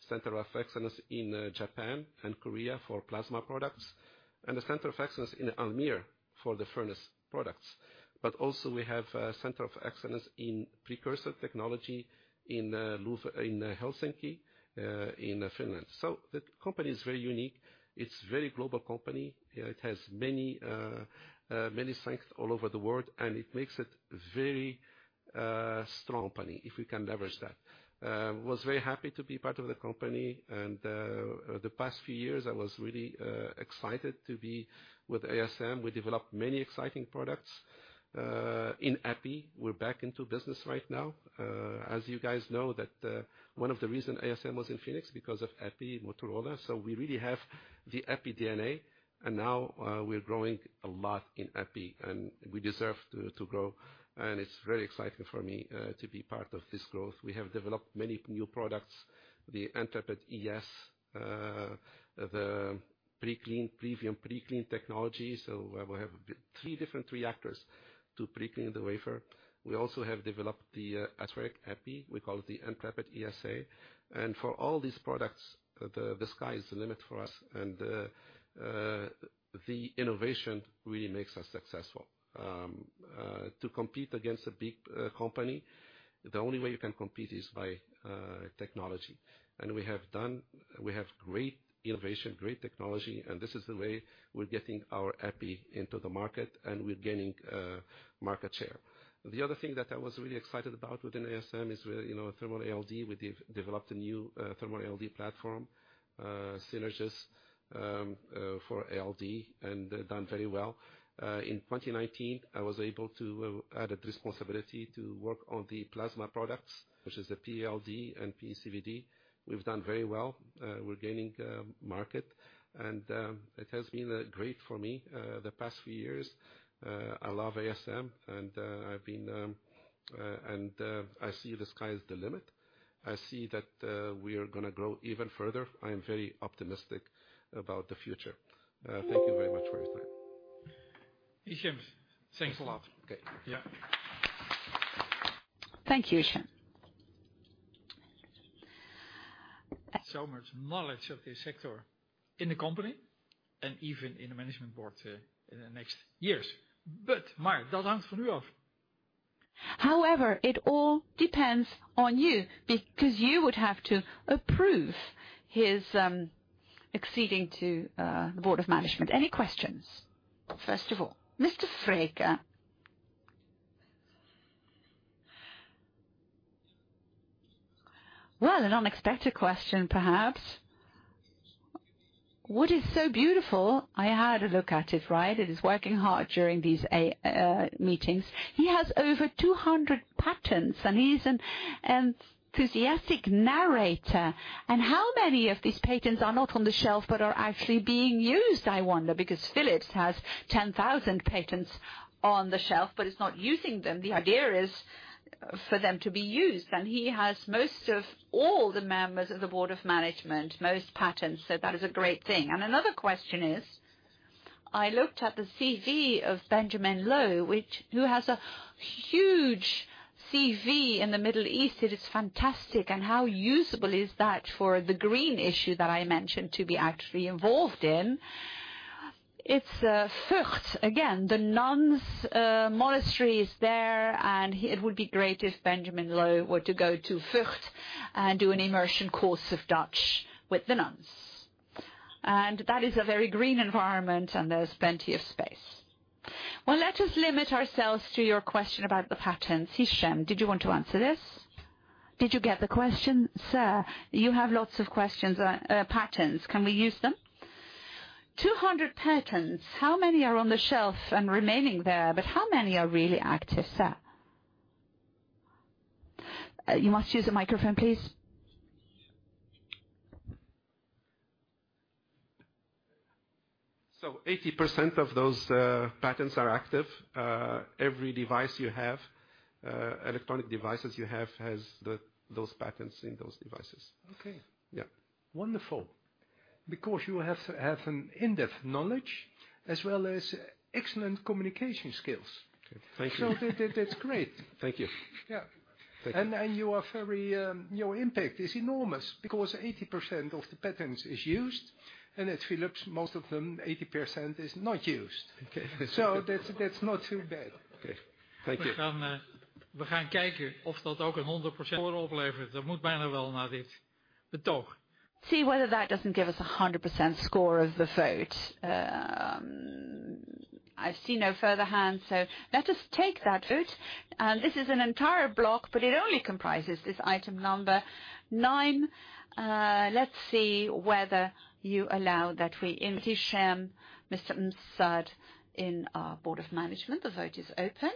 Speaker 6: center of excellence in Japan and Korea for plasma products, and a center of excellence in Almere for the furnace products. Also we have a center of excellence in precursor technology in Helsinki, in Finland. The company is very unique. It's very global company. It has many strengths all over the world, and it makes it very strong company if we can leverage that. I was very happy to be part of the company and the past few years I was really excited to be with ASM. We developed many exciting products. In EPI, we're back into business right now. As you guys know that, one of the reason ASM was in Phoenix because of Epi and Motorola. We really have the Epi DNA, and now, we're growing a lot in Epi, and we deserve to grow. It's very exciting for me to be part of this growth. We have developed many new products. The Intrepid ES, the preclean, Previum preclean technology. We have three different reactors to preclean the wafer. We also have developed the atmospheric Epi. We call it the Intrepid ESA. For all these products, the sky is the limit for us. The innovation really makes us successful. To compete against a big company, the only way you can compete is by technology. We have great innovation, great technology, and this is the way we're getting our Epi into the market, and we're gaining market share. The other thing that I was really excited about within ASM is really, you know, thermal ALD. We developed a new thermal ALD platform, Synergis for ALD, and they've done very well. In 2019, I was able to add a responsibility to work on the plasma products, which is the PEALD and PECVD. We've done very well. We're gaining market. It has been great for me the past few years. I love ASM and I see the sky's the limit. I see that we are gonna grow even further. I am very optimistic about the future. Thank you very much for your time.
Speaker 3: Hichem, thanks a lot.
Speaker 6: Okay.
Speaker 3: Yeah.
Speaker 2: Thank you, Hichem.
Speaker 3: Much knowledge of this sector in the company and even in the management board, in the next years. Mari.
Speaker 2: However, it all depends on you because you would have to approve his accession to the board of management. Any questions, first of all? Mr. Vreeke. Well, an unexpected question, perhaps. What is so beautiful, I had a look at it, right, it is working hard during these meetings. He has over 200 patents, and he's an enthusiastic innovator. How many of these patents are not on the shelf but are actually being used, I wonder, because Philips has 10,000 patents on the shelf, but it's not using them. The idea is for them to be used. He has most of all the members of the board of management, most patents. That is a great thing. Another question is, I looked at the CV of Benjamin Loh, who has a huge CV in the Middle East. It is fantastic. How usable is that for the green issue that I mentioned to be actively involved in? It's Vught again, the nuns monastery is there, and it would be great if Benjamin Loh were to go to Vught and do an immersion course of Dutch with the nuns. That is a very green environment, and there's plenty of space. Well, let us limit ourselves to your question about the patents. Hichem, did you want to answer this? Did you get the question, sir? You have lots of questions, patents. Can we use them? 200 patents. How many are on the shelf and remaining there, but how many are really active, sir? You must use the microphone, please.
Speaker 6: 80% of those patents are active. Every electronic device you have has those patents in those devices.
Speaker 2: Okay.
Speaker 6: Yeah.
Speaker 3: Wonderful. Because you have an in-depth knowledge as well as excellent communication skills.
Speaker 6: Thank you.
Speaker 3: That's great.
Speaker 6: Thank you.
Speaker 3: Yeah.
Speaker 6: Thank you.
Speaker 3: Your impact is enormous because 80% of the patents is used, and at Philips, most of them, 80% is not used.
Speaker 6: Okay.
Speaker 3: That's not too bad.
Speaker 6: Okay. Thank you.
Speaker 2: See whether that doesn't give us a 100% score of the vote. I see no further hands, so let us take that vote. This is an entire block, but it only comprises this item number nine. Let's see whether you allow that we Hichem M'Saad in our Management Board. The vote is open.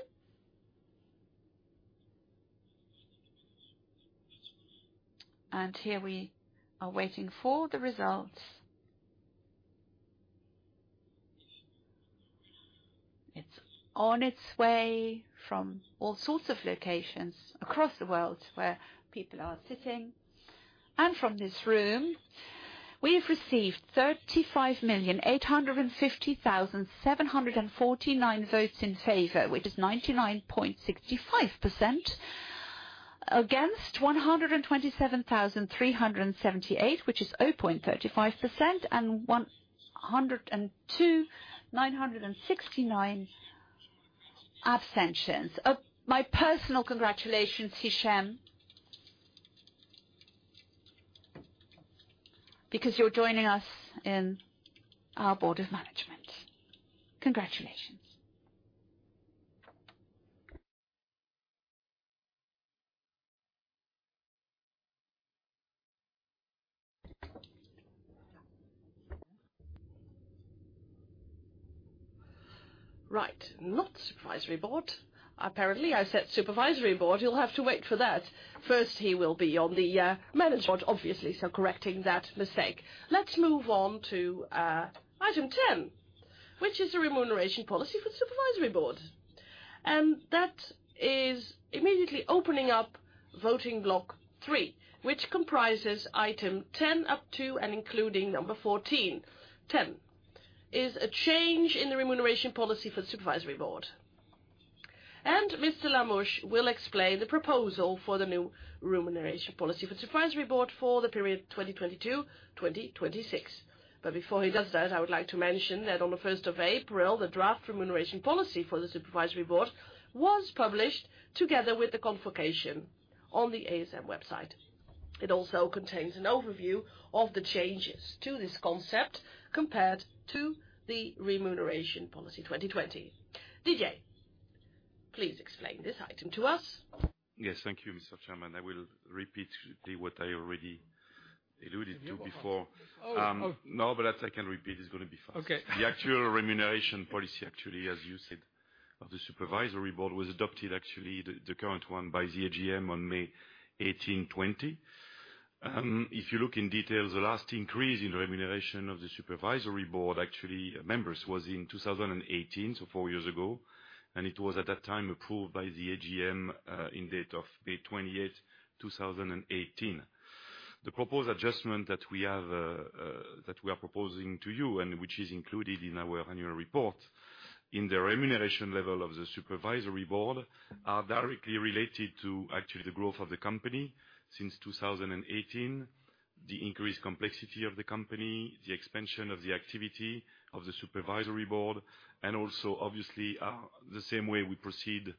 Speaker 2: Here we are waiting for the results. It's on its way from all sorts of locations across the world where people are sitting and from this room. We have received 35,850,749 votes in favor, which is 99.65%. Against, 127,378, which is 0.35%, and 102,969 abstentions. My personal congratulations, Hichem. You're joining us in our Management Board. Congratulations. Right. Not supervisory board. Apparently, I said supervisory board. You'll have to wait for that. First, he will be on the management board, obviously, so correcting that mistake. Let's move on to item 10, which is the remuneration policy for the supervisory board. That is immediately opening up voting block three, which comprises item 10 up to and including number 14. 10 is a change in the remuneration policy for the supervisory board. Mr. Lamouche will explain the proposal for the new remuneration policy for the supervisory board for the period 2022-2026. Before he does that, I would like to mention that on the first of April, the draft remuneration policy for the supervisory board was published together with the convocation on the ASM website. It also contains an overview of the changes to this concept compared to the Remuneration Policy 2020. Didier, please explain this item to us.
Speaker 4: Yes, thank you, Mr. Chairman. I will repeat what I already alluded to before.
Speaker 2: Oh.
Speaker 4: No, but I can repeat. It's gonna be fast.
Speaker 2: Okay.
Speaker 4: The actual remuneration policy, actually, as you said, of the supervisory board was adopted, actually, the current one by the AGM on May 18th, 2020. If you look in detail, the last increase in remuneration of the supervisory board, actually, members was in 2018, so four years ago, and it was at that time approved by the AGM on the date of May 28, 2018. The proposed adjustment that we have that we are proposing to you and which is included in our annual report in the remuneration level of the supervisory board are directly related to actually the growth of the company since 2018. The increased complexity of the company, the expansion of the activity of the supervisory board, and also obviously the same way we proceed,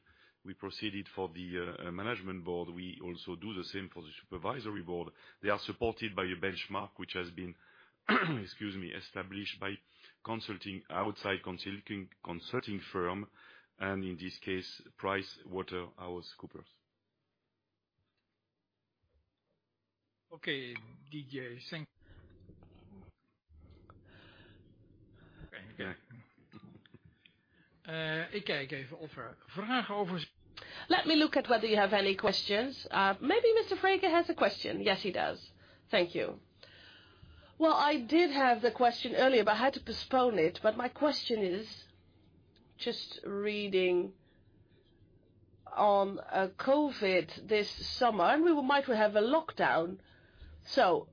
Speaker 4: we proceeded for the management board, we also do the same for the supervisory board. They are supported by a benchmark which has been established by outside consulting firm and in this case, PricewaterhouseCoopers.
Speaker 2: Let me look at whether you have any questions. Maybe Mr. Vreeke has a question. Yes, he does. Thank you. Well,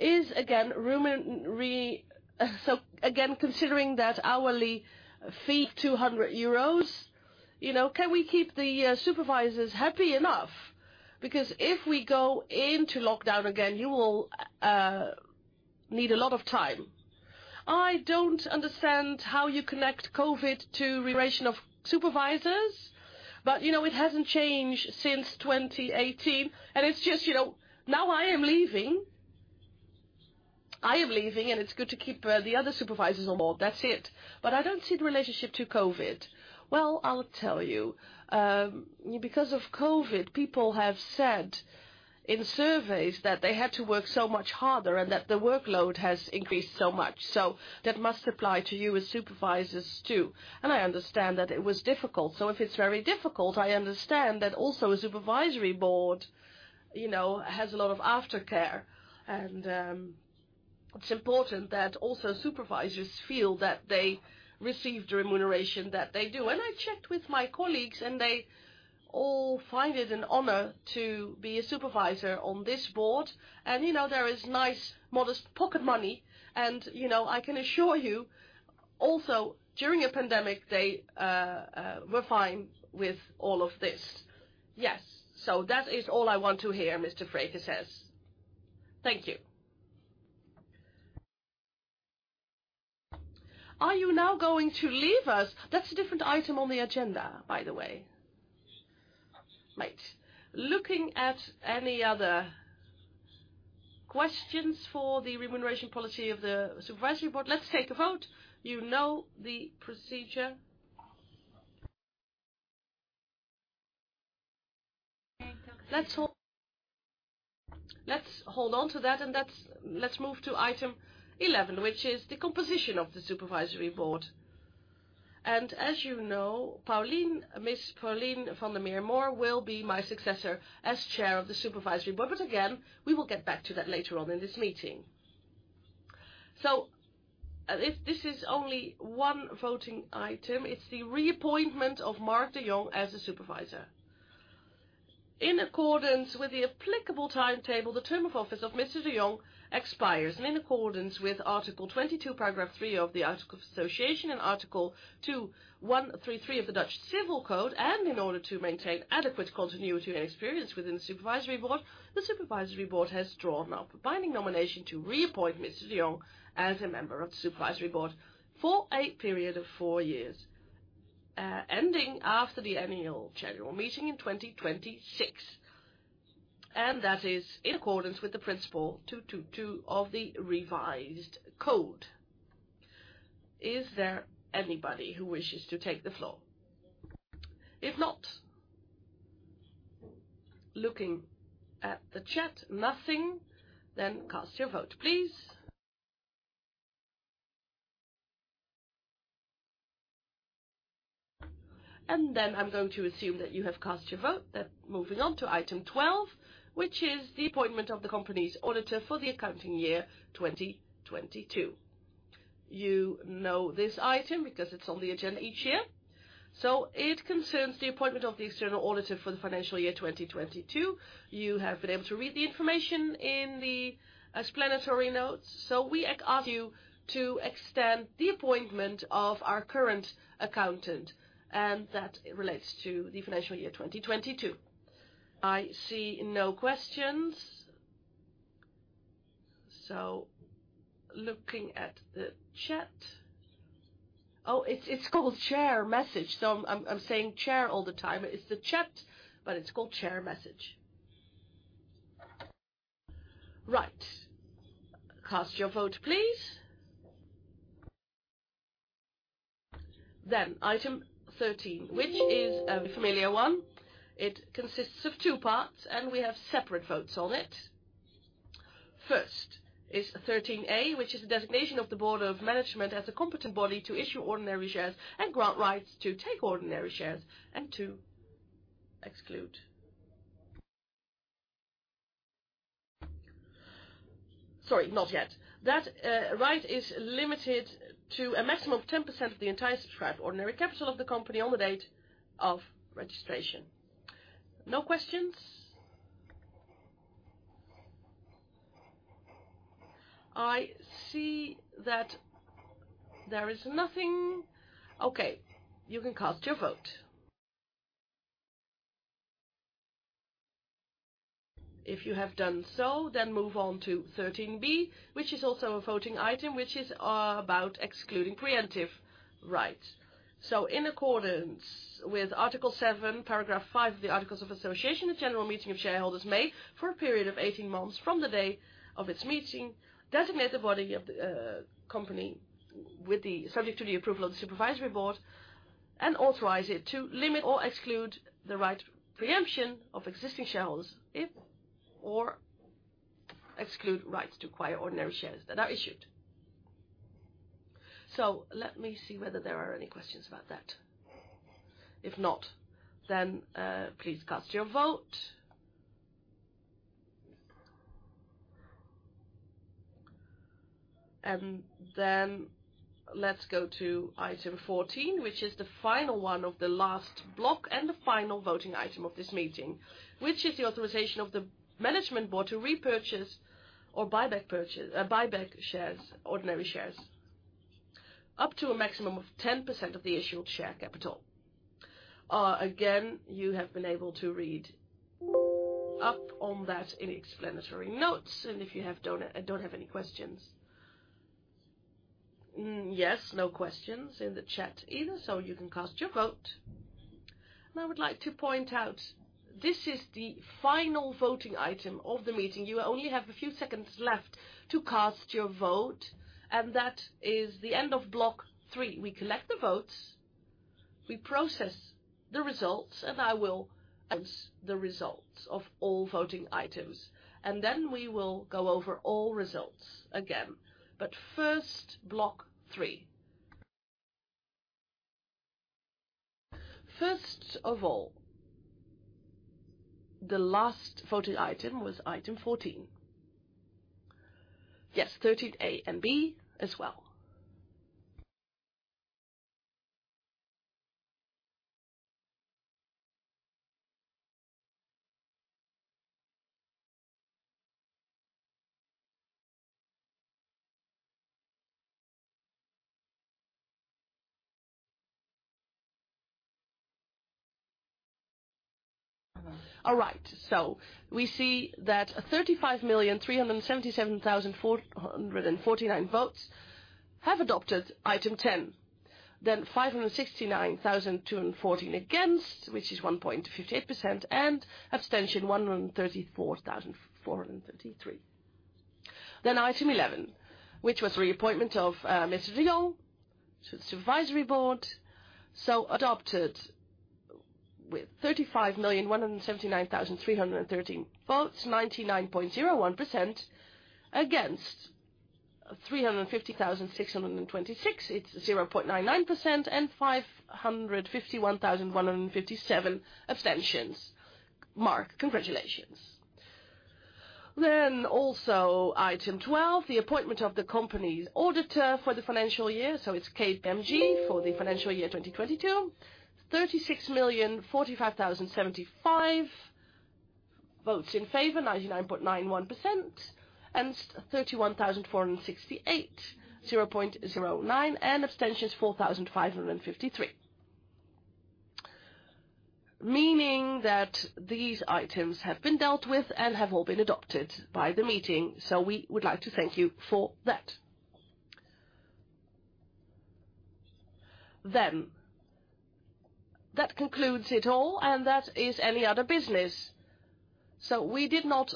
Speaker 2: I did have the question earlier, but I had to postpone it. My question is just regarding COVID this summer, and we might have a lockdown. Again, considering that hourly fee, 200 euros, you know, can we keep the supervisors happy enough? Because if we go into lockdown again, you will need a lot of time. I don't understand how you connect COVID to remuneration of supervisors, but you know, it hasn't changed since 2018. It's just, you know, now I am leaving. I am leaving, and it's good to keep the other supervisors on board. That's it. I don't see the relationship to COVID. Well, I'll tell you. Because of COVID, people have said in surveys that they had to work so much harder and that the workload has increased so much. That must apply to you as supervisors, too. I understand that it was difficult. If it's very difficult, I understand that also a supervisory board, you know, has a lot of aftercare. It's important that also supervisors feel that they receive the remuneration that they do. I checked with my colleagues, and they all find it an honor to be a supervisor on this board. You know, there is nice, modest pocket money. You know, I can assure you also during a pandemic, they were fine with all of this. Yes. That is all I want to hear, Mr. Vreeke says. Thank you. Are you now going to leave us? That's a different item on the agenda, by the way. Right. Looking at any other questions for the remuneration policy of the supervisory board. Let's take a vote. You know the procedure. Let's hold on to that, and let's move to item eleven, which is the composition of the supervisory board. As you know, Pauline, Ms. Pauline van der Meer Mohr will be my successor as chair of the supervisory board. Again, we will get back to that later on in this meeting. This is only one voting item. It's the reappointment of Marc de Jong as a supervisor. In accordance with the applicable timetable, the term of office of Mr. de Jong expires. In accordance with Article 22, Paragraph 3 of the Articles of Association and Article 2:133 of the Dutch Civil Code, and in order to maintain adequate continuity and experience within the Supervisory Board, the Supervisory Board has drawn up a binding nomination to reappoint Mr. de Jong as a member of the Supervisory Board for a period of four years, ending after the annual general meeting in 2026, and that is in accordance with the principle 2.2.2 of the revised code. Is there anybody who wishes to take the floor? If not, looking at the chat, nothing, then cast your vote, please. Then I'm going to assume that you have cast your vote. Moving on to Item 12, which is the appointment of the company's auditor for the accounting year 2022. You know this item because it's on the agenda each year. It concerns the appointment of the external auditor for the financial year 2022. You have been able to read the information in the explanatory notes. We ask you to extend the appointment of our current accountant, and that relates to the financial year 2022. I see no questions. Looking at the chat. Oh, it's called chair message. I'm saying chair all the time. It's the chat, but it's called chair message. Right. Cast your vote, please. Item 13, which is a familiar one. It consists of two parts, and we have separate votes on it. First is 13A, which is the designation of the board of management as a competent body to issue ordinary shares and grant rights to take ordinary shares and to exclude. Sorry, not yet. That right is limited to a maximum of 10% of the entire subscribed ordinary capital of the company on the date of registration. No questions? I see that there is nothing. Okay, you can cast your vote. If you have done so, move on to 13B, which is also a voting item, which is about excluding preemptive rights. In accordance with Article 7, Paragraph 5 of the Articles of Association, the general meeting of shareholders may, for a period of 18 months from the day of its meeting, designate the body of the company subject to the approval of the supervisory board and authorize it to limit or exclude the preemptive right of existing shareholders if or exclude rights to acquire ordinary shares that are issued. Let me see whether there are any questions about that. If not, please cast your vote. Let's go to Item 14, which is the final one of the last block and the final voting item of this meeting, which is the authorization of the management board to repurchase or buyback shares, ordinary shares, up to a maximum of 10% of the issued share capital. Again, you have been able to read up on that in explanatory notes, and if you don't have any questions. Yes. No questions in the chat either, so you can cast your vote. I would like to point out this is the final voting item of the meeting. You only have a few seconds left to cast your vote. That is the end of block three. We collect the votes, we process the results, and I will announce the results of all voting items. Then we will go over all results again. First, block three. First of all, the last voting item was item 14. Yes, 13A and 13B as well. All right. We see that 35,377,449 votes have adopted item 10. Then 569,214 against, which is 1.58%, and abstention 134,433. Then item 11, which was reappointment of Mr. de Jong to the Supervisory Board. Adopted with 35,179,313 votes, 99.01% against 350,626, it's 0.99%, and 551,157 abstentions. Marc, congratulations. Also item 12, the appointment of the company's auditor for the financial year. It's KPMG for the financial year 2022. 36,045,075 votes in favor, 99.91%, and 31,468, 0.09%, and abstentions 4,553. Meaning that these items have been dealt with and have all been adopted by the meeting. We would like to thank you for that. That concludes it all, and that is any other business. We did not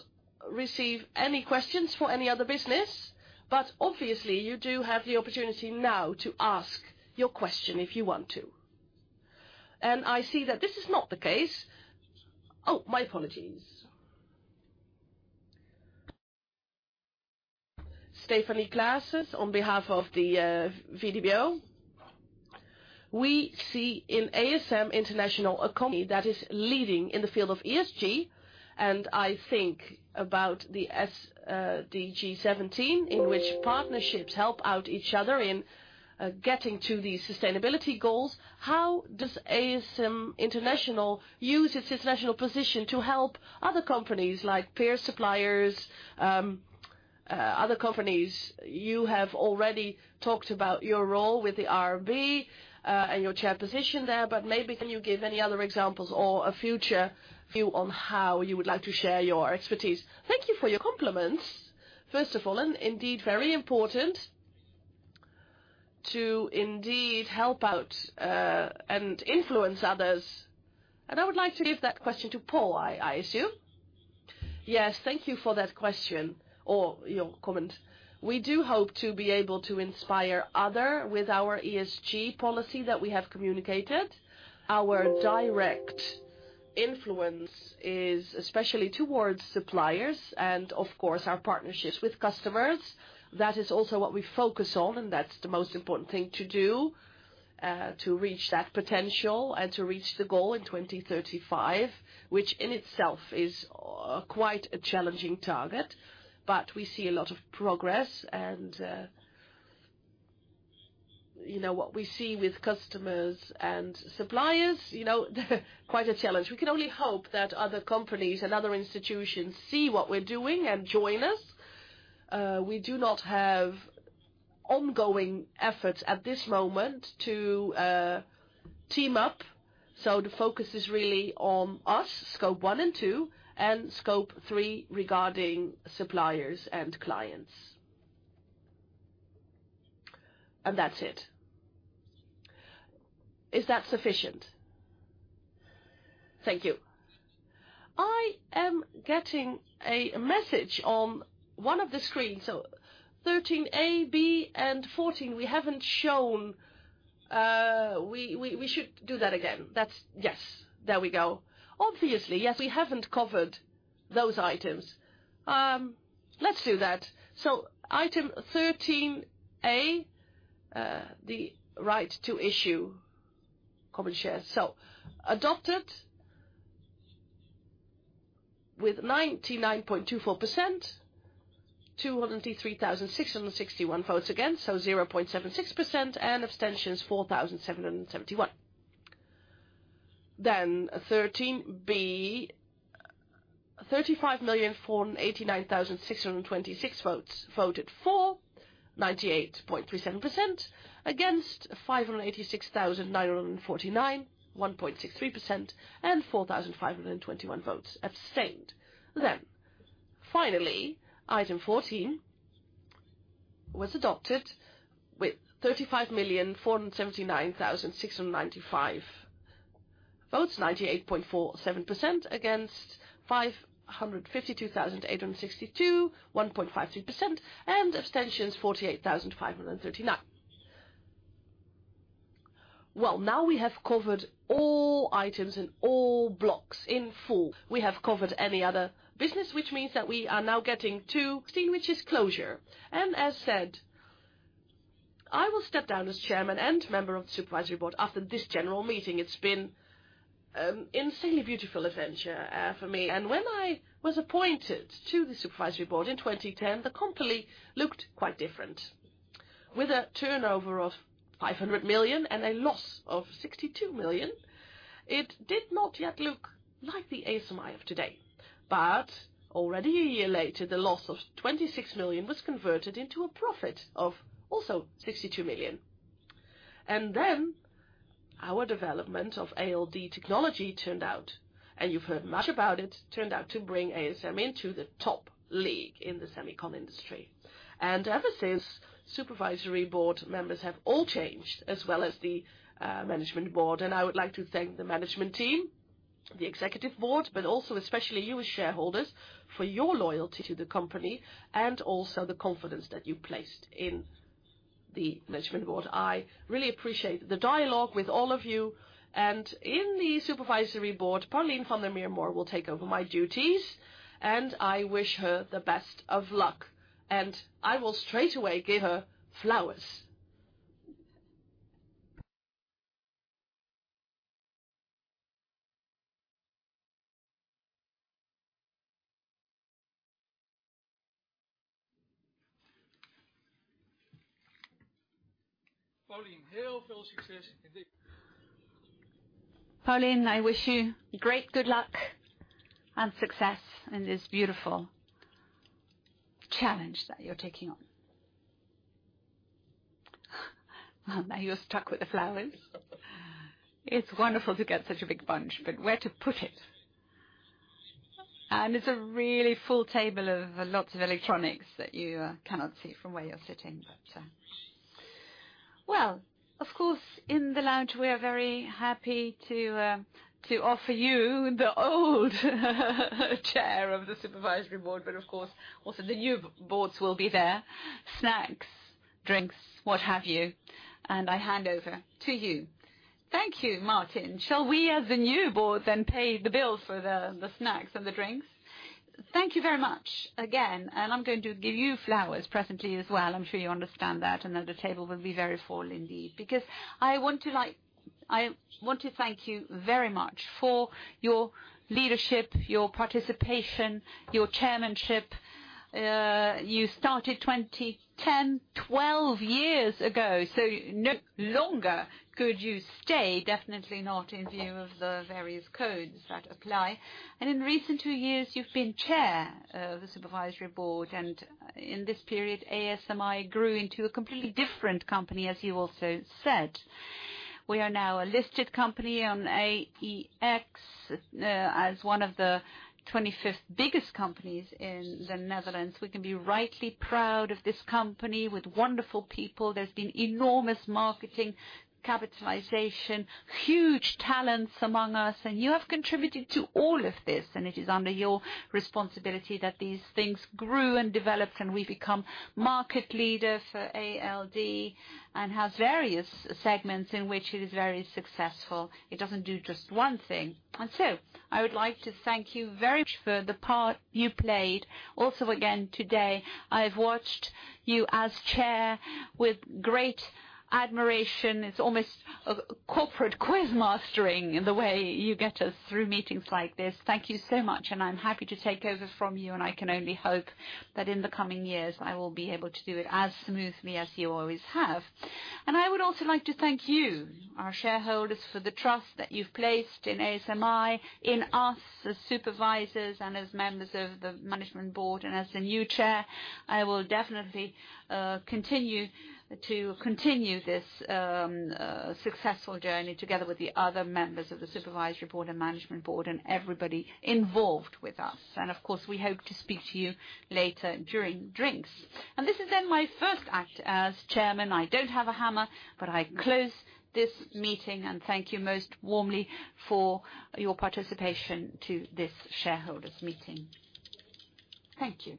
Speaker 2: receive any questions for any other business, but obviously you do have the opportunity now to ask your question if you want to. I see that this is not the case. Oh, my apologies. Stephanie Claessens, on behalf of the VBDO, we see in ASM International, a company that is leading in the field of ESG, and I think about the SDG 17 in which partnerships help out each other in getting to the sustainability goals. How does ASM International use its international position to help other companies, like peer suppliers, other companies? You have already talked about your role with the RB, and your chair position there, but maybe can you give any other examples or a future view on how you would like to share your expertise? Thank you for your compliments, first of all, and indeed very important to indeed help out and influence others. I would like to give that question to Paul, I assume. Yes. Thank you for that question or your comment. We do hope to be able to inspire others with our ESG policy that we have communicated. Our direct influence is especially towards suppliers and of course our partnerships with customers. That is also what we focus on, and that's the most important thing to do to reach that potential and to reach the goal in 2035, which in itself is quite a challenging target. We see a lot of progress, and you know what we see with customers and suppliers, you know, quite a challenge. We can only hope that other companies and other institutions see what we're doing and join us. We do not have ongoing efforts at this moment to team up. The focus is really on us, scope one and two, and scope three regarding suppliers and clients. That's it. Is that sufficient? Thank you. I am getting a message on one of the screens. 13A, B, and 14, we haven't shown. We should do that again. Yes. There we go. Obviously, we haven't covered those items. Let's do that. Item 13A, the right to issue common shares. Adopted with 99.24%. 203,661 votes against, so 0.76%, and abstentions 4,771. Then 13B. 35,489,626 votes voted for, 98.37%. Against, 586,949, 1.63%, and 4,521 votes abstained. Finally, Item 14 was adopted with 35,479,695 votes, 98.47%. Against, 552,862, 1.53%. Abstentions, 48,539. Well, now we have covered all items in all blocks in full. We have covered any other business, which means that we are now getting to thing which is closure. As said, I will step down as chairman and member of the supervisory board after this general meeting. It's been an insanely beautiful adventure, for me. When I was appointed to the supervisory board in 2010, the company looked quite different. With a turnover of 500 million and a loss of 62 million, it did not yet look like the ASMI of today. Already a year later, the loss of 26 million was converted into a profit of also 62 million. Then our development of ALD technology turned out, and you've heard much about it, turned out to bring ASMI into the top league in the semicon industry. Ever since, supervisory board members have all changed, as well as the management board. I would like to thank the management team, the executive board, but also especially you as shareholders for your loyalty to the company and also the confidence that you placed in the management board. I really appreciate the dialogue with all of you. In the supervisory board, Pauline van der Meer Mohr will take over my duties, and I wish her the best of luck. I will straightaway give her flowers. Pauline, I wish you great good luck and success in this beautiful challenge that you're taking on. Now you're stuck with the flowers. It's wonderful to get such a big bunch, but where to put it? It's a really full table of lots of electronics that you cannot see from where you're sitting, but. Well, of course, in the lounge, we are very happy to offer you the old chair of the supervisory board, but of course, also the new boards will be there, snacks, drinks, what have you. I hand over to you. Thank you, Martin. Shall we as the new board then pay the bill for the snacks and the drinks? Thank you very much again. I'm going to give you flowers presently as well. I'm sure you understand that, and then the table will be very full indeed. Because I want to thank you very much for your leadership, your participation, your chairmanship. You started 2010, 12 years ago, so no longer could you stay, definitely not in view of the various codes that apply. In recent two years, you've been chair of the supervisory board. In this period, ASMI grew into a completely different company, as you also said. We are now a listed company on AEX as one of the 25th biggest companies in the Netherlands. We can be rightly proud of this company with wonderful people. There's been enormous marketing, capitalization, huge talents among us, and you have contributed to all of this, and it is under your responsibility that these things grew and developed, and we become market leader for ALD and has various segments in which it is very successful. It doesn't do just one thing. I would like to thank you very much for the part you played. Also again today, I've watched you as chair with great admiration. It's almost a corporate quiz mastering in the way you get us through meetings like this. Thank you so much, and I'm happy to take over from you, and I can only hope that in the coming years, I will be able to do it as smoothly as you always have. I would also like to thank you, our shareholders, for the trust that you've placed in ASMI, in us as supervisors and as members of the management board. As the new chair, I will definitely continue this successful journey together with the other members of the supervisory board and management board and everybody involved with us. Of course, we hope to speak to you later during drinks. This is then my first act as chairman. I don't have a hammer, but I close this meeting and thank you most warmly for your participation in this shareholders' meeting. Thank you.